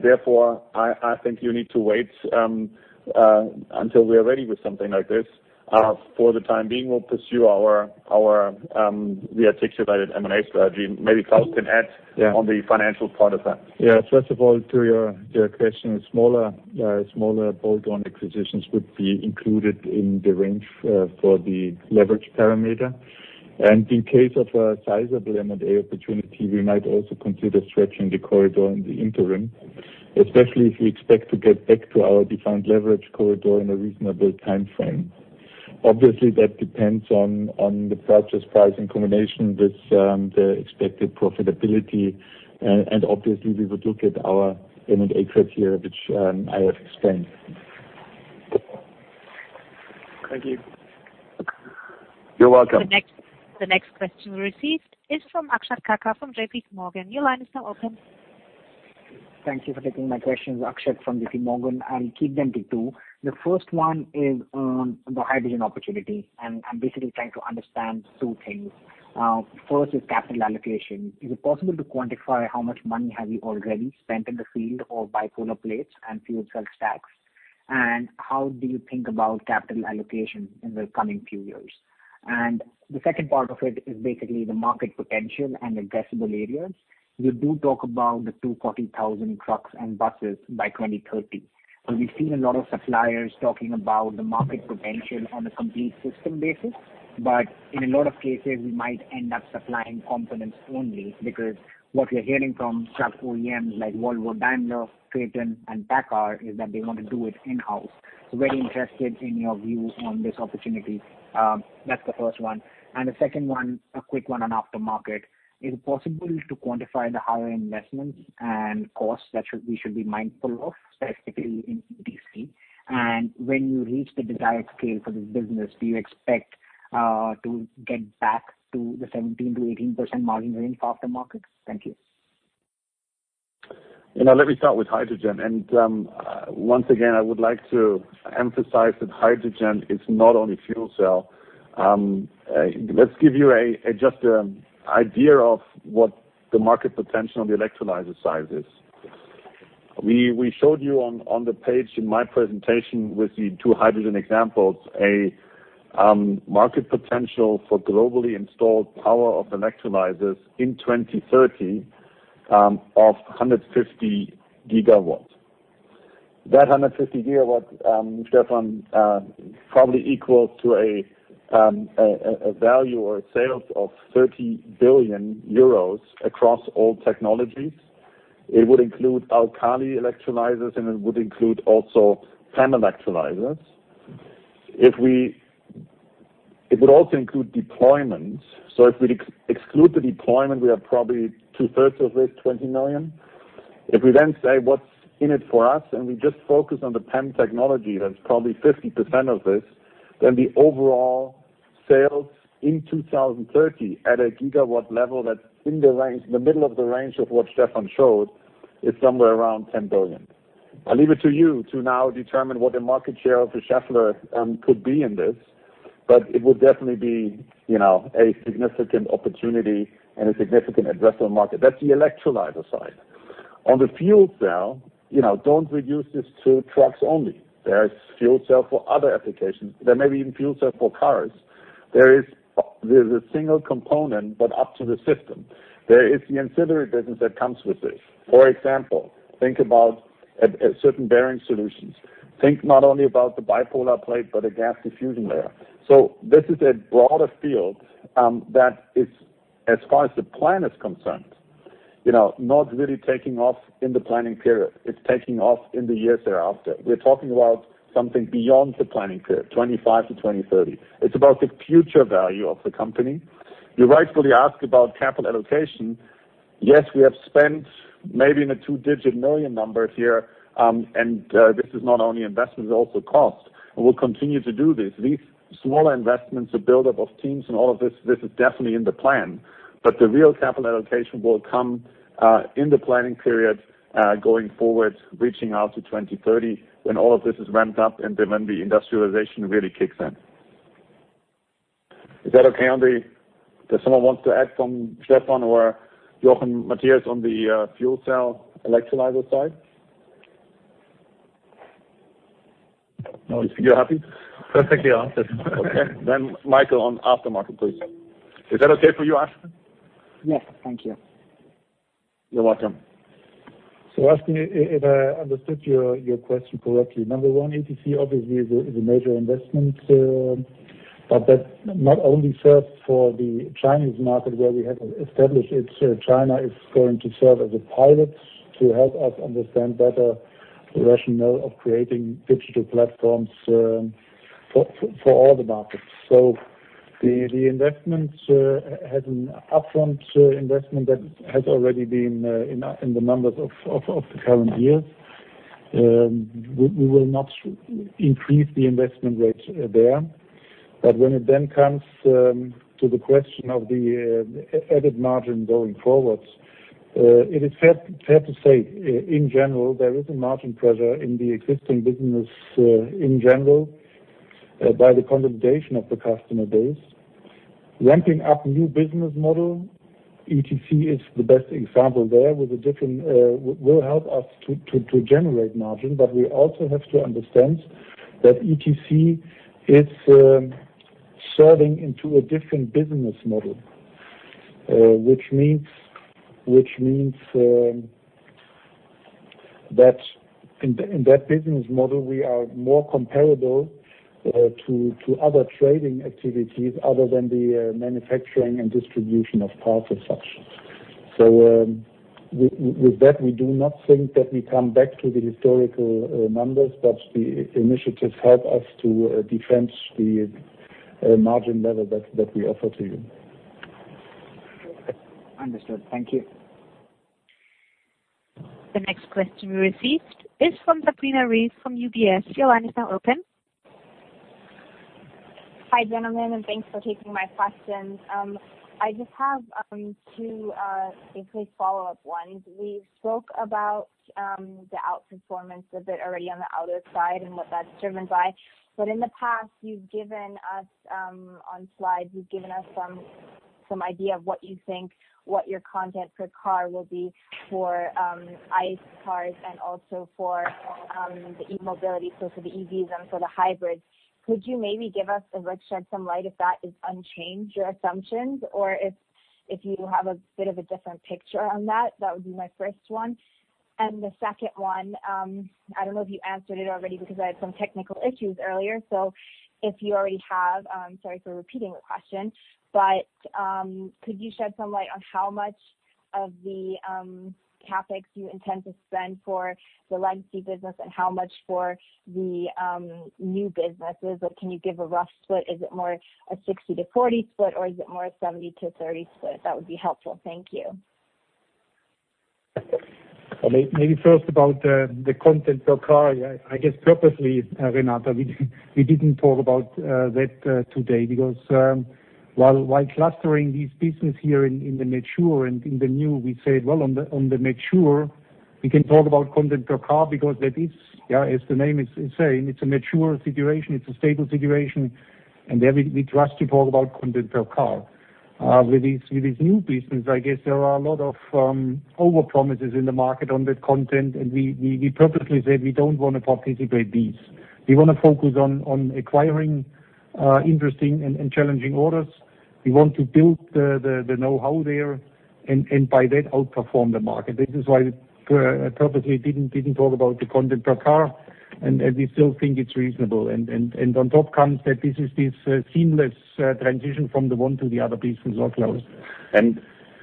Therefore, I think you need to wait until we are ready with something like this. For the time being, we'll pursue our re-articulated M&A strategy. Maybe Klaus can add- Yeah. ...on the financial part of that. Yeah. First of all, to your question, smaller bolt-on acquisitions would be included in the range for the leverage parameter. In case of a sizable M&A opportunity, we might also consider stretching the corridor in the interim, especially if we expect to get back to our defined leverage corridor in a reasonable timeframe. That depends on the purchase price in combination with the expected profitability. We would look at our M&A criteria, which I have explained. Thank you. You're welcome. The next question received is from Akshat Kacker from JPMorgan. Your line is now open. Thank you for taking my questions. Akshat from JPMorgan. I'll keep them to two. The first one is on the hydrogen opportunity. I'm basically trying to understand two things. First is capital allocation. Is it possible to quantify how much money have you already spent in the field of bipolar plates and fuel cell stacks, and how do you think about capital allocation in the coming few years? The second part of it is basically the market potential and addressable areas. You do talk about the 240,000 trucks and buses by 2030. We've seen a lot of suppliers talking about the market potential on a complete system basis. In a lot of cases, we might end up supplying components only, because what we're hearing from truck OEMs like Volvo, Daimler, TRATON, and PACCAR, is that they want to do it in-house. Very interested in your view on this opportunity. That's the first one. The second one, a quick one on aftermarket. Is it possible to quantify the higher investments and costs that we should be mindful of, specifically in ETC? When you reach the desired scale for this business, do you expect to get back to the 17%-18% margin range for aftermarket? Thank you. Let me start with hydrogen. Once again, I would like to emphasize that hydrogen is not only fuel cell. Let's give you just an idea of what the market potential on the electrolyzer side is. We showed you on the page in my presentation with the two hydrogen examples, a market potential for globally installed power of electrolyzers in 2030, of 150 GW. That 150 GW, Stefan, probably equals to a value or a sales of 30 billion euros across all technologies. It would include alkali electrolyzers, and it would include also PEM electrolyzers. It would also include deployment. If we exclude the deployment, we are probably two-thirds of this, 20 billion. If we then say, what's in it for us, and we just focus on the PEM technology, that's probably 50% of this, then the overall sales in 2030 at a gigawatt level, that's in the middle of the range of what Stefan showed, is somewhere around 10 billion. I leave it to you to now determine what the market share of the Schaeffler could be in this. It will definitely be a significant opportunity and a significant addressable market. That's the electrolyzer side. On the fuel cell, don't reduce this to trucks only. There is fuel cell for other applications. There may be even fuel cell for cars. There is a single component, but up to the system. There is the ancillary business that comes with this. For example, think about certain bearing solutions. Think not only about the bipolar plate, but a gas diffusion layer. This is a broader field that is, as far as the plan is concerned, not really taking off in the planning period. It's taking off in the years thereafter. We're talking about something beyond the planning period, 2025 to 2030. It's about the future value of the company. You rightfully ask about capital allocation. Yes, we have spent maybe in the two-digit million numbers here. This is not only investment, it's also cost. We'll continue to do this. These smaller investments, the buildup of teams and all of this is definitely in the plan. The real capital allocation will come in the planning period, going forward, reaching out to 2030, when all of this is ramped up and then when the industrialization really kicks in. Is that okay, Akshat? Does someone wants to add from Stefan or Jochen, Matthias on the fuel cell electrolyzer side? No, you're happy? Perfectly answered. Okay. Michael on aftermarket, please. Is that okay for you, Akshat? Yes. Thank you. You're welcome. Akshat, if I understood your question correctly, number one, ETC obviously is a major investment, but that not only serves for the Chinese market where we have established it. China is going to serve as a pilot to help us understand better the rationale of creating digital platforms for all the markets. The upfront investment that has already been in the numbers of the current year, we will not increase the investment rates there. When it then comes to the question of the added margin going forwards, it is fair to say, in general, there is a margin pressure in the existing business, in general, by the condensation of the customer base. Ramping up new business model, ETC is the best example there, will help us to generate margin. We also have to understand that ETC is serving into a different business model, which means that in that business model, we are more comparable to other trading activities other than the manufacturing and distribution of parts as such. With that, we do not think that we come back to the historical numbers, but the initiatives help us to defend the margin level that we offer to you. Understood. Thank you. The next question we received is from Sabrina Reeh from UBS. Your line is now open. Hi, gentlemen. Thanks for taking my questions. I just have two briefly follow-up ones. We spoke about the outperformance a bit already on the auto side and what that's driven by. In the past, on slides, you've given us some idea of what you think, what your content per car will be for ICE cars and also for the E-mobility, so for the EVs and for the hybrids. Could you maybe shed some light if that is unchanged, your assumptions, or if you have a bit of a different picture on that? That would be my first one. The second one, I don't know if you answered it already because I had some technical issues earlier. If you already have, sorry for repeating the question, but could you shed some light on how much of the CapEx you intend to spend for the legacy business and how much for the new businesses? Or can you give a rough split? Is it more a 60/40 split, or is it more a 70/30 split? That would be helpful. Thank you. Maybe first about the content per car. I guess purposely, Reeh, we didn't talk about that today because while clustering this business here in the mature and in the new, we said, well, on the mature, we can talk about content per car because that is, as the name is saying, it's a mature situation. It's a stable situation, and there we trust to talk about content per car. With these new business, I guess there are a lot of overpromises in the market on that content, and we purposely said we don't want to participate these. We want to focus on acquiring interesting and challenging orders. We want to build the knowhow there, and by that, outperform the market. This is why I purposely didn't talk about the content per car, and we still think it's reasonable. On top comes that this is seamless transition from the one to the other business workloads.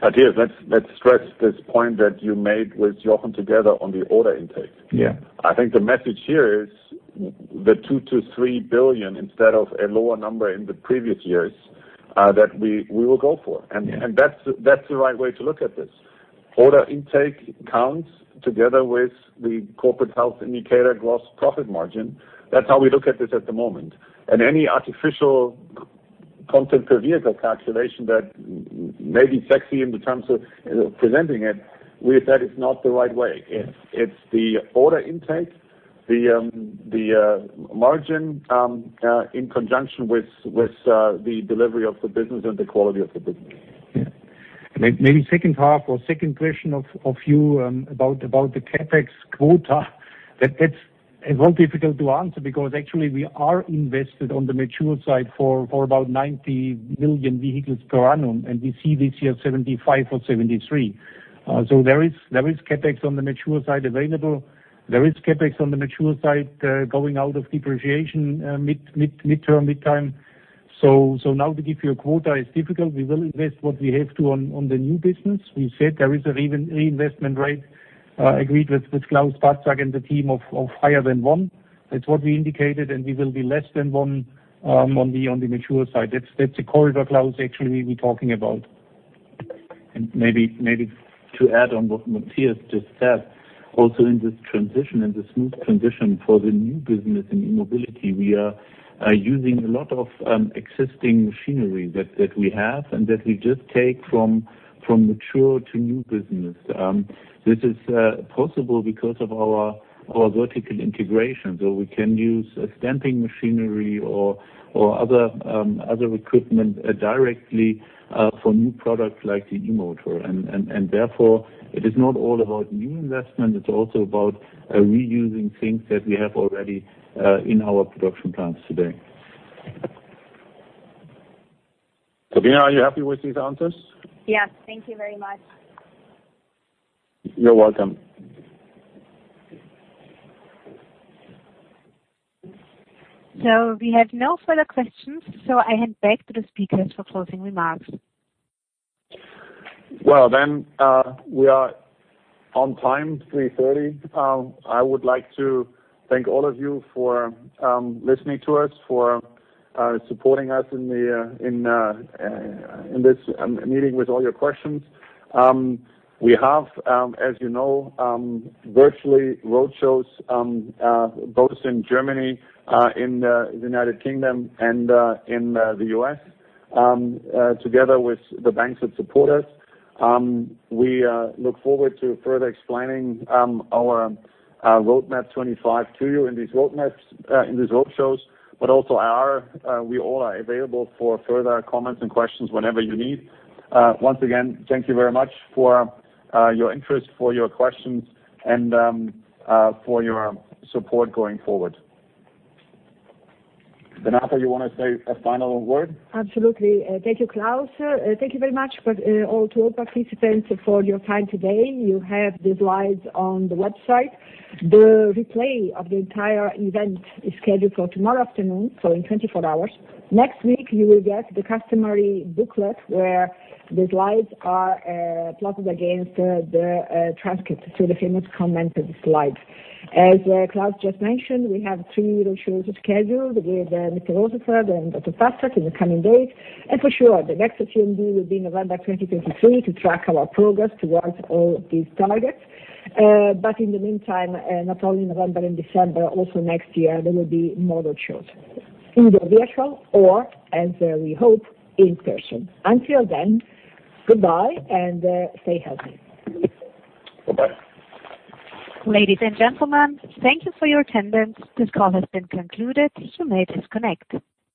Matthias, let's stress this point that you made with Jochen together on the order intake. Yeah. I think the message here is the 2 billion-3 billion instead of a lower number in the previous years, that we will go for. That's the right way to look at this. Order intake counts together with the corporate health indicator gross profit margin. That's how we look at this at the moment. Any artificial Content per vehicle calculation that may be sexy in terms of presenting it. We have said it's not the right way. It's the order intake, the margin, in conjunction with the delivery of the business and the quality of the business. Yeah. Maybe second half or second question of you about the CapEx quota. That one's difficult to answer because actually we are invested on the mature side for about 90 million vehicles per annum, and we see this year 75 million or 73 million. There is CapEx on the mature side available. There is CapEx on the mature side, going out of depreciation midterm, mid-time. Now to give you a quota is difficult. We will invest what we have to on the new business. We said there is a reinvestment rate, agreed with Klaus Patzak and the team, of higher than one. That's what we indicated, we will be less than one on the mature side. That's the corridor Klaus, actually, we're talking about. Maybe to add on what Matthias just said, also in this transition, in the smooth transition for the new business in e-mobility, we are using a lot of existing machinery that we have, and that we just take from mature to new business. This is possible because of our vertical integration. We can use a stamping machinery or other equipment directly for new products like the e-motor. Therefore, it is not all about new investment, it's also about reusing things that we have already in our production plants today. Sabrina, are you happy with these answers? Yes. Thank you very much. You're welcome. We have no further questions, so I hand back to the speakers for closing remarks. Well, we are on time, 3:30 P.M. I would like to thank all of you for listening to us, for supporting us in this meeting with all your questions. We have, as you know, virtually roadshows, both in Germany, in the U.K., and in the U.S., together with the banks that support us. We look forward to further explaining our Roadmap 2025 to you in these roadshows. Also, we all are available for further comments and questions whenever you need. Once again, thank you very much for your interest, for your questions, and for your support going forward. Renata, you want to say a final word? Absolutely. Thank you, Klaus. Thank you very much to all participants for your time today. You have the slides on the website. The replay of the entire event is scheduled for tomorrow afternoon, so in 24 hours. Next week, you will get the customary booklet where the slides are plotted against the transcript. The famous commented slides. As Klaus just mentioned, we have three road shows scheduled with Mr. Rosenfeld, then Dr. Patzak in the coming days. For sure, the next CMD will be November 2023 to track our progress towards all these targets. In the meantime, not only November and December, also next year, there will be more road shows, either virtual or, as we hope, in person. Until then, goodbye and stay healthy. Bye-bye. Ladies and gentlemen, thank you for your attendance. This call has been concluded. You may disconnect.